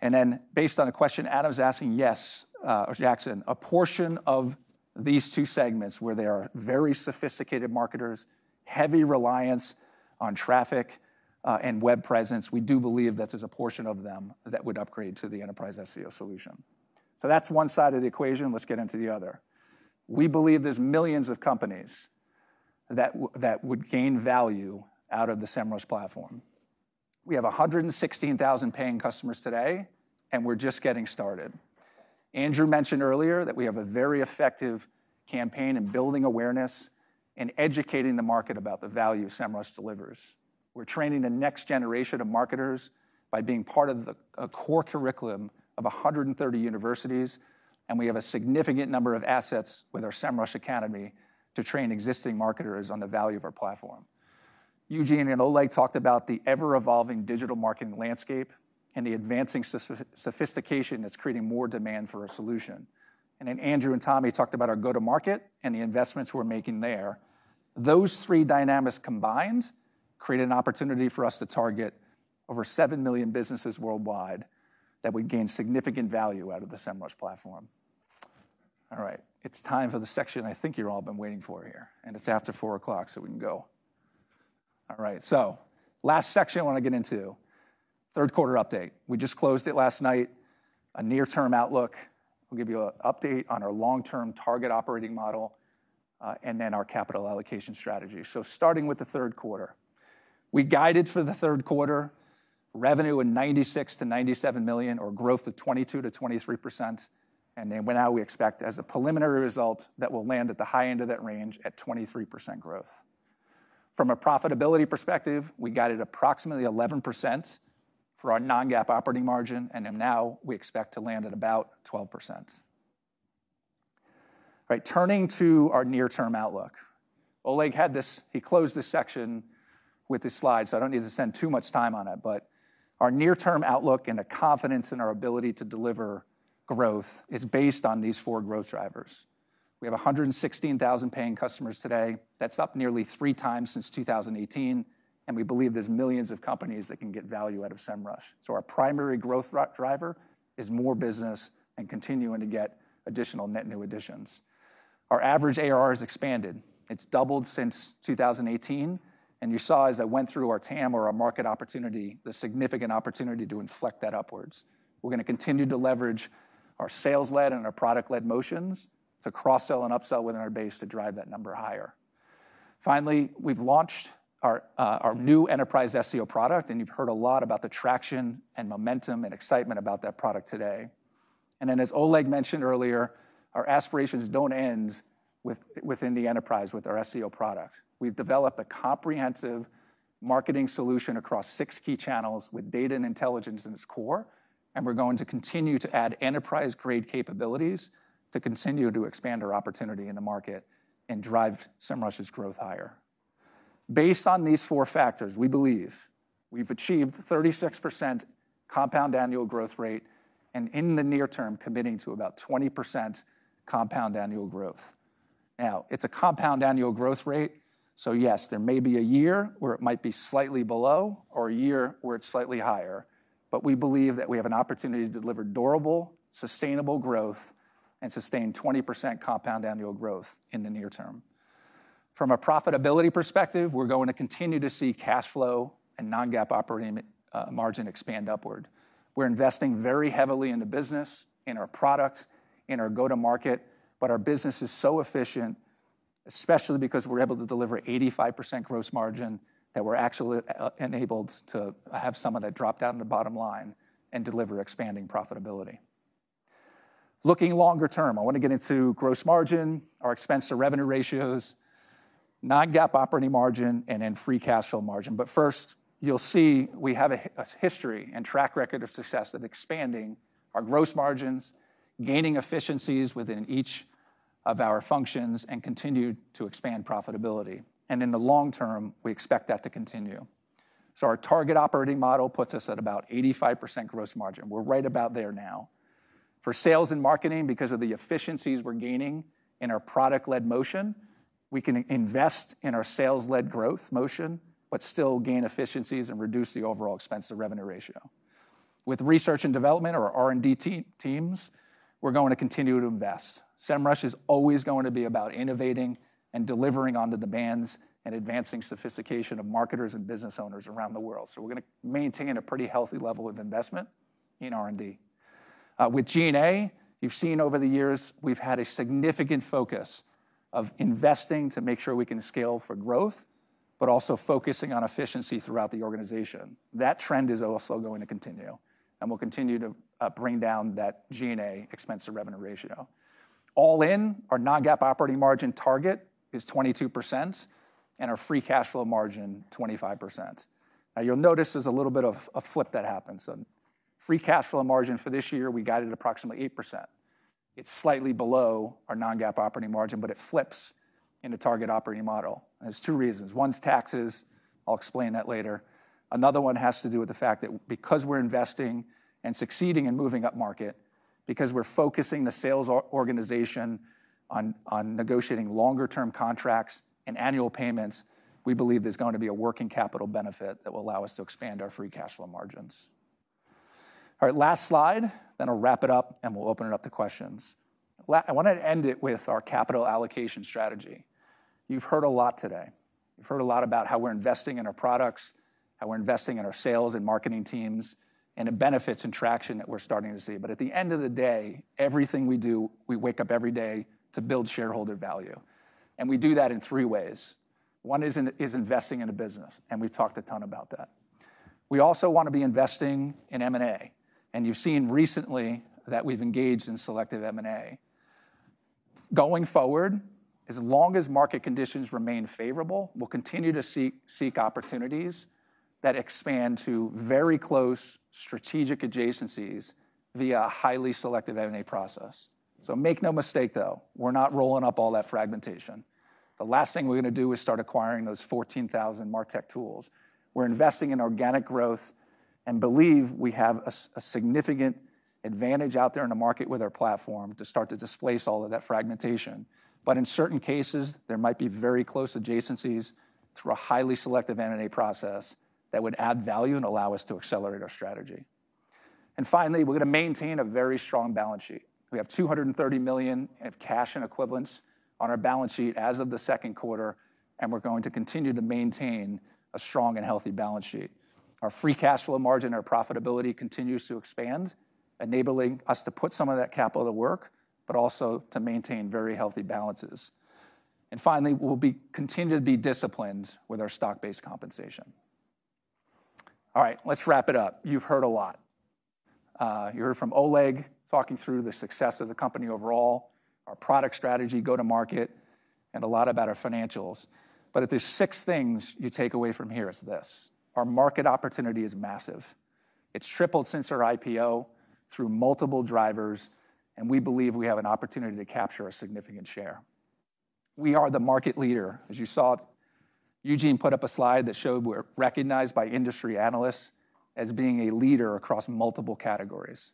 And then, based on a question Adam's asking, yes, or Jackson, a portion of these two segments, where they are very sophisticated marketers, heavy reliance on traffic, and web presence, we do believe that there's a portion of them that would upgrade to the enterprise SEO solution. So that's one side of the equation. Let's get into the other. We believe there's millions of companies that would gain value out of the Semrush platform. We have one hundred and sixteen thousand paying customers today, and we're just getting started. Andrew mentioned earlier that we have a very effective campaign in building awareness and educating the market about the value Semrush delivers. We're training the next generation of marketers by being part of a core curriculum of 130 universities, and we have a significant number of assets with our Semrush Academy to train existing marketers on the value of our platform. Eugene and Oleg talked about the ever-evolving digital marketing landscape and the advancing sophistication that's creating more demand for a solution. Then Andrew and Tommy talked about our go-to-market and the investments we're making there. Those three dynamics combined create an opportunity for us to target over 7 million businesses worldwide that would gain significant value out of the Semrush platform. All right, it's time for the section I think you've all been waiting for here, and it's after four o'clock, so we can go. All right, so last section I want to get into, third quarter update. We just closed it last night, a near-term outlook. We'll give you a update on our long-term target operating model, and then our capital allocation strategy. So starting with the third quarter, we guided for the third quarter, revenue of $96-$97 million, or growth of 22%-23%, and then went out, we expect, as a preliminary result, that we'll land at the high end of that range at 23% growth. From a profitability perspective, we guided approximately 11% for our non-GAAP operating margin, and then now we expect to land at about 12%. Right, turning to our near-term outlook. Oleg had this... He closed this section with this slide, so I don't need to spend too much time on it, but our near-term outlook and the confidence in our ability to deliver growth is based on these four growth drivers. We have 116,000 paying customers today. That's up nearly three times since 2018, and we believe there's millions of companies that can get value out of Semrush. So our primary growth driver is more business and continuing to get additional net new additions. Our average ARR has expanded. It's doubled since 2018, and you saw as I went through our TAM or our market opportunity, the significant opportunity to inflect that upwards. We're gonna continue to leverage our sales-led and our product-led motions to cross-sell and upsell within our base to drive that number higher. Finally, we've launched our, our new enterprise SEO product, and you've heard a lot about the traction and momentum and excitement about that product today, and then, as Oleg mentioned earlier, our aspirations don't end within the enterprise with our SEO products. We've developed a comprehensive marketing solution across six key channels with data and intelligence in its core, and we're going to continue to add enterprise-grade capabilities to continue to expand our opportunity in the market and drive Semrush's growth higher. Based on these four factors, we believe we've achieved 36% compound annual growth rate, and in the near term, committing to about 20% compound annual growth. Now, it's a compound annual growth rate, so yes, there may be a year where it might be slightly below or a year where it's slightly higher, but we believe that we have an opportunity to deliver durable, sustainable growth and sustain 20% compound annual growth in the near term. From a profitability perspective, we're going to continue to see cash flow and non-GAAP operating margin expand upward. We're investing very heavily in the business, in our products, in our go-to-market, but our business is so efficient, especially because we're able to deliver 85% gross margin, that we're actually enabled to have some of that drop down to the bottom line and deliver expanding profitability. Looking longer term, I want to get into gross margin, our expense to revenue ratios, non-GAAP operating margin, and then free cash flow margin. But first, you'll see we have a history and track record of success of expanding our gross margins, gaining efficiencies within each of our functions, and continue to expand profitability, and in the long term, we expect that to continue. So our target operating model puts us at about 85% gross margin. We're right about there now. For sales and marketing, because of the efficiencies we're gaining in our product-led motion, we can invest in our sales-led growth motion, but still gain efficiencies and reduce the overall expense to revenue ratio. With research and development, or our R&D teams, we're going to continue to invest. Semrush is always going to be about innovating and delivering on the demands and advancing sophistication of marketers and business owners around the world, so we're gonna maintain a pretty healthy level of investment in R&D. With G&A, you've seen over the years, we've had a significant focus of investing to make sure we can scale for growth, but also focusing on efficiency throughout the organization. That trend is also going to continue, and we'll continue to bring down that G&A expense to revenue ratio. All in, our non-GAAP operating margin target is 22%, and our free cash flow margin, 25%. Now, you'll notice there's a little bit of a flip that happens, so free cash flow margin for this year, we guided approximately 8%. It's slightly below our non-GAAP operating margin, but it flips in the target operating model. There's two reasons. One's taxes, I'll explain that later. Another one has to do with the fact that because we're investing and succeeding in moving upmarket, because we're focusing the sales organization on negotiating longer-term contracts and annual payments, we believe there's going to be a working capital benefit that will allow us to expand our free cash flow margins. All right, last slide, then I'll wrap it up, and we'll open it up to questions. I wanted to end it with our capital allocation strategy. You've heard a lot today. You've heard a lot about how we're investing in our products, how we're investing in our sales and marketing teams, and the benefits and traction that we're starting to see. But at the end of the day, everything we do, we wake up every day to build shareholder value, and we do that in three ways. One is investing in a business, and we've talked a ton about that. We also want to be investing in M&A, and you've seen recently that we've engaged in selective M&A. Going forward, as long as market conditions remain favorable, we'll continue to seek opportunities that expand to very close strategic adjacencies via a highly selective M&A process, so make no mistake, though, we're not rolling up all that fragmentation. The last thing we're gonna do is start acquiring those 14,000 martech tools. We're investing in organic growth and believe we have a significant advantage out there in the market with our platform to start to displace all of that fragmentation, but in certain cases, there might be very close adjacencies through a highly selective M&A process that would add value and allow us to accelerate our strategy. And finally, we're gonna maintain a very strong balance sheet. We have $230 million of cash and equivalents on our balance sheet as of the second quarter, and we're going to continue to maintain a strong and healthy balance sheet. Our free cash flow margin, our profitability continues to expand, enabling us to put some of that capital to work, but also to maintain very healthy balances. And finally, we'll continue to be disciplined with our stock-based compensation. All right, let's wrap it up. You've heard a lot. You heard from Oleg talking through the success of the company overall, our product strategy, go-to-market, and a lot about our financials. But if there's six things you take away from here, it's this: Our market opportunity is massive. It's tripled since our IPO through multiple drivers, and we believe we have an opportunity to capture a significant share. We are the market leader, as you saw, Eugene put up a slide that showed we're recognized by industry analysts as being a leader across multiple categories.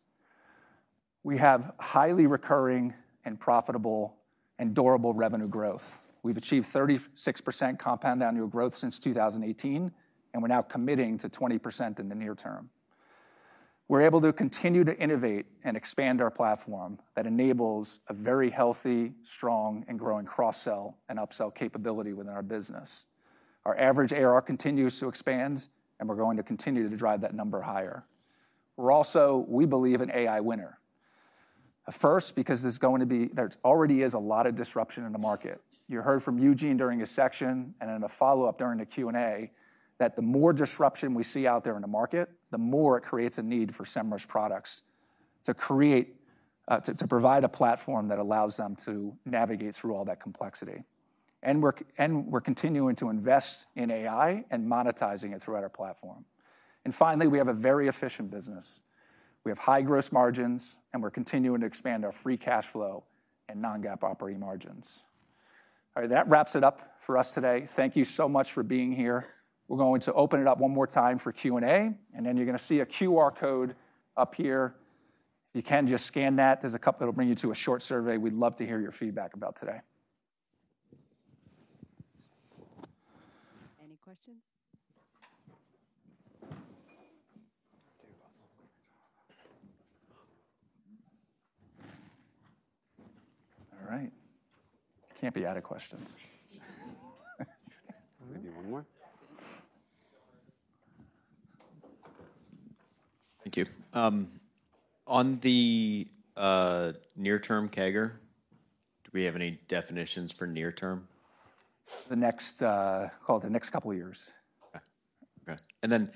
We have highly recurring and profitable and durable revenue growth. We've achieved 36% compound annual growth since 2018, and we're now committing to 20% in the near term. We're able to continue to innovate and expand our platform that enables a very healthy, strong, and growing cross-sell and upsell capability within our business. Our average ARR continues to expand, and we're going to continue to drive that number higher. We're also, we believe, an AI winner. First, because there's going to be, there already is a lot of disruption in the market. You heard from Eugene during his section, and in a follow-up during the Q&A, that the more disruption we see out there in the market, the more it creates a need for Semrush products to create, to provide a platform that allows them to navigate through all that complexity. And we're continuing to invest in AI and monetizing it throughout our platform. And finally, we have a very efficient business. We have high gross margins, and we're continuing to expand our free cash flow and non-GAAP operating margins. All right, that wraps it up for us today. Thank you so much for being here. We're going to open it up one more time for Q&A, and then you're gonna see a QR code up here. If you can, just scan that, there's a couple, it'll bring you to a short survey. We'd love to hear your feedback about today. Any questions? All right. Can't be out of questions. Maybe one more? Yes. Thank you. On the near-term CAGR, do we have any definitions for near term? The next, call it the next couple of years. Okay. Okay, and then,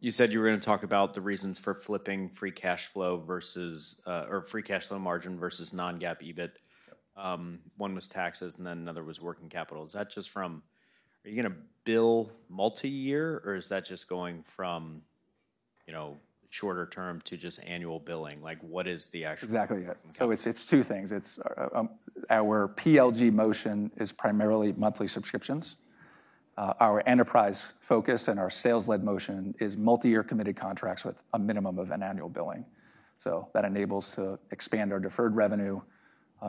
you said you were gonna talk about the reasons for flipping free cash flow versus, or free cash flow margin versus non-GAAP EBIT. One was taxes, and then another was working capital. Are you gonna bill multi-year, or is that just going from, you know, shorter term to just annual billing? Like, what is the actual- Exactly, yeah. So it's two things. Our PLG motion is primarily monthly subscriptions. Our enterprise focus and our sales-led motion is multi-year committed contracts with a minimum of an annual billing. So that enables to expand our deferred revenue,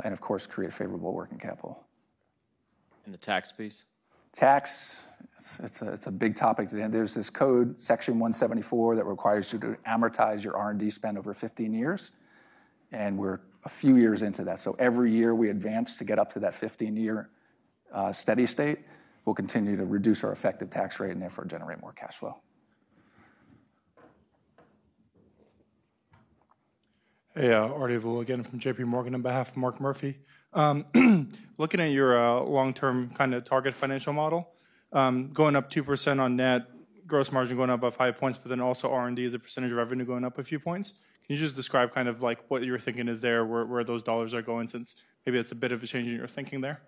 and of course, create favorable working capital. The tax piece? Tax, it's a big topic. There's this code, Section 174, that requires you to amortize your R&D spend over fifteen years, and we're a few years into that. So every year, we advance to get up to that fifteen-year steady state. We'll continue to reduce our effective tax rate and therefore generate more cash flow. Hey, Artie Villa again from JP Morgan, on behalf of Mark Murphy. Looking at your long-term kinda target financial model, going up 2% on net, gross margin going up about five points, but then also R&D as a percentage of revenue going up a few points. Can you just describe kind of like what your thinking is there, where those dollars are going? Since maybe that's a bit of a change in your thinking there.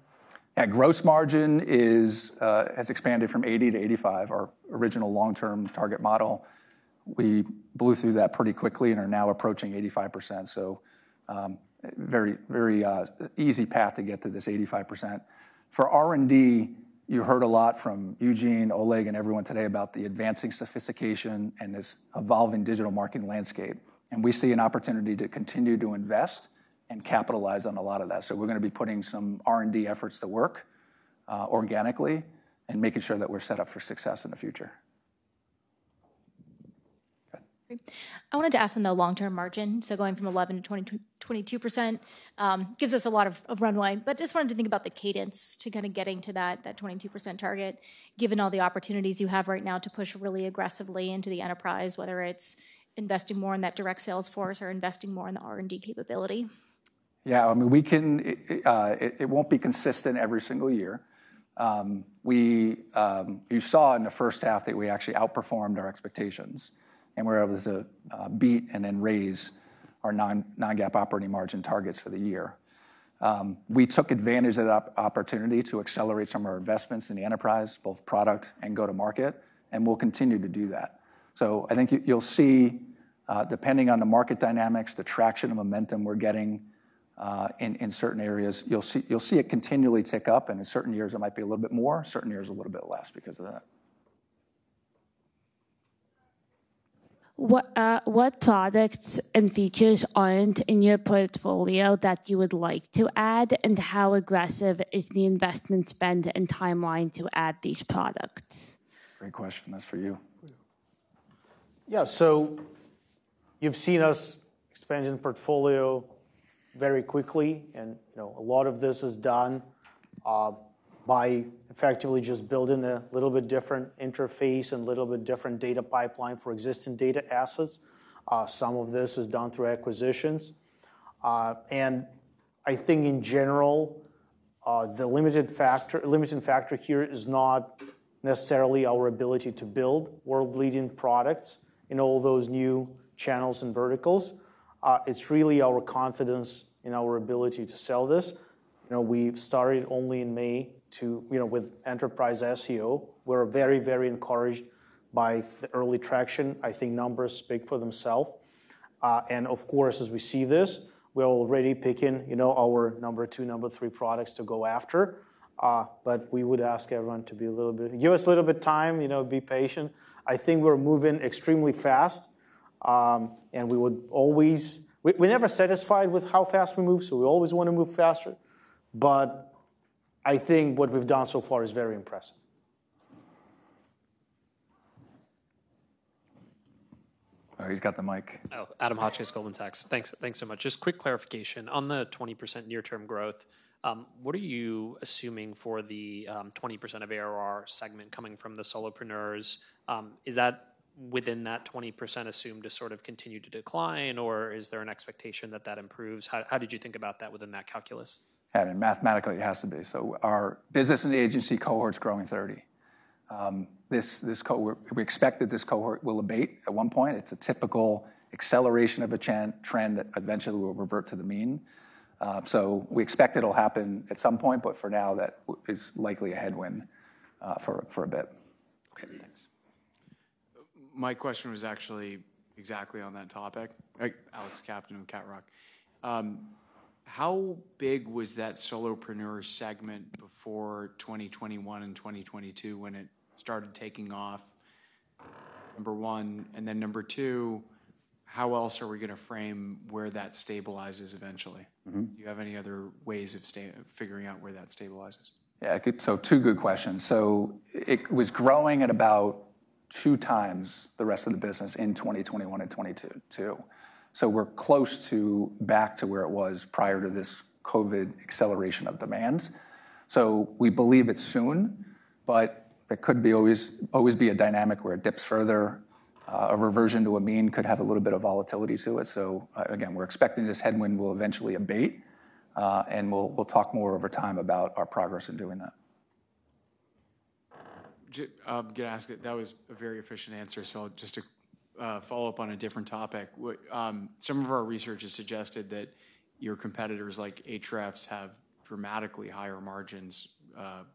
Yeah, gross margin has expanded from 80 to 85, our original long-term target model. We blew through that pretty quickly and are now approaching 85%, so very, very easy path to get to this 85%. For R&D, you heard a lot from Eugene, Oleg, and everyone today about the advancing sophistication and this evolving digital marketing landscape, and we see an opportunity to continue to invest and capitalize on a lot of that. So we're gonna be putting some R&D efforts to work organically and making sure that we're set up for success in the future. Go ahead. Great. I wanted to ask on the long-term margin, so going from 11% to 22% gives us a lot of runway, but just wanted to think about the cadence to kinda getting to that 22% target, given all the opportunities you have right now to push really aggressively into the enterprise, whether it's investing more in that direct sales force or investing more in the R&D capability. Yeah, I mean, we can. It won't be consistent every single year. You saw in the first half that we actually outperformed our expectations, and we were able to beat and then raise our non-GAAP operating margin targets for the year. We took advantage of that opportunity to accelerate some of our investments in the enterprise, both product and go-to-market, and we'll continue to do that. So I think you'll see, depending on the market dynamics, the traction and momentum we're getting in certain areas, you'll see it continually tick up, and in certain years it might be a little bit more, certain years a little bit less because of that. What, what products and features aren't in your portfolio that you would like to add, and how aggressive is the investment spend and timeline to add these products? Great question. That's for you. Yeah, so you've seen us expand in the portfolio very quickly, and, you know, a lot of this is done by effectively just building a little bit different interface and a little bit different data pipeline for existing data assets. Some of this is done through acquisitions, and I think in general, the limiting factor here is not necessarily our ability to build world-leading products in all those new channels and verticals. It's really our confidence in our ability to sell this. You know, we've started only in May to, you know, with enterprise SEO. We're very, very encouraged by the early traction. I think numbers speak for themself, and of course, as we see this, we're already picking, you know, our number two, number three products to go after. But we would ask everyone to be a little bit, give us a little bit time, you know, be patient. I think we're moving extremely fast, and we would always... We're never satisfied with how fast we move, so we always wanna move faster, but I think what we've done so far is very impressive. Oh, he's got the mic. Oh, Adam Hotchkiss, Goldman Sachs. Thanks. Thanks so much. Just quick clarification, on the 20% near-term growth, what are you assuming for the, 20% of ARR segment coming from the solopreneurs? Is that within that 20% assumed to sort of continue to decline, or is there an expectation that that improves? How did you think about that within that calculus? Adam, mathematically, it has to be. So our business and the agency cohort's growing 30%. This cohort we expect that this cohort will abate at one point. It's a typical acceleration of a trend that eventually will revert to the mean. So we expect it'll happen at some point, but for now, that is likely a headwind, for a bit. Okay, thanks. My question was actually exactly on that topic. Great. Alex Captain with Cat Rock. How big was that solopreneur segment before twenty twenty-one and twenty twenty-two, when it started taking off? Number one, and then number two, how else are we gonna frame where that stabilizes eventually? Mm-hmm. Do you have any other ways of figuring out where that stabilizes? Yeah, good, so two good questions. So it was growing at about two times the rest of the business in 2021 and 2022. So we're close to back to where it was prior to this COVID acceleration of demands. So we believe it's soon, but there could always be a dynamic where it dips further, a reversion to a mean could have a little bit of volatility to it. So, again, we're expecting this headwind will eventually abate, and we'll talk more over time about our progress in doing that. Can I ask? That was a very efficient answer, so just to follow up on a different topic. Some of our research has suggested that your competitors, like Ahrefs, have dramatically higher margins,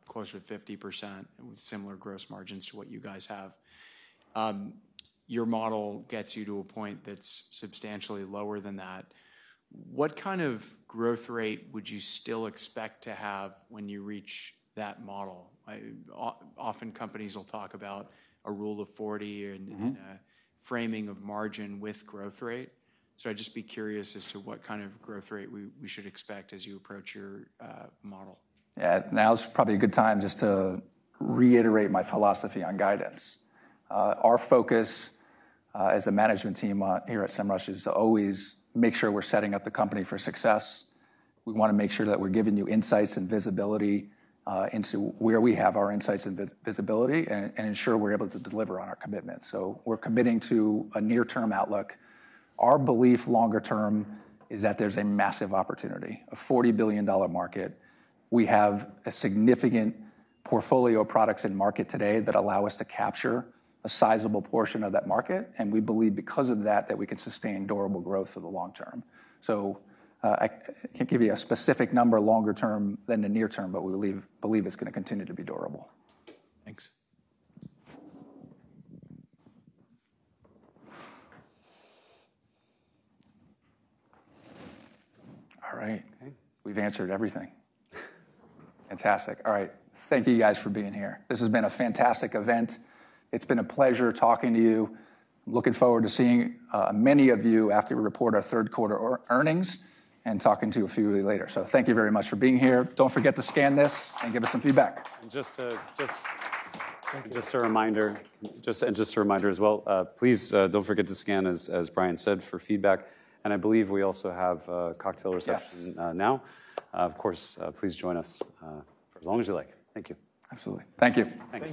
closer to 50%, with similar gross margins to what you guys have. Your model gets you to a point that's substantially lower than that. What kind of growth rate would you still expect to have when you reach that model? Often, companies will talk about a rule of 40 and- Mm-hmm... and framing of margin with growth rate. So I'd just be curious as to what kind of growth rate we should expect as you approach your model. Yeah, now's probably a good time just to reiterate my philosophy on guidance. Our focus, as a management team, here at Semrush, is to always make sure we're setting up the company for success. We wanna make sure that we're giving you insights and visibility into where we have our insights and visibility, and ensure we're able to deliver on our commitment. So we're committing to a near-term outlook. Our belief, longer term, is that there's a massive opportunity, a $40 billion market. We have a significant portfolio of products in market today that allow us to capture a sizable portion of that market, and we believe because of that, that we can sustain durable growth for the long term. I can't give you a specific number longer term than the near term, but we believe it's gonna continue to be durable. Thanks. All right. Okay. We've answered everything. Fantastic. All right. Thank you guys for being here. This has been a fantastic event. It's been a pleasure talking to you. Looking forward to seeing many of you after we report our third quarter earnings, and talking to a few of you later. So thank you very much for being here. Don't forget to scan this and give us some feedback. Just a reminder as well, please don't forget to scan, as Brian said, for feedback, and I believe we also have a cocktail reception. Yes... now. Of course, please join us for as long as you like. Thank you. Absolutely. Thank you. Thank you.